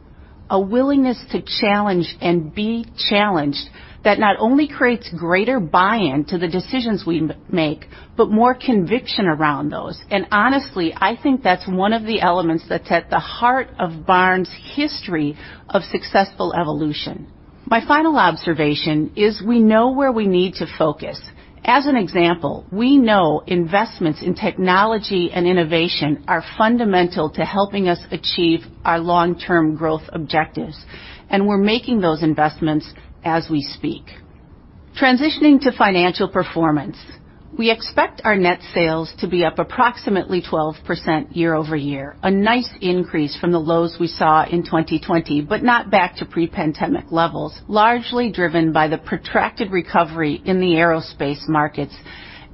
a willingness to challenge and be challenged that not only creates greater buy-in to the decisions we make, but more conviction around those. Honestly, I think that's one of the elements that's at the heart of Barnes' history of successful evolution. My final observation is we know where we need to focus. As an example, we know investments in technology and innovation are fundamental to helping us achieve our long-term growth objectives, and we're making those investments as we speak. Transitioning to financial performance, we expect our net sales to be up approximately 12% year-over-year, a nice increase from the lows we saw in 2020, but not back to pre-pandemic levels, largely driven by the protracted recovery in the aerospace markets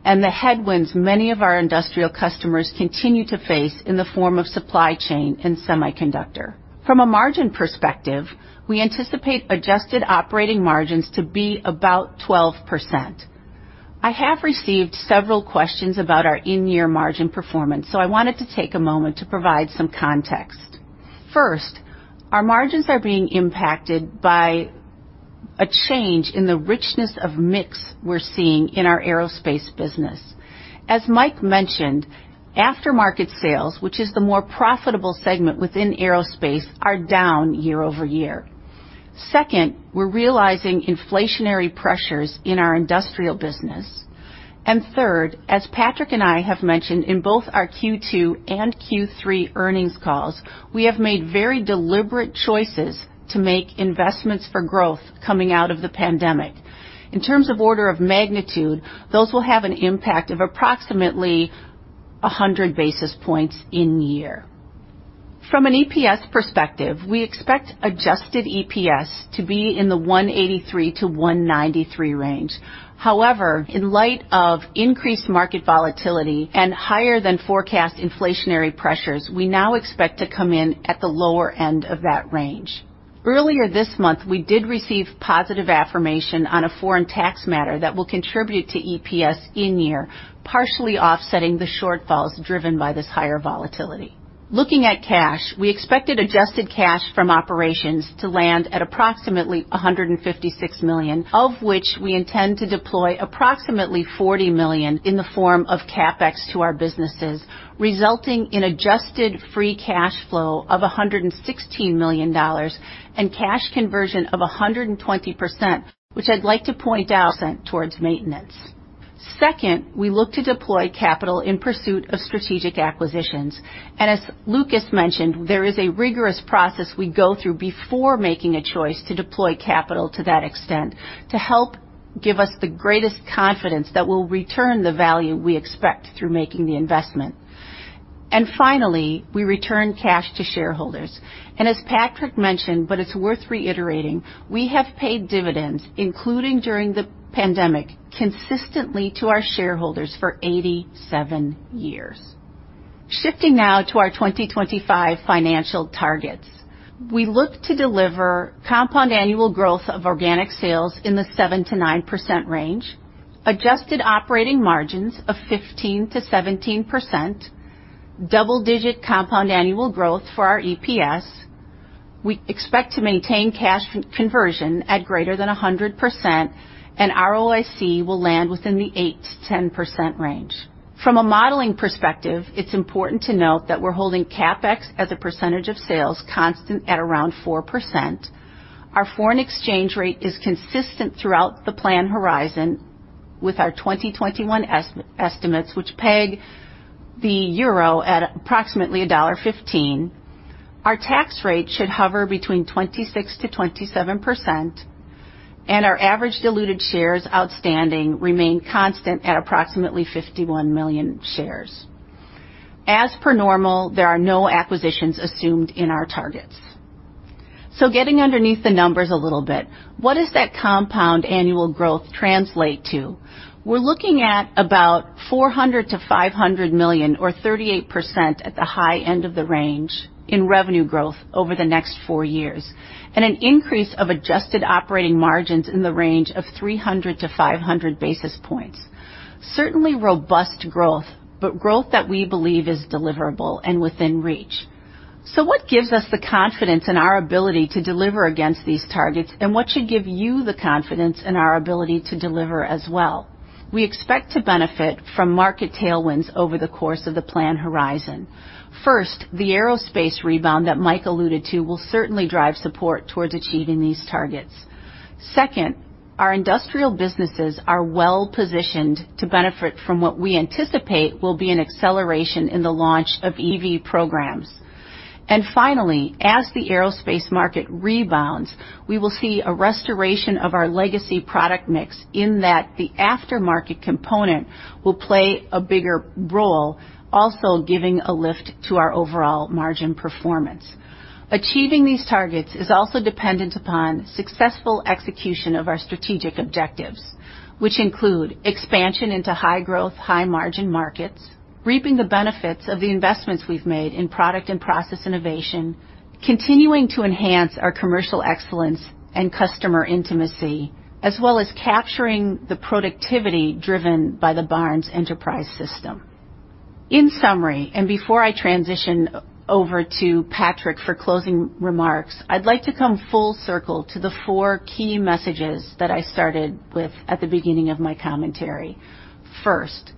and the headwinds many of our industrial customers continue to face in the form of supply chain and semiconductor. From a margin perspective, we anticipate adjusted operating margins to be about 12%. I have received several questions about our in-year margin performance, so I wanted to take a moment to provide some context. First, our margins are being impacted by a change in the richness of mix we're seeing in our aerospace business. As Mike mentioned, aftermarket sales, which is the more profitable segment within aerospace, are down year-over-year. Second, we're realizing inflationary pressures in our industrial business. Third, as Patrick and I have mentioned in both our Q2 and Q3 earnings calls, we have made very deliberate choices to make investments for growth coming out of the pandemic. In terms of order of magnitude, those will have an impact of approximately 100 basis points in year. From an EPS perspective, we expect adjusted EPS to be in the $1.83-$1.93 range. However, in light of increased market volatility and higher than forecast inflationary pressures, we now expect to come in at the lower end of that range. Earlier this month, we did receive positive affirmation on a foreign tax matter that will contribute to EPS in year, partially offsetting the shortfalls driven by this higher volatility. Looking at cash, we expected adjusted cash from operations to land at approximately $156 million, of which we intend to deploy approximately $40 million in the form of CapEx to our businesses, resulting in adjusted free cash flow of $116 million and cash conversion of 120%, which I'd like to point out towards maintenance. Second, we look to deploy capital in pursuit of strategic acquisitions. As Lukas mentioned, there is a rigorous process we go through before making a choice to deploy capital to that extent to help give us the greatest confidence that we'll return the value we expect through making the investment. Finally, we return cash to shareholders. As Patrick mentioned, but it's worth reiterating, we have paid dividends, including during the pandemic, consistently to our shareholders for 87 years. Shifting now to our 2025 financial targets. We look to deliver compound annual growth of organic sales in the 7%-9% range, adjusted operating margins of 15%-17%, double-digit compound annual growth for our EPS. We expect to maintain cash conversion at greater than 100%, and ROIC will land within the 8%-10% range. From a modeling perspective, it's important to note that we're holding CapEx as a percentage of sales constant at around 4%. Our foreign exchange rate is consistent throughout the plan horizon with our 2021 estimates which peg the euro at approximately $1.15. Our tax rate should hover between 26%-27%, and our average diluted shares outstanding remain constant at approximately 51 million shares. As per normal, there are no acquisitions assumed in our targets. Getting underneath the numbers a little bit, what does that compound annual growth translate to? We're looking at about $400 million-$500 million or 38% at the high end of the range in revenue growth over the next four years, and an increase of adjusted operating margins in the range of 300-500 basis points. Certainly robust growth, but growth that we believe is deliverable and within reach. What gives us the confidence in our ability to deliver against these targets, and what should give you the confidence in our ability to deliver as well? We expect to benefit from market tailwinds over the course of the plan horizon. First, the aerospace rebound that Mike alluded to will certainly drive support towards achieving these targets. Second, our industrial businesses are well-positioned to benefit from what we anticipate will be an acceleration in the launch of EV programs. Finally, as the aerospace market rebounds, we will see a restoration of our legacy product mix in that the aftermarket component will play a bigger role, also giving a lift to our overall margin performance. Achieving these targets is also dependent upon successful execution of our strategic objectives, which include expansion into high growth, high margin markets, reaping the benefits of the investments we've made in product and process innovation, continuing to enhance our commercial excellence and customer intimacy, as well as capturing the productivity driven by the Barnes Enterprise System. In summary, and before I transition over to Patrick for closing remarks, I'd like to come full circle to the four key messages that I started with at the beginning of my commentary. First,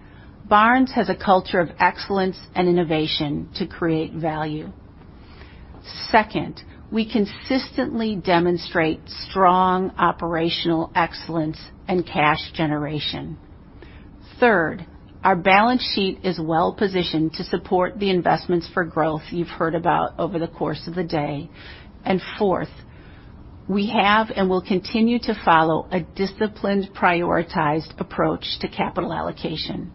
Barnes has a culture of excellence and innovation to create value. Second, we consistently demonstrate strong operational excellence and cash generation. Third, our balance sheet is well positioned to support the investments for growth you've heard about over the course of the day. Fourth, we have and will continue to follow a disciplined, prioritized approach to capital allocation.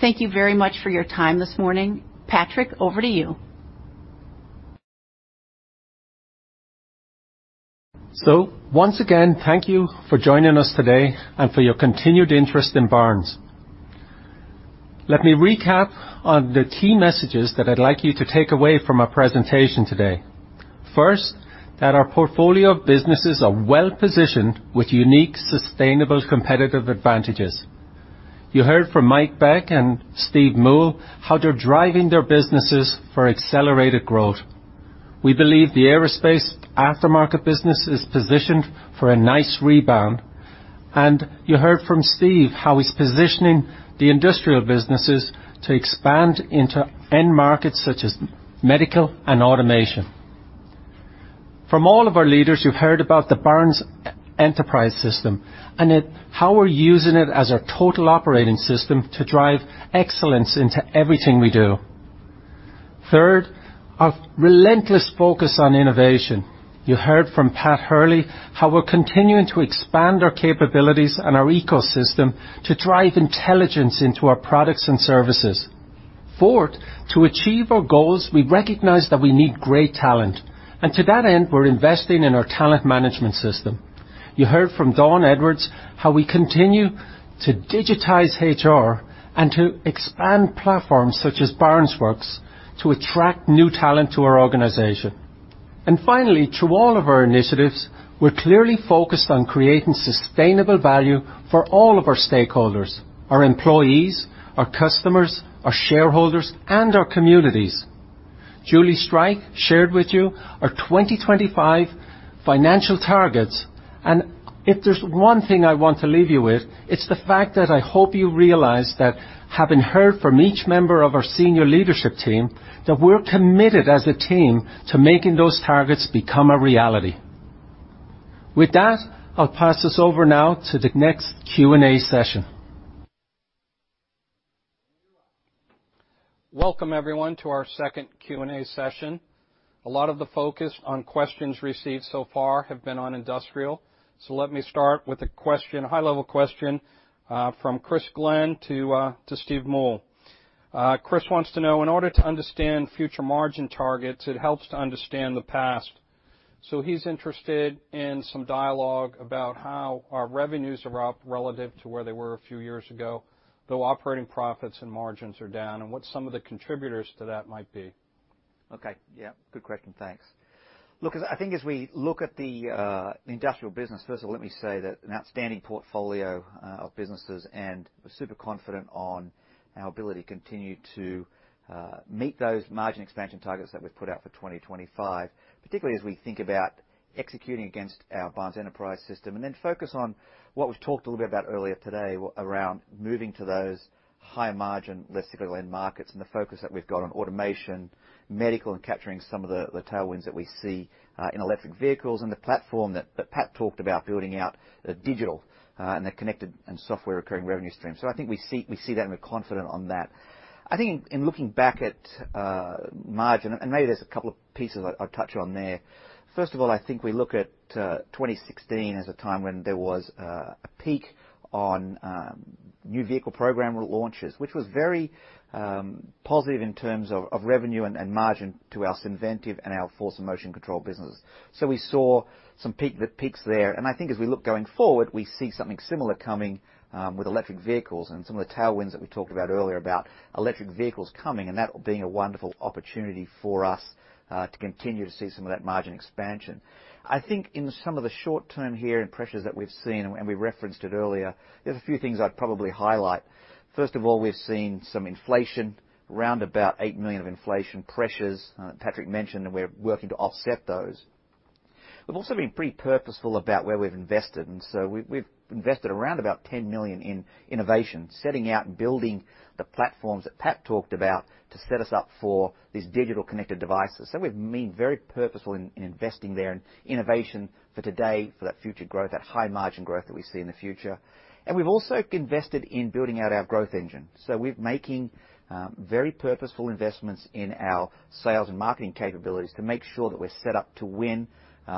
Thank you very much for your time this morning. Patrick, over to you. Once again, thank you for joining us today and for your continued interest in Barnes. Let me recap on the key messages that I'd like you to take away from our presentation today. First, that our portfolio of businesses are well-positioned with unique, sustainable, competitive advantages. You heard from Mike Beck and Stephen Moule how they're driving their businesses for accelerated growth. We believe the aerospace aftermarket business is positioned for a nice rebound. You heard from Steve how he's positioning the industrial businesses to expand into end markets such as medical and automation. From all of our leaders, you've heard about the Barnes Enterprise System and how we're using it as our total operating system to drive excellence into everything we do. Third, our relentless focus on innovation. You heard from Pat Hurley how we're continuing to expand our capabilities and our ecosystem to drive intelligence into our products and services. Fourth, to achieve our goals, we recognize that we need great talent. To that end, we're investing in our talent management system. You heard from Dawn Edwards how we continue to digitize HR and to expand platforms such as Barnes Works to attract new talent to our organization. Finally, through all of our initiatives, we're clearly focused on creating sustainable value for all of our stakeholders, our employees, our customers, our shareholders, and our communities. Julie Streich shared with you our 2025 financial targets, and if there's one thing I want to leave you with, it's the fact that I hope you realize that having heard from each member of our senior leadership team, that we're committed as a team to making those targets become a reality. With that, I'll pass this over now to the next Q&A session. Welcome, everyone, to our second Q&A session. A lot of the focus on questions received so far have been on industrial. Let me start with a question, high-level question, from Chris Glynn to Stephen Moule. Chris wants to know, in order to understand future margin targets, it helps to understand the past. He's interested in some dialogue about how our revenues are up relative to where they were a few years ago, though operating profits and margins are down, and what some of the contributors to that might be. Okay. Yeah. Good question. Thanks. Look, as we look at the industrial business, first of all, let me say that an outstanding portfolio of businesses, and we're super confident on our ability to continue to meet those margin expansion targets that we've put out for 2025, particularly as we think about executing against our Barnes Enterprise System, and then focus on what was talked a little bit about earlier today around moving to those higher margin, less cyclical end markets and the focus that we've got on automation, medical, and capturing some of the tailwinds that we see in electric vehicles, and the platform that Pat talked about building out digital and the connected and software recurring revenue stream. So I think we see that, and we're confident on that. I think in looking back at margin, and maybe there's a couple of pieces I'll touch on there. First of all, I think we look at 2016 as a time when there was a peak on new vehicle program launches, which was very positive in terms of revenue and margin to our Synventive and our Force & Motion Control business. So we saw some the peaks there. I think as we look going forward, we see something similar coming with electric vehicles and some of the tailwinds that we talked about earlier about electric vehicles coming, and that being a wonderful opportunity for us to continue to see some of that margin expansion. I think in some of the short term here and pressures that we've seen, and we referenced it earlier, there's a few things I'd probably highlight. First of all, we've seen some inflation, around $8 million of inflation pressures, Patrick mentioned, and we're working to offset those. We've also been pretty purposeful about where we've invested, and we've invested around $10 million in innovation, setting out and building the platforms that Pat talked about to set us up for these digital connected devices. We've been very purposeful in investing there in innovation for today for that future growth, that high margin growth that we see in the future. We've also invested in building out our growth engine. We're making very purposeful investments in our sales and marketing capabilities to make sure that we're set up to win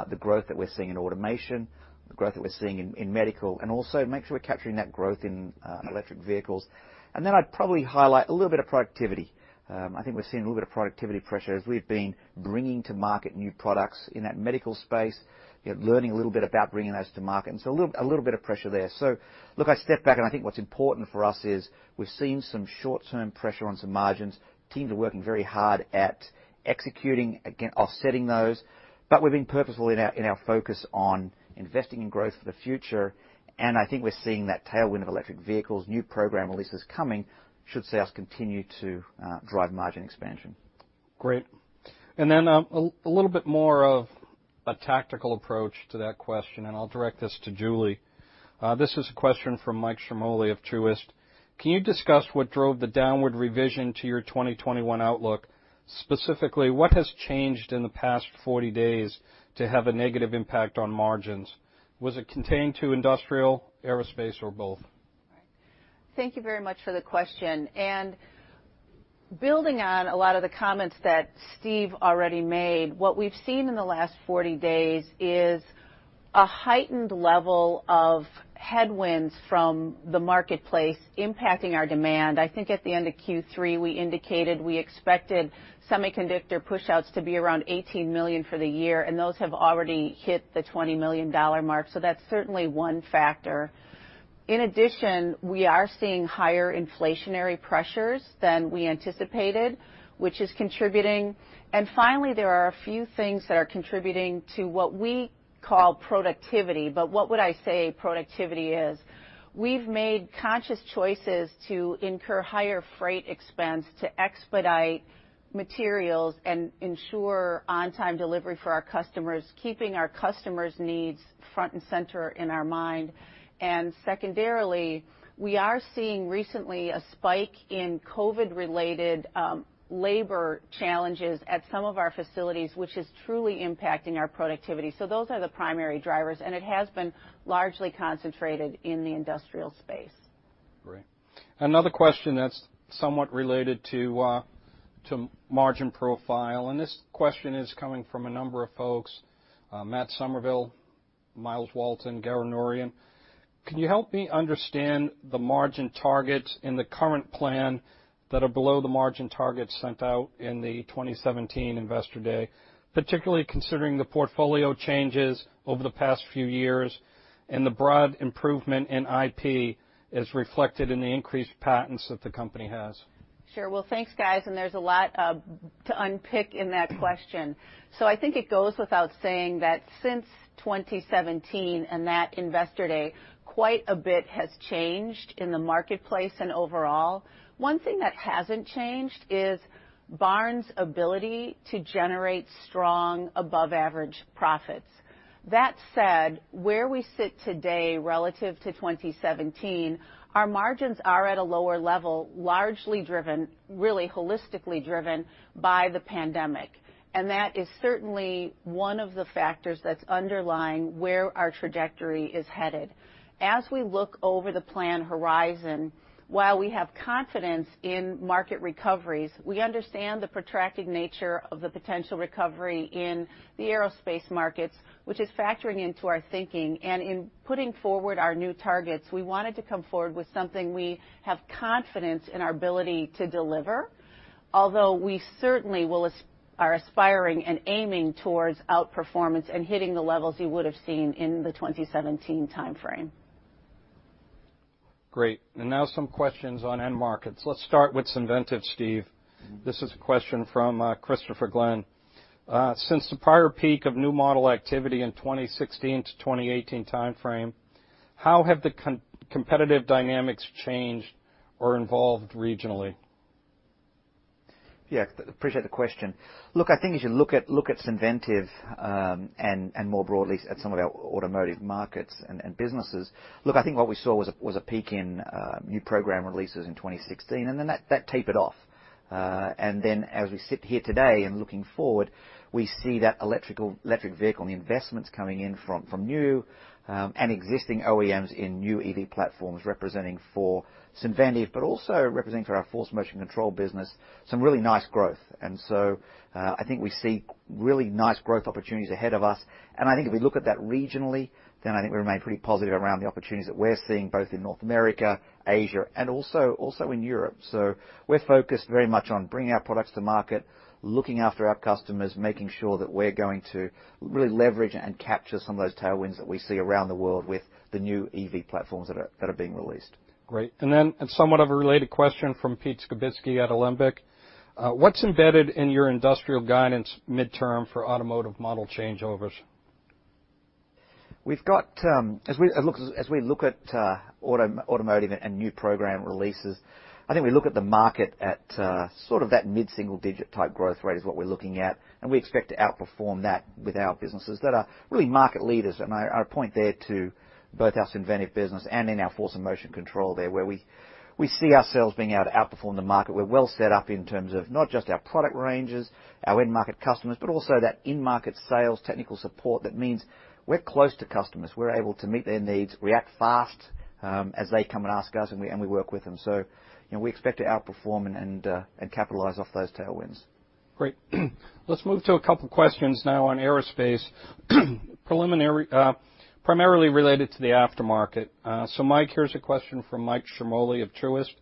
the growth that we're seeing in automation, the growth that we're seeing in medical, and also make sure we're capturing that growth in electric vehicles. Then I'd probably highlight a little bit of productivity. I think we're seeing a little bit of productivity pressure as we've been bringing to market new products in that medical space, you know, learning a little bit about bringing those to market. A little bit of pressure there. Look, I step back, and I think what's important for us is we've seen some short-term pressure on some margins. Teams are working very hard at executing, again, offsetting those. We've been purposeful in our focus on investing in growth for the future. I think we're seeing that tailwind of electric vehicles, new program releases coming should see us continue to drive margin expansion. Great. A little bit more of a tactical approach to that question, and I'll direct this to Julie. This is a question from Michael Ciarmoli of Truist. Can you discuss what drove the downward revision to your 2021 outlook? Specifically, what has changed in the past 40 days to have a negative impact on margins? Was it contained to Industrial, Aerospace, or both? Thank you very much for the question. Building on a lot of the comments that Steve already made, what we've seen in the last 40 days is a heightened level of headwinds from the marketplace impacting our demand. I think at the end of Q3, we indicated we expected semiconductor pushouts to be around $18 million for the year, and those have already hit the $20 million mark. That's certainly one factor. In addition, we are seeing higher inflationary pressures than we anticipated, which is contributing. Finally, there are a few things that are contributing to what we call productivity, but what would I say productivity is? We've made conscious choices to incur higher freight expense to expedite materials and ensure on-time delivery for our customers, keeping our customers' needs front and center in our mind. Secondarily, we are seeing recently a spike in COVID-related labor challenges at some of our facilities, which is truly impacting our productivity. Those are the primary drivers, and it has been largely concentrated in the industrial space. Great. Another question that's somewhat related to margin profile, and this question is coming from a number of folks, Matt Summerville, Myles Walton, Garo Norian. Can you help me understand the margin targets in the current plan that are below the margin targets sent out in the 2017 investor day, particularly considering the portfolio changes over the past few years and the broad improvement in IP is reflected in the increased patents that the company has? Sure. Well, thanks, guys, and there's a lot to unpick in that question. I think it goes without saying that since 2017 and that investor day, quite a bit has changed in the marketplace and overall. One thing that hasn't changed is Barnes' ability to generate strong above-average profits. That said, where we sit today relative to 2017, our margins are at a lower level, largely driven, really holistically driven by the pandemic. That is certainly one of the factors that's underlying where our trajectory is headed. As we look over the plan horizon, while we have confidence in market recoveries, we understand the protracted nature of the potential recovery in the aerospace markets, which is factoring into our thinking. In putting forward our new targets, we wanted to come forward with something we have confidence in our ability to deliver. Although we certainly are aspiring and aiming towards outperformance and hitting the levels you would have seen in the 2017 timeframe. Great. Now some questions on end markets. Let's start with Synventive, Steve. This is a question from Christopher Glynn. Since the prior peak of new model activity in 2016 to 2018 timeframe, how have the competitive dynamics changed or evolved regionally? Yeah, appreciate the question. Look, I think as you look at Synventive, and more broadly at some of our automotive markets and businesses. Look, I think what we saw was a peak in new program releases in 2016, and then that tapered off. As we sit here today and looking forward, we see that electric vehicle and the investments coming in from new and existing OEMs in new EV platforms representing for Synventive, but also representing for our Force & Motion Control business, some really nice growth. I think we see really nice growth opportunities ahead of us. I think if we look at that regionally, we remain pretty positive around the opportunities that we're seeing both in North America, Asia, and also in Europe. We're focused very much on bringing our products to market, looking after our customers, making sure that we're going to really leverage and capture some of those tailwinds that we see around the world with the new EV platforms that are being released. Great. Somewhat of a related question from Pete Skibitski at Alembic. What's embedded in your industrial guidance midterm for automotive model changeovers? We've got. As we look at automotive and new program releases, I think we look at the market at sort of that mid-single-digit type growth rate is what we're looking at, and we expect to outperform that with our businesses that are really market leaders. I point there to both our Synventive business and in our Force & Motion Control there, where we see ourselves being able to outperform the market. We're well set up in terms of not just our product ranges, our end market customers, but also that end market sales, technical support. That means we're close to customers, we're able to meet their needs, react fast, as they come and ask us, and we work with them. You know, we expect to outperform and capitalize off those tailwinds. Great. Let's move to a couple questions now on aerospace. Primarily related to the aftermarket. Mike, here's a question from Mike Ciarmoli of Truist Securities.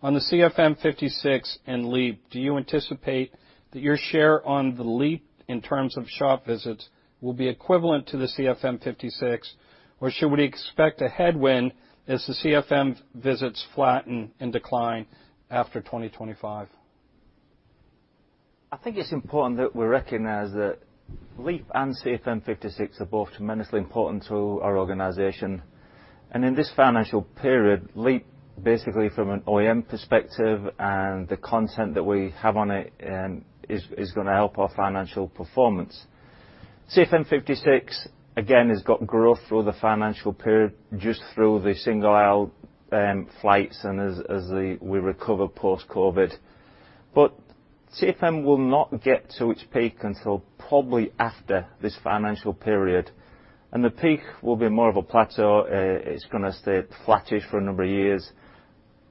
On the CFM56 and LEAP, do you anticipate that your share on the LEAP in terms of shop visits will be equivalent to the CFM56, or should we expect a headwind as the CFM visits flatten and decline after 2025? I think it's important that we recognize that LEAP and CFM 56 are both tremendously important to our organization. In this financial period, LEAP, basically from an OEM perspective and the content that we have on it, is gonna help our financial performance. CFM 56, again, has got growth through the financial period, just through the single-aisle flights and as we recover post-COVID. CFM will not get to its peak until probably after this financial period, and the peak will be more of a plateau. It's gonna stay flattish for a number of years.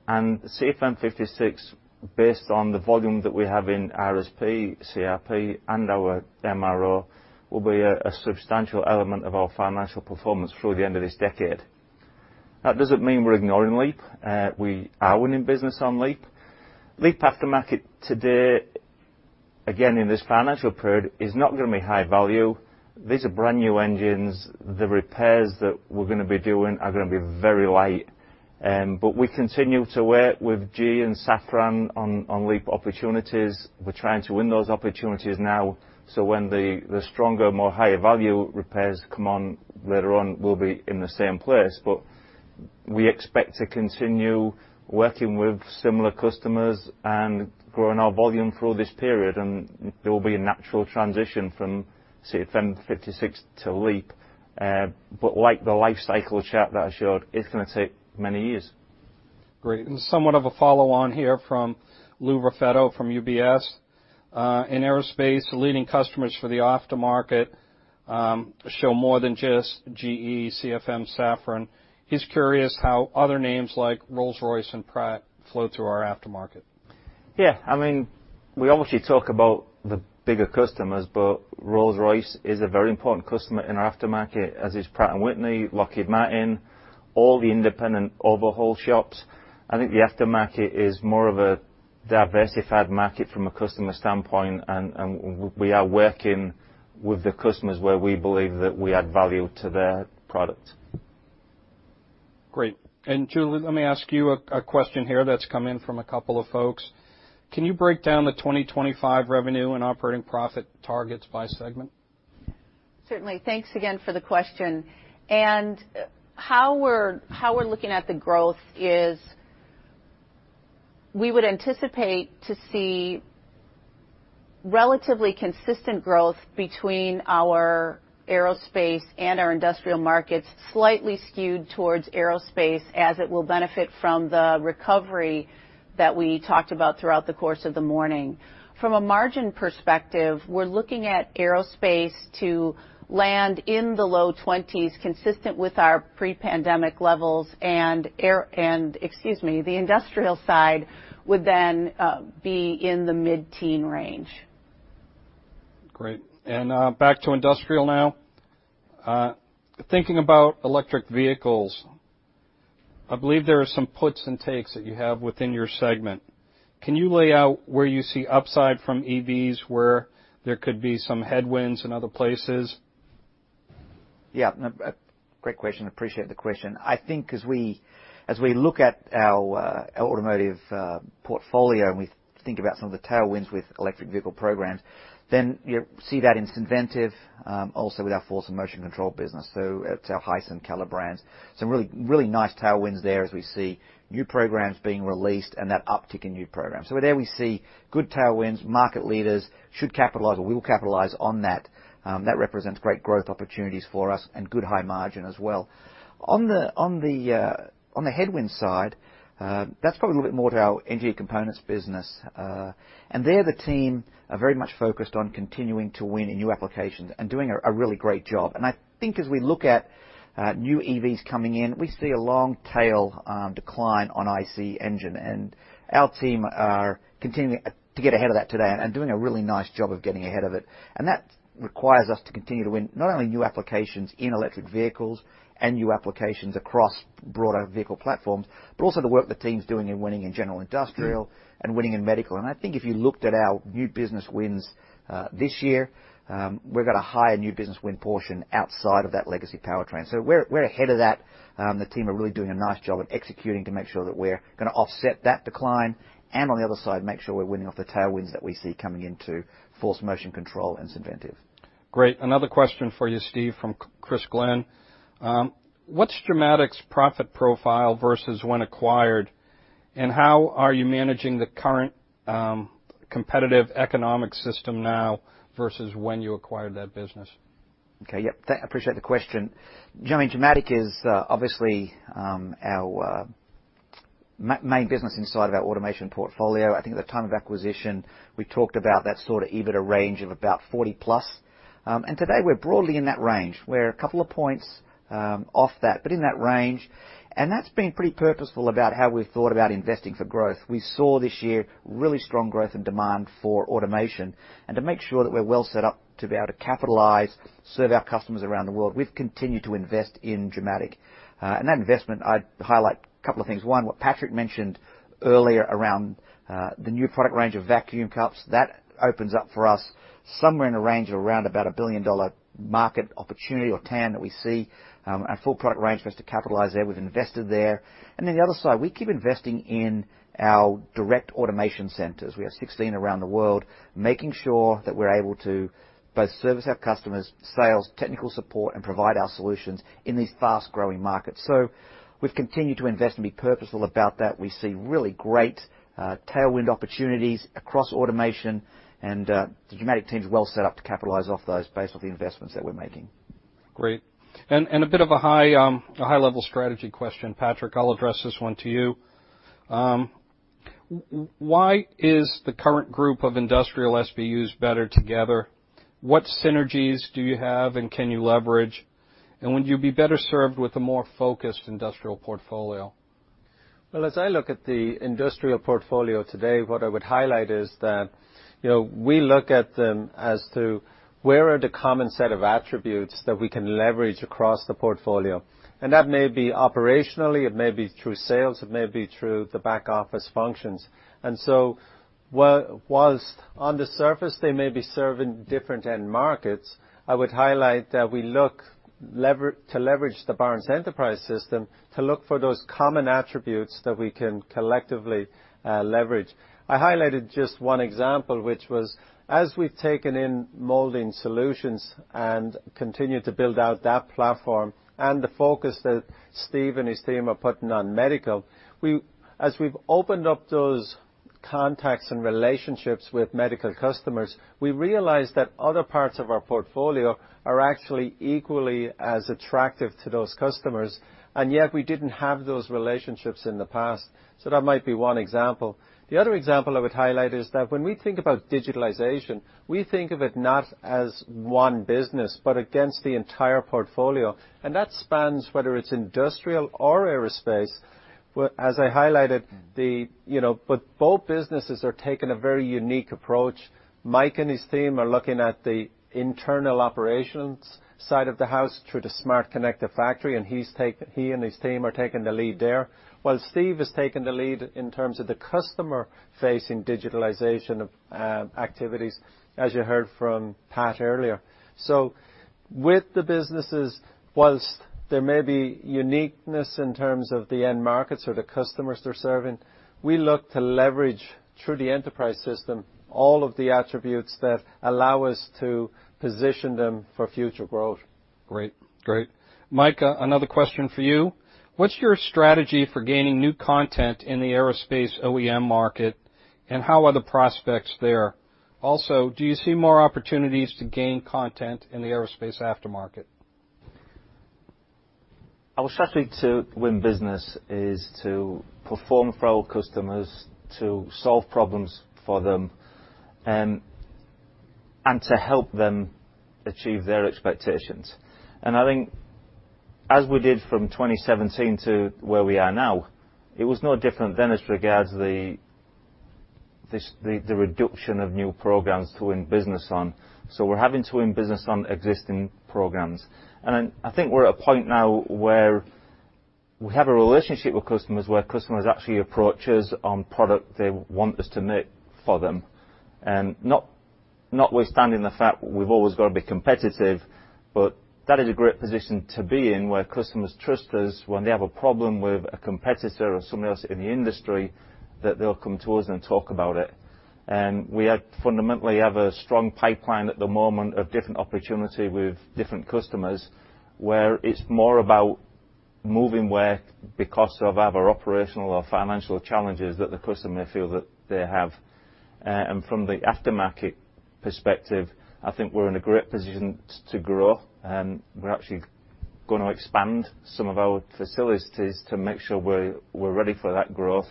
CFM 56, based on the volume that we have in RSP, CRP, and our MRO, will be a substantial element of our financial performance through the end of this decade. That doesn't mean we're ignoring LEAP. We are winning business on LEAP. LEAP aftermarket today again in this financial period is not gonna be high value. These are brand new engines. The repairs that we're gonna be doing are gonna be very light. We continue to work with GE and Safran on LEAP opportunities. We're trying to win those opportunities now, so when the stronger, more higher value repairs come on later on, we'll be in the same place. We expect to continue working with similar customers and growing our volume through this period, and there will be a natural transition from CFM56 to LEAP. Like the life cycle chart that I showed, it's gonna take many years. Great. Somewhat of a follow on here from Lou Raffetto from UBS. In aerospace, leading customers for the aftermarket show more than just GE, CFM, Safran. He's curious how other names like Rolls-Royce and Pratt flow through our aftermarket. Yeah. I mean, we obviously talk about the bigger customers, but Rolls-Royce is a very important customer in our aftermarket, as is Pratt & Whitney, Lockheed Martin, all the independent overhaul shops. I think the aftermarket is more of a diversified market from a customer standpoint, and we are working with the customers where we believe that we add value to their product. Great. Julie, let me ask you a question here that's come in from a couple of folks. Can you break down the 2025 revenue and operating profit targets by segment? Certainly. Thanks again for the question. How we're looking at the growth is we would anticipate to see relatively consistent growth between our Aerospace and our Industrial markets, slightly skewed towards Aerospace as it will benefit from the recovery that we talked about throughout the course of the morning. From a margin perspective, we're looking at Aerospace to land in the low 20s%, consistent with our pre-pandemic levels. Excuse me, the Industrial side would then be in the mid-teens range. Great. Back to Industrial now. Thinking about electric vehicles, I believe there are some puts and takes that you have within your segment. Can you lay out where you see upside from EVs, where there could be some headwinds in other places? Yeah. A great question. I appreciate the question. I think as we look at our automotive portfolio and we think about some of the tailwinds with electric vehicle programs, then you see that in Synventive, also with our Force & Motion Control business. It's our Hyson and KALLER brands. Some really nice tailwinds there as we see new programs being released and that uptick in new programs. There we see good tailwinds, market leaders should capitalize or will capitalize on that. That represents great growth opportunities for us and good high margin as well. On the headwind side, that's probably a little bit more to our Engineered Components business. And there the team are very much focused on continuing to win in new applications and doing a really great job. I think as we look at new EVs coming in, we see a long tail decline on IC engine. Our team are continuing to get ahead of that today and doing a really nice job of getting ahead of it. That requires us to continue to win not only new applications in electric vehicles and new applications across broader vehicle platforms, but also the work the team's doing in winning in general industrial and winning in medical. I think if you looked at our new business wins this year, we've got a higher new business win portion outside of that legacy powertrain. We're ahead of that. The team are really doing a nice job of executing to make sure that we're gonna offset that decline and on the other side, make sure we're winning off the tailwinds that we see coming into Force & Motion Control and Synventive. Great. Another question for you, Steve, from Chris Glynn. What's Gimatic's profit profile versus when acquired, and how are you managing the current competitive economic system now versus when you acquired that business? Appreciate the question. Do you know what I mean? Gimatic is obviously our main business inside of our automation portfolio. I think at the time of acquisition, we talked about that sort of EBITDA range of about $40+. Today, we're broadly in that range. We're a couple of points off that, but in that range, and that's been pretty purposeful about how we've thought about investing for growth. We saw this year really strong growth and demand for automation. To make sure that we're well set up to be able to capitalize, serve our customers around the world, we've continued to invest in Gimatic. That investment, I'd highlight a couple of things. One, what Patrick mentioned earlier around the new product range of vacuum cups, that opens up for us somewhere in a range of around about a $1 billion market opportunity or TAM that we see, and full product range for us to capitalize there. We've invested there. The other side, we keep investing in our direct automation centers. We have 16 around the world, making sure that we're able to both service our customers, sales, technical support, and provide our solutions in these fast-growing markets. We've continued to invest and be purposeful about that. We see really great tailwind opportunities across automation, and the Gimatic team is well set up to capitalize off those based off the investments that we're making. Great. A bit of a high-level strategy question. Patrick, I'll address this one to you. Why is the current group of industrial SBUs better together? What synergies do you have and can you leverage? Would you be better served with a more focused industrial portfolio? Well, as I look at the industrial portfolio today, what I would highlight is that, you know, we look at them as to where are the common set of attributes that we can leverage across the portfolio. That may be operationally, it may be through sales, it may be through the back office functions. While on the surface they may be serving different end markets, I would highlight that we look to leverage the Barnes Enterprise System to look for those common attributes that we can collectively leverage. I highlighted just one example, which was, as we've taken in Molding Solutions and continue to build out that platform and the focus that Steve and his team are putting on medical, as we've opened up those contacts and relationships with medical customers, we realized that other parts of our portfolio are actually equally as attractive to those customers, and yet we didn't have those relationships in the past. That might be one example. The other example I would highlight is that when we think about digitalization, we think of it not as one business, but against the entire portfolio. That spans whether it's industrial or aerospace. Both businesses are taking a very unique approach. Mike and his team are looking at the internal operations side of the house through the Smart Connected Factory, and he and his team are taking the lead there, while Steve is taking the lead in terms of the customer-facing digitalization of activities, as you heard from Pat earlier. With the businesses, while there may be uniqueness in terms of the end markets or the customers they're serving, we look to leverage through the enterprise system all of the attributes that allow us to position them for future growth. Great. Mike, another question for you. What's your strategy for gaining new content in the aerospace OEM market, and how are the prospects there? Also, do you see more opportunities to gain content in the aerospace aftermarket? Our strategy to win business is to perform for our customers, to solve problems for them, and to help them achieve their expectations. I think as we did from 2017 to where we are now, it was no different then as regards the reduction of new programs to win business on. We're having to win business on existing programs. I think we're at a point now where we have a relationship with customers, where customers actually approach us on product they want us to make for them, and notwithstanding the fact we've always got to be competitive, but that is a great position to be in, where customers trust us when they have a problem with a competitor or someone else in the industry, that they'll come to us and talk about it. We fundamentally have a strong pipeline at the moment of different opportunity with different customers, where it's more about moving work because of either operational or financial challenges that the customer feel that they have. From the aftermarket perspective, I think we're in a great position to grow, and we're actually gonna expand some of our facilities to make sure we're ready for that growth,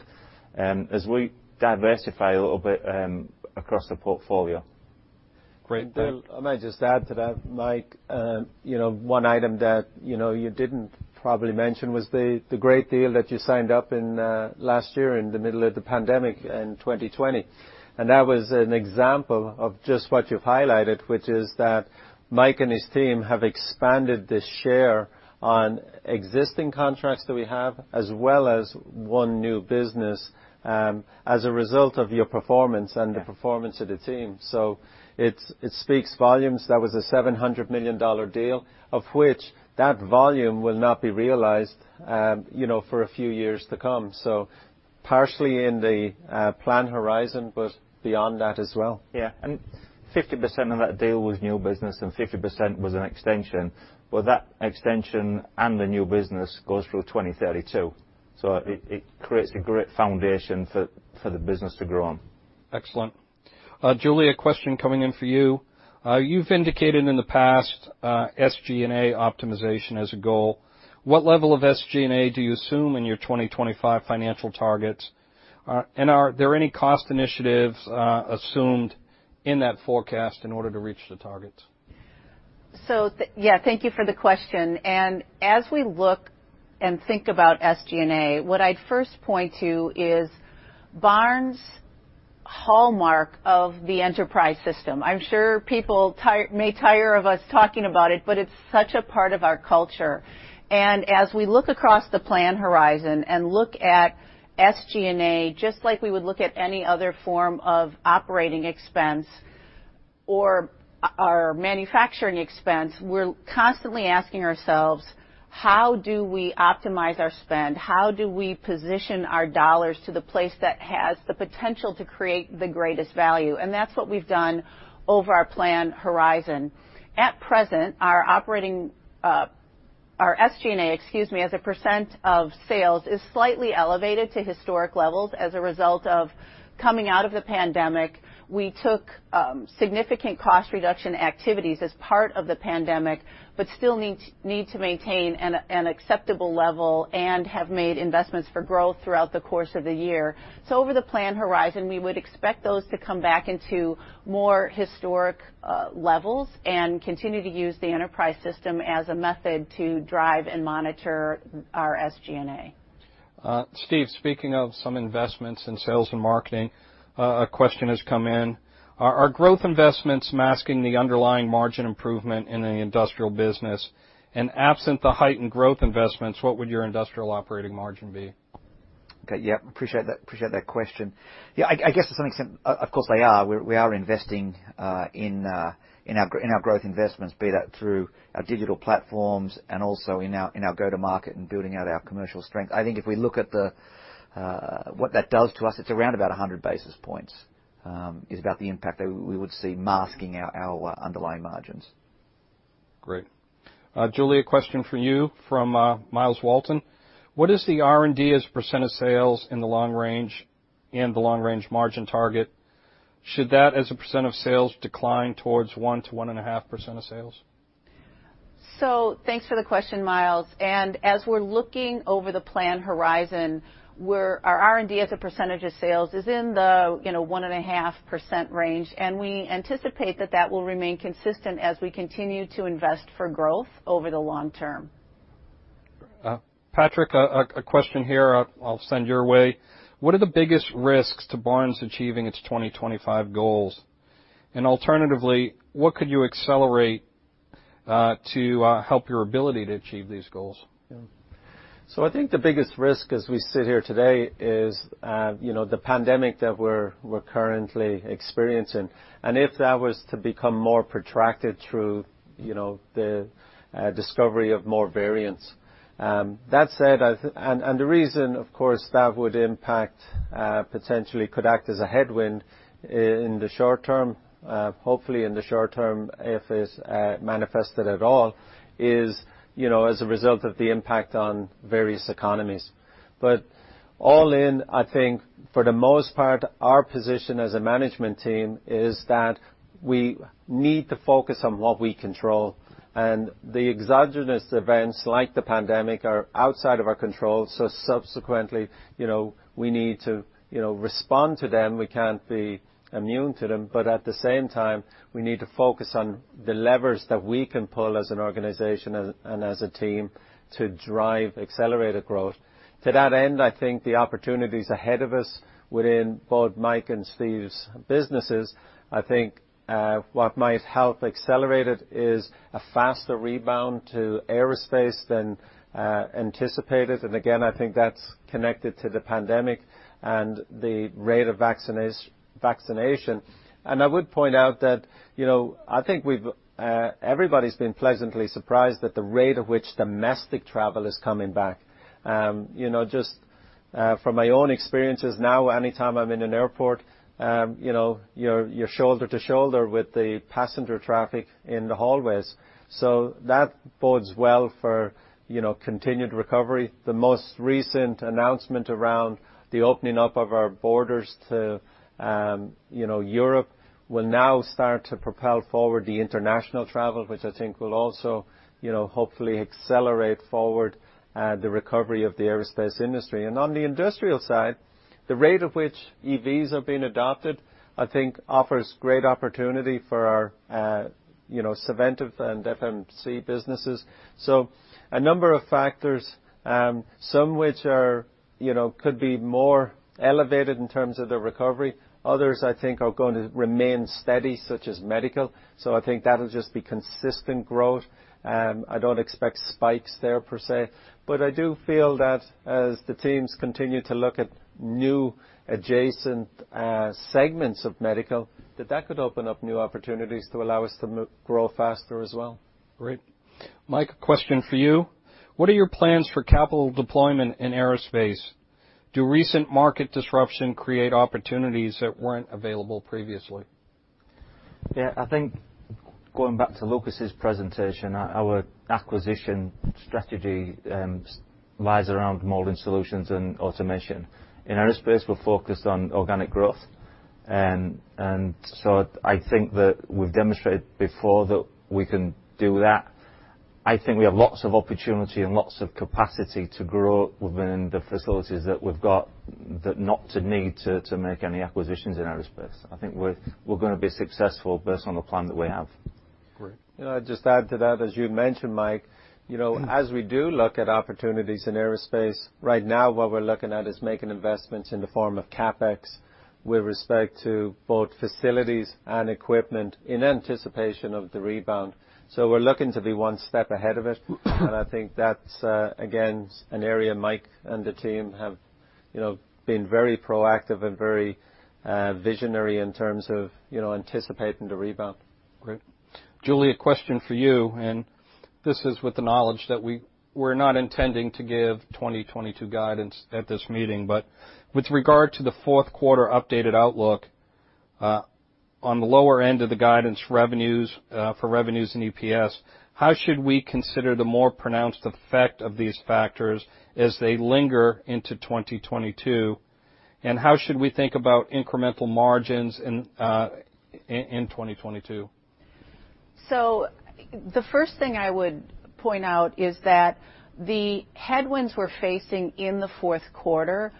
as we diversify a little bit across the portfolio. Great, thank. Bill, I might just add to that, Mike, you know, one item that, you know, you didn't probably mention was the great deal that you signed up in last year in the middle of the pandemic in 2020. That was an example of just what you've highlighted, which is that Mike and his team have expanded the share on existing contracts that we have, as well as one new business, as a result of your performance and the performance of the team. It speaks volumes. That was a $700 million deal, of which that volume will not be realized, you know, for a few years to come. Partially in the plan horizon, but beyond that as well. Yeah. Fifty percent of that deal was new business, and 50% was an extension. Well, that extension and the new business goes through 2032, so it creates a great foundation for the business to grow on. Excellent. Julie, a question coming in for you. You've indicated in the past, SG&A optimization as a goal. What level of SG&A do you assume in your 2025 financial targets? Are there any cost initiatives assumed in that forecast in order to reach the targets? Yeah, thank you for the question. We look and think about SG&A, what I'd first point to is Barnes' hallmark of the enterprise system. I'm sure people may tire of us talking about it, but it's such a part of our culture. We look across the plan horizon and look at SG&A, just like we would look at any other form of operating expense or our manufacturing expense, we're constantly asking ourselves, how do we optimize our spend? How do we position our dollars to the place that has the potential to create the greatest value? That's what we've done over our plan horizon. At present, our operating, our SG&A, excuse me, as a percent of sales is slightly elevated to historic levels as a result of coming out of the pandemic. We took significant cost reduction activities as part of the pandemic, but still need to maintain an acceptable level and have made investments for growth throughout the course of the year. Over the plan horizon, we would expect those to come back into more historic levels and continue to use the enterprise system as a method to drive and monitor our SG&A. Steve, speaking of some investments in sales and marketing, a question has come in. Are growth investments masking the underlying margin improvement in the industrial business? Absent the heightened growth investments, what would your industrial operating margin be? Okay. Yeah. Appreciate that question. Yeah, I guess to some extent, of course they are. We are investing in our growth investments, be that through our digital platforms and also in our go-to-market and building out our commercial strength. I think if we look at what that does to us, it's around about 100 basis points is about the impact that we would see masking our underlying margins. Great. Julie, a question for you from Myles Walton. What is the R&D as a percent of sales in the long range and the long-range margin target? Should that, as a percent of sales, decline towards 1%-1.5% of sales? Thanks for the question, Myles. As we're looking over the plan horizon, our R&D as a percentage of sales is in the, you know, 1.5% range, and we anticipate that will remain consistent as we continue to invest for growth over the long term. Patrick, a question here I'll send your way: What are the biggest risks to Barnes achieving its 2025 goals? And alternatively, what could you accelerate to help your ability to achieve these goals? I think the biggest risk as we sit here today is, you know, the pandemic that we're currently experiencing, and if that was to become more protracted through, you know, the discovery of more variants. That said, and the reason, of course, that would impact, potentially could act as a headwind in the short term, hopefully in the short term if it's manifested at all is, you know, as a result of the impact on various economies. All in, I think for the most part, our position as a management team is that we need to focus on what we control. The exogenous events like the pandemic are outside of our control, so subsequently, you know, we need to, you know, respond to them. We can't be immune to them, but at the same time, we need to focus on the levers that we can pull as an organization and as a team to drive accelerated growth. To that end, I think the opportunities ahead of us within both Mike and Steve's businesses, I think, what might help accelerate it is a faster rebound to aerospace than anticipated. Again, I think that's connected to the pandemic and the rate of vaccination. I would point out that, you know, I think we've, everybody's been pleasantly surprised at the rate at which domestic travel is coming back. You know, just, from my own experiences now, anytime I'm in an airport, you know, you're shoulder to shoulder with the passenger traffic in the hallways. So that bodes well for, you know, continued recovery. The most recent announcement around the opening up of our borders to, you know, Europe will now start to propel forward the international travel, which I think will also, you know, hopefully accelerate forward, the recovery of the aerospace industry. On the industrial side, the rate at which EVs are being adopted, I think offers great opportunity for our, you know, Synventive and FMC businesses. A number of factors, some which are, you know, could be more elevated in terms of the recovery. Others, I think are going to remain steady, such as medical. I think that'll just be consistent growth. I don't expect spikes there per se, but I do feel that as the teams continue to look at new adjacent, segments of medical, that could open up new opportunities to allow us to grow faster as well. Great. Mike, a question for you. What are your plans for capital deployment in aerospace? Do recent market disruption create opportunities that weren't available previously? Yeah. I think going back to Lukas's presentation, our acquisition strategy lies around Molding Solutions and automation. In aerospace, we're focused on organic growth. I think that we've demonstrated before that we can do that. I think we have lots of opportunity and lots of capacity to grow within the facilities that we've got, that we don't need to make any acquisitions in aerospace. I think we're gonna be successful based on the plan that we have. Great. Can I just add to that, as you mentioned, Mike, you know, as we do look at opportunities in aerospace, right now what we're looking at is making investments in the form of CapEx with respect to both facilities and equipment in anticipation of the rebound. We're looking to be one step ahead of it, and I think that's, again, an area Mike and the team have, you know, been very proactive and very visionary in terms of, you know, anticipating the rebound. Great. Julie, a question for you, and this is with the knowledge that we're not intending to give 2022 guidance at this meeting. With regard to the fourth quarter updated outlook, on the lower end of the guidance revenues for revenues in Aerospace, how should we consider the more pronounced effect of these factors as they linger into 2022? How should we think about incremental margins in 2022? The first thing I would point out is that the headwinds we're facing in the fourth quarter,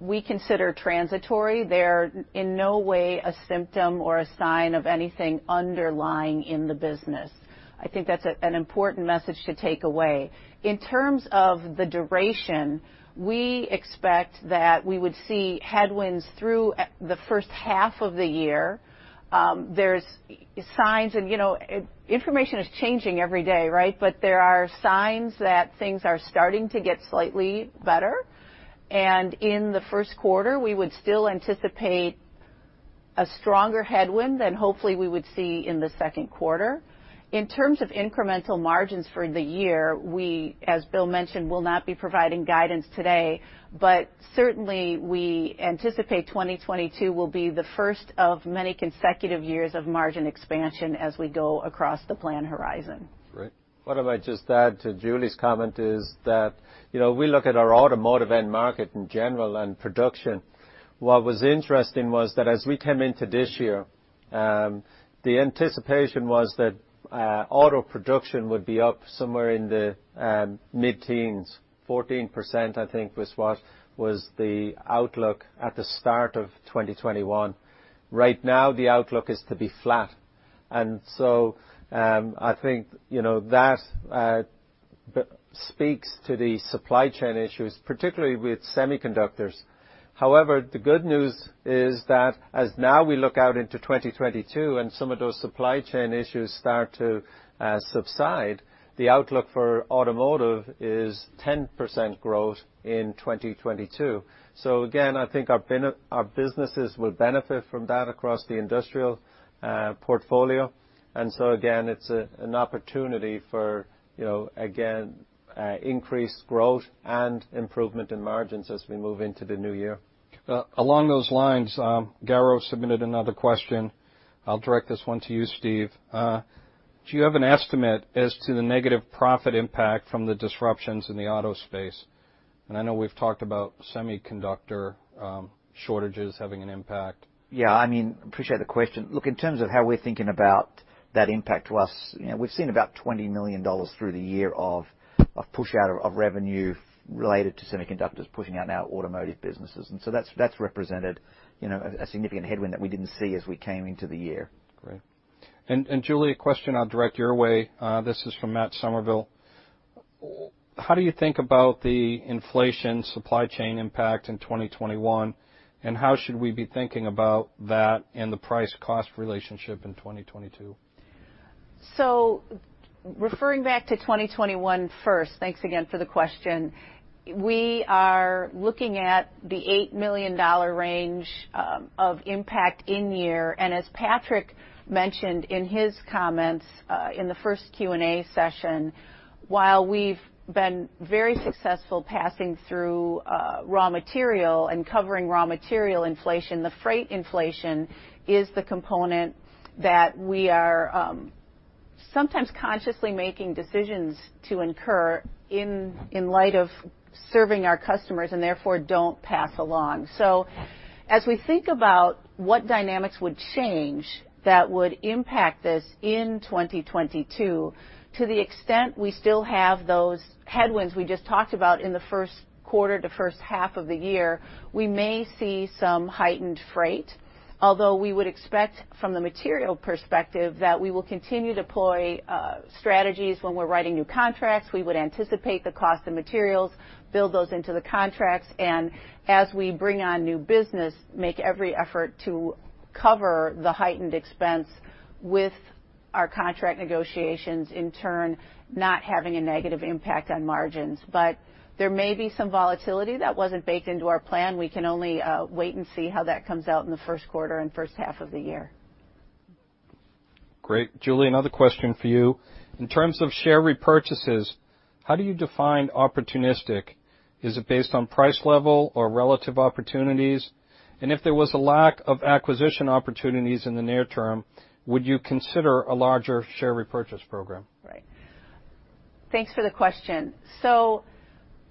we consider transitory. They're in no way a symptom or a sign of anything underlying in the business. I think that's an important message to take away. In terms of the duration, we expect that we would see headwinds through the first half of the year. There's signs and, you know, information is changing every day, right? But there are signs that things are starting to get slightly better. In the first quarter, we would still anticipate a stronger headwind than hopefully we would see in the second quarter. In terms of incremental margins for the year, we, as Bill mentioned, will not be providing guidance today, but certainly, we anticipate 2022 will be the first of many consecutive years of margin expansion as we go across the plan horizon. Great. What I might just add to Julie's comment is that, you know, we look at our automotive end market in general and production. What was interesting was that as we came into this year, the anticipation was that auto production would be up somewhere in the mid-teens. 14%, I think, was what was the outlook at the start of 2021. Right now, the outlook is to be flat. I think you know that speaks to the supply chain issues, particularly with semiconductors. However, the good news is that as now we look out into 2022 and some of those supply chain issues start to subside, the outlook for automotive is 10% growth in 2022. Again, I think our businesses will benefit from that across the industrial portfolio. Again, it's an opportunity for, you know, again, increased growth and improvement in margins as we move into the new year. Along those lines, Garo submitted another question. I'll direct this one to you, Steve. Do you have an estimate as to the negative profit impact from the disruptions in the auto space? I know we've talked about semiconductor shortages having an impact. Yeah, I mean, appreciate the question. Look, in terms of how we're thinking about that impact to us, you know, we've seen about $20 million through the year of push out of revenue related to semiconductors pushing out in our automotive businesses. That's represented, you know, a significant headwind that we didn't see as we came into the year. Great. Julie, a question I'll direct your way. This is from Matt Summerville. How do you think about the inflation supply chain impact in 2021, and how should we be thinking about that in the price cost relationship in 2022? Referring back to 2021 first, thanks again for the question. We are looking at the $8 million range of impact in year. As Patrick mentioned in his comments in the first Q&A session, while we've been very successful passing through raw material and covering raw material inflation, the freight inflation is the component that we are sometimes consciously making decisions to incur in light of serving our customers and therefore don't pass along. As we think about what dynamics would change that would impact this in 2022, to the extent we still have those headwinds we just talked about in the first quarter to first half of the year, we may see some heightened freight. Although we would expect from the material perspective that we will continue deploy strategies when we're writing new contracts. We would anticipate the cost of materials, build those into the contracts, and as we bring on new business, make every effort to cover the heightened expense with our contract negotiations, in turn, not having a negative impact on margins. There may be some volatility that wasn't baked into our plan. We can only wait and see how that comes out in the first quarter and first half of the year. Great. Julie, another question for you. In terms of share repurchases, how do you define opportunistic? Is it based on price level or relative opportunities? If there was a lack of acquisition opportunities in the near term, would you consider a larger share repurchase program? Right. Thanks for the question.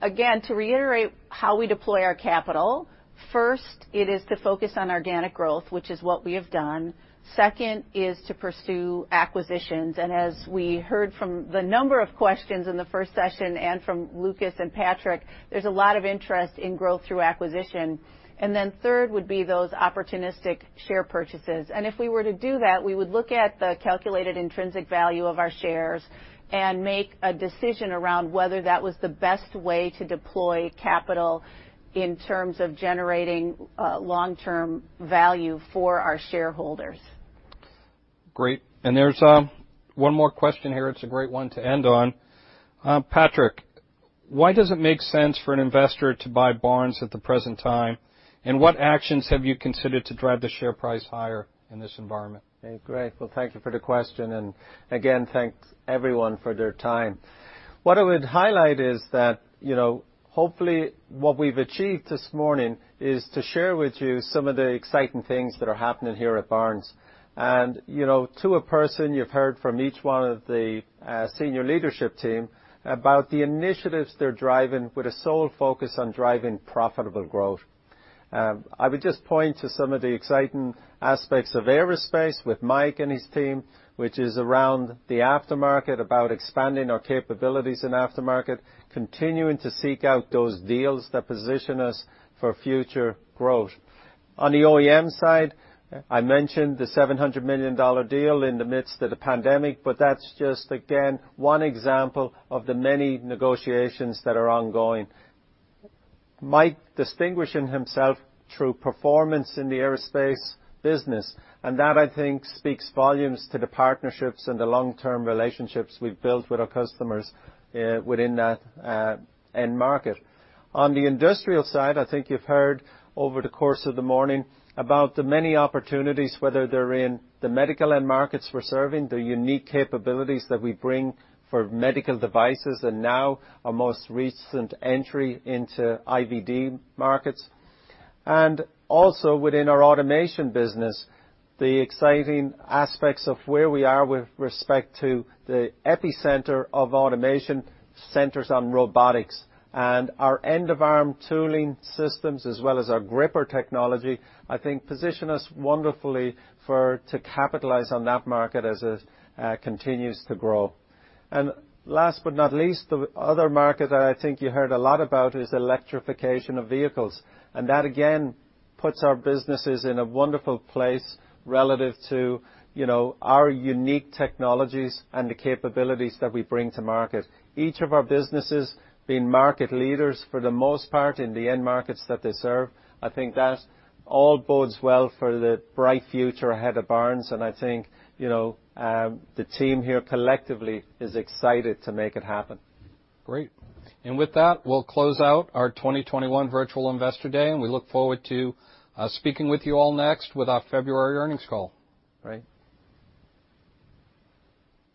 Again, to reiterate how we deploy our capital, first, it is to focus on organic growth, which is what we have done. Second is to pursue acquisitions. As we heard from the number of questions in the first session and from Lukas and Patrick, there's a lot of interest in growth through acquisition. Then third would be those opportunistic share purchases. If we were to do that, we would look at the calculated intrinsic value of our shares and make a decision around whether that was the best way to deploy capital in terms of generating long-term value for our shareholders. Great. There's one more question here. It's a great one to end on. Patrick, why does it make sense for an investor to buy Barnes at the present time? What actions have you considered to drive the share price higher in this environment? Great. Well, thank you for the question. Again, thanks everyone for their time. What I would highlight is that, you know, hopefully, what we've achieved this morning is to share with you some of the exciting things that are happening here at Barnes. You know, to a person, you've heard from each one of the senior leadership team about the initiatives they're driving with a sole focus on driving profitable growth. I would just point to some of the exciting aspects of aerospace with Mike and his team, which is around the aftermarket, about expanding our capabilities in aftermarket, continuing to seek out those deals that position us for future growth. On the OEM side, I mentioned the $700 million deal in the midst of the pandemic, but that's just, again, one example of the many negotiations that are ongoing. Mike distinguishing himself through performance in the aerospace business, and that, I think, speaks volumes to the partnerships and the long-term relationships we've built with our customers within that end market. On the industrial side, I think you've heard over the course of the morning about the many opportunities, whether they're in the medical end markets we're serving, the unique capabilities that we bring for medical devices, and now our most recent entry into IVD markets. Also within our automation business, the exciting aspects of where we are with respect to the epicenter of automation centers on robotics. Our end-of-arm tooling systems as well as our gripper technology, I think position us wonderfully for to capitalize on that market as it continues to grow. Last but not least, the other market that I think you heard a lot about is electrification of vehicles. That, again, puts our businesses in a wonderful place relative to, you know, our unique technologies and the capabilities that we bring to market. Each of our businesses being market leaders for the most part in the end markets that they serve, I think that all bodes well for the bright future ahead of Barnes. I think, you know, the team here collectively is excited to make it happen. Great. With that, we'll close out our 2021 Virtual Investor Day, and we look forward to speaking with you all next with our February earnings call. Great.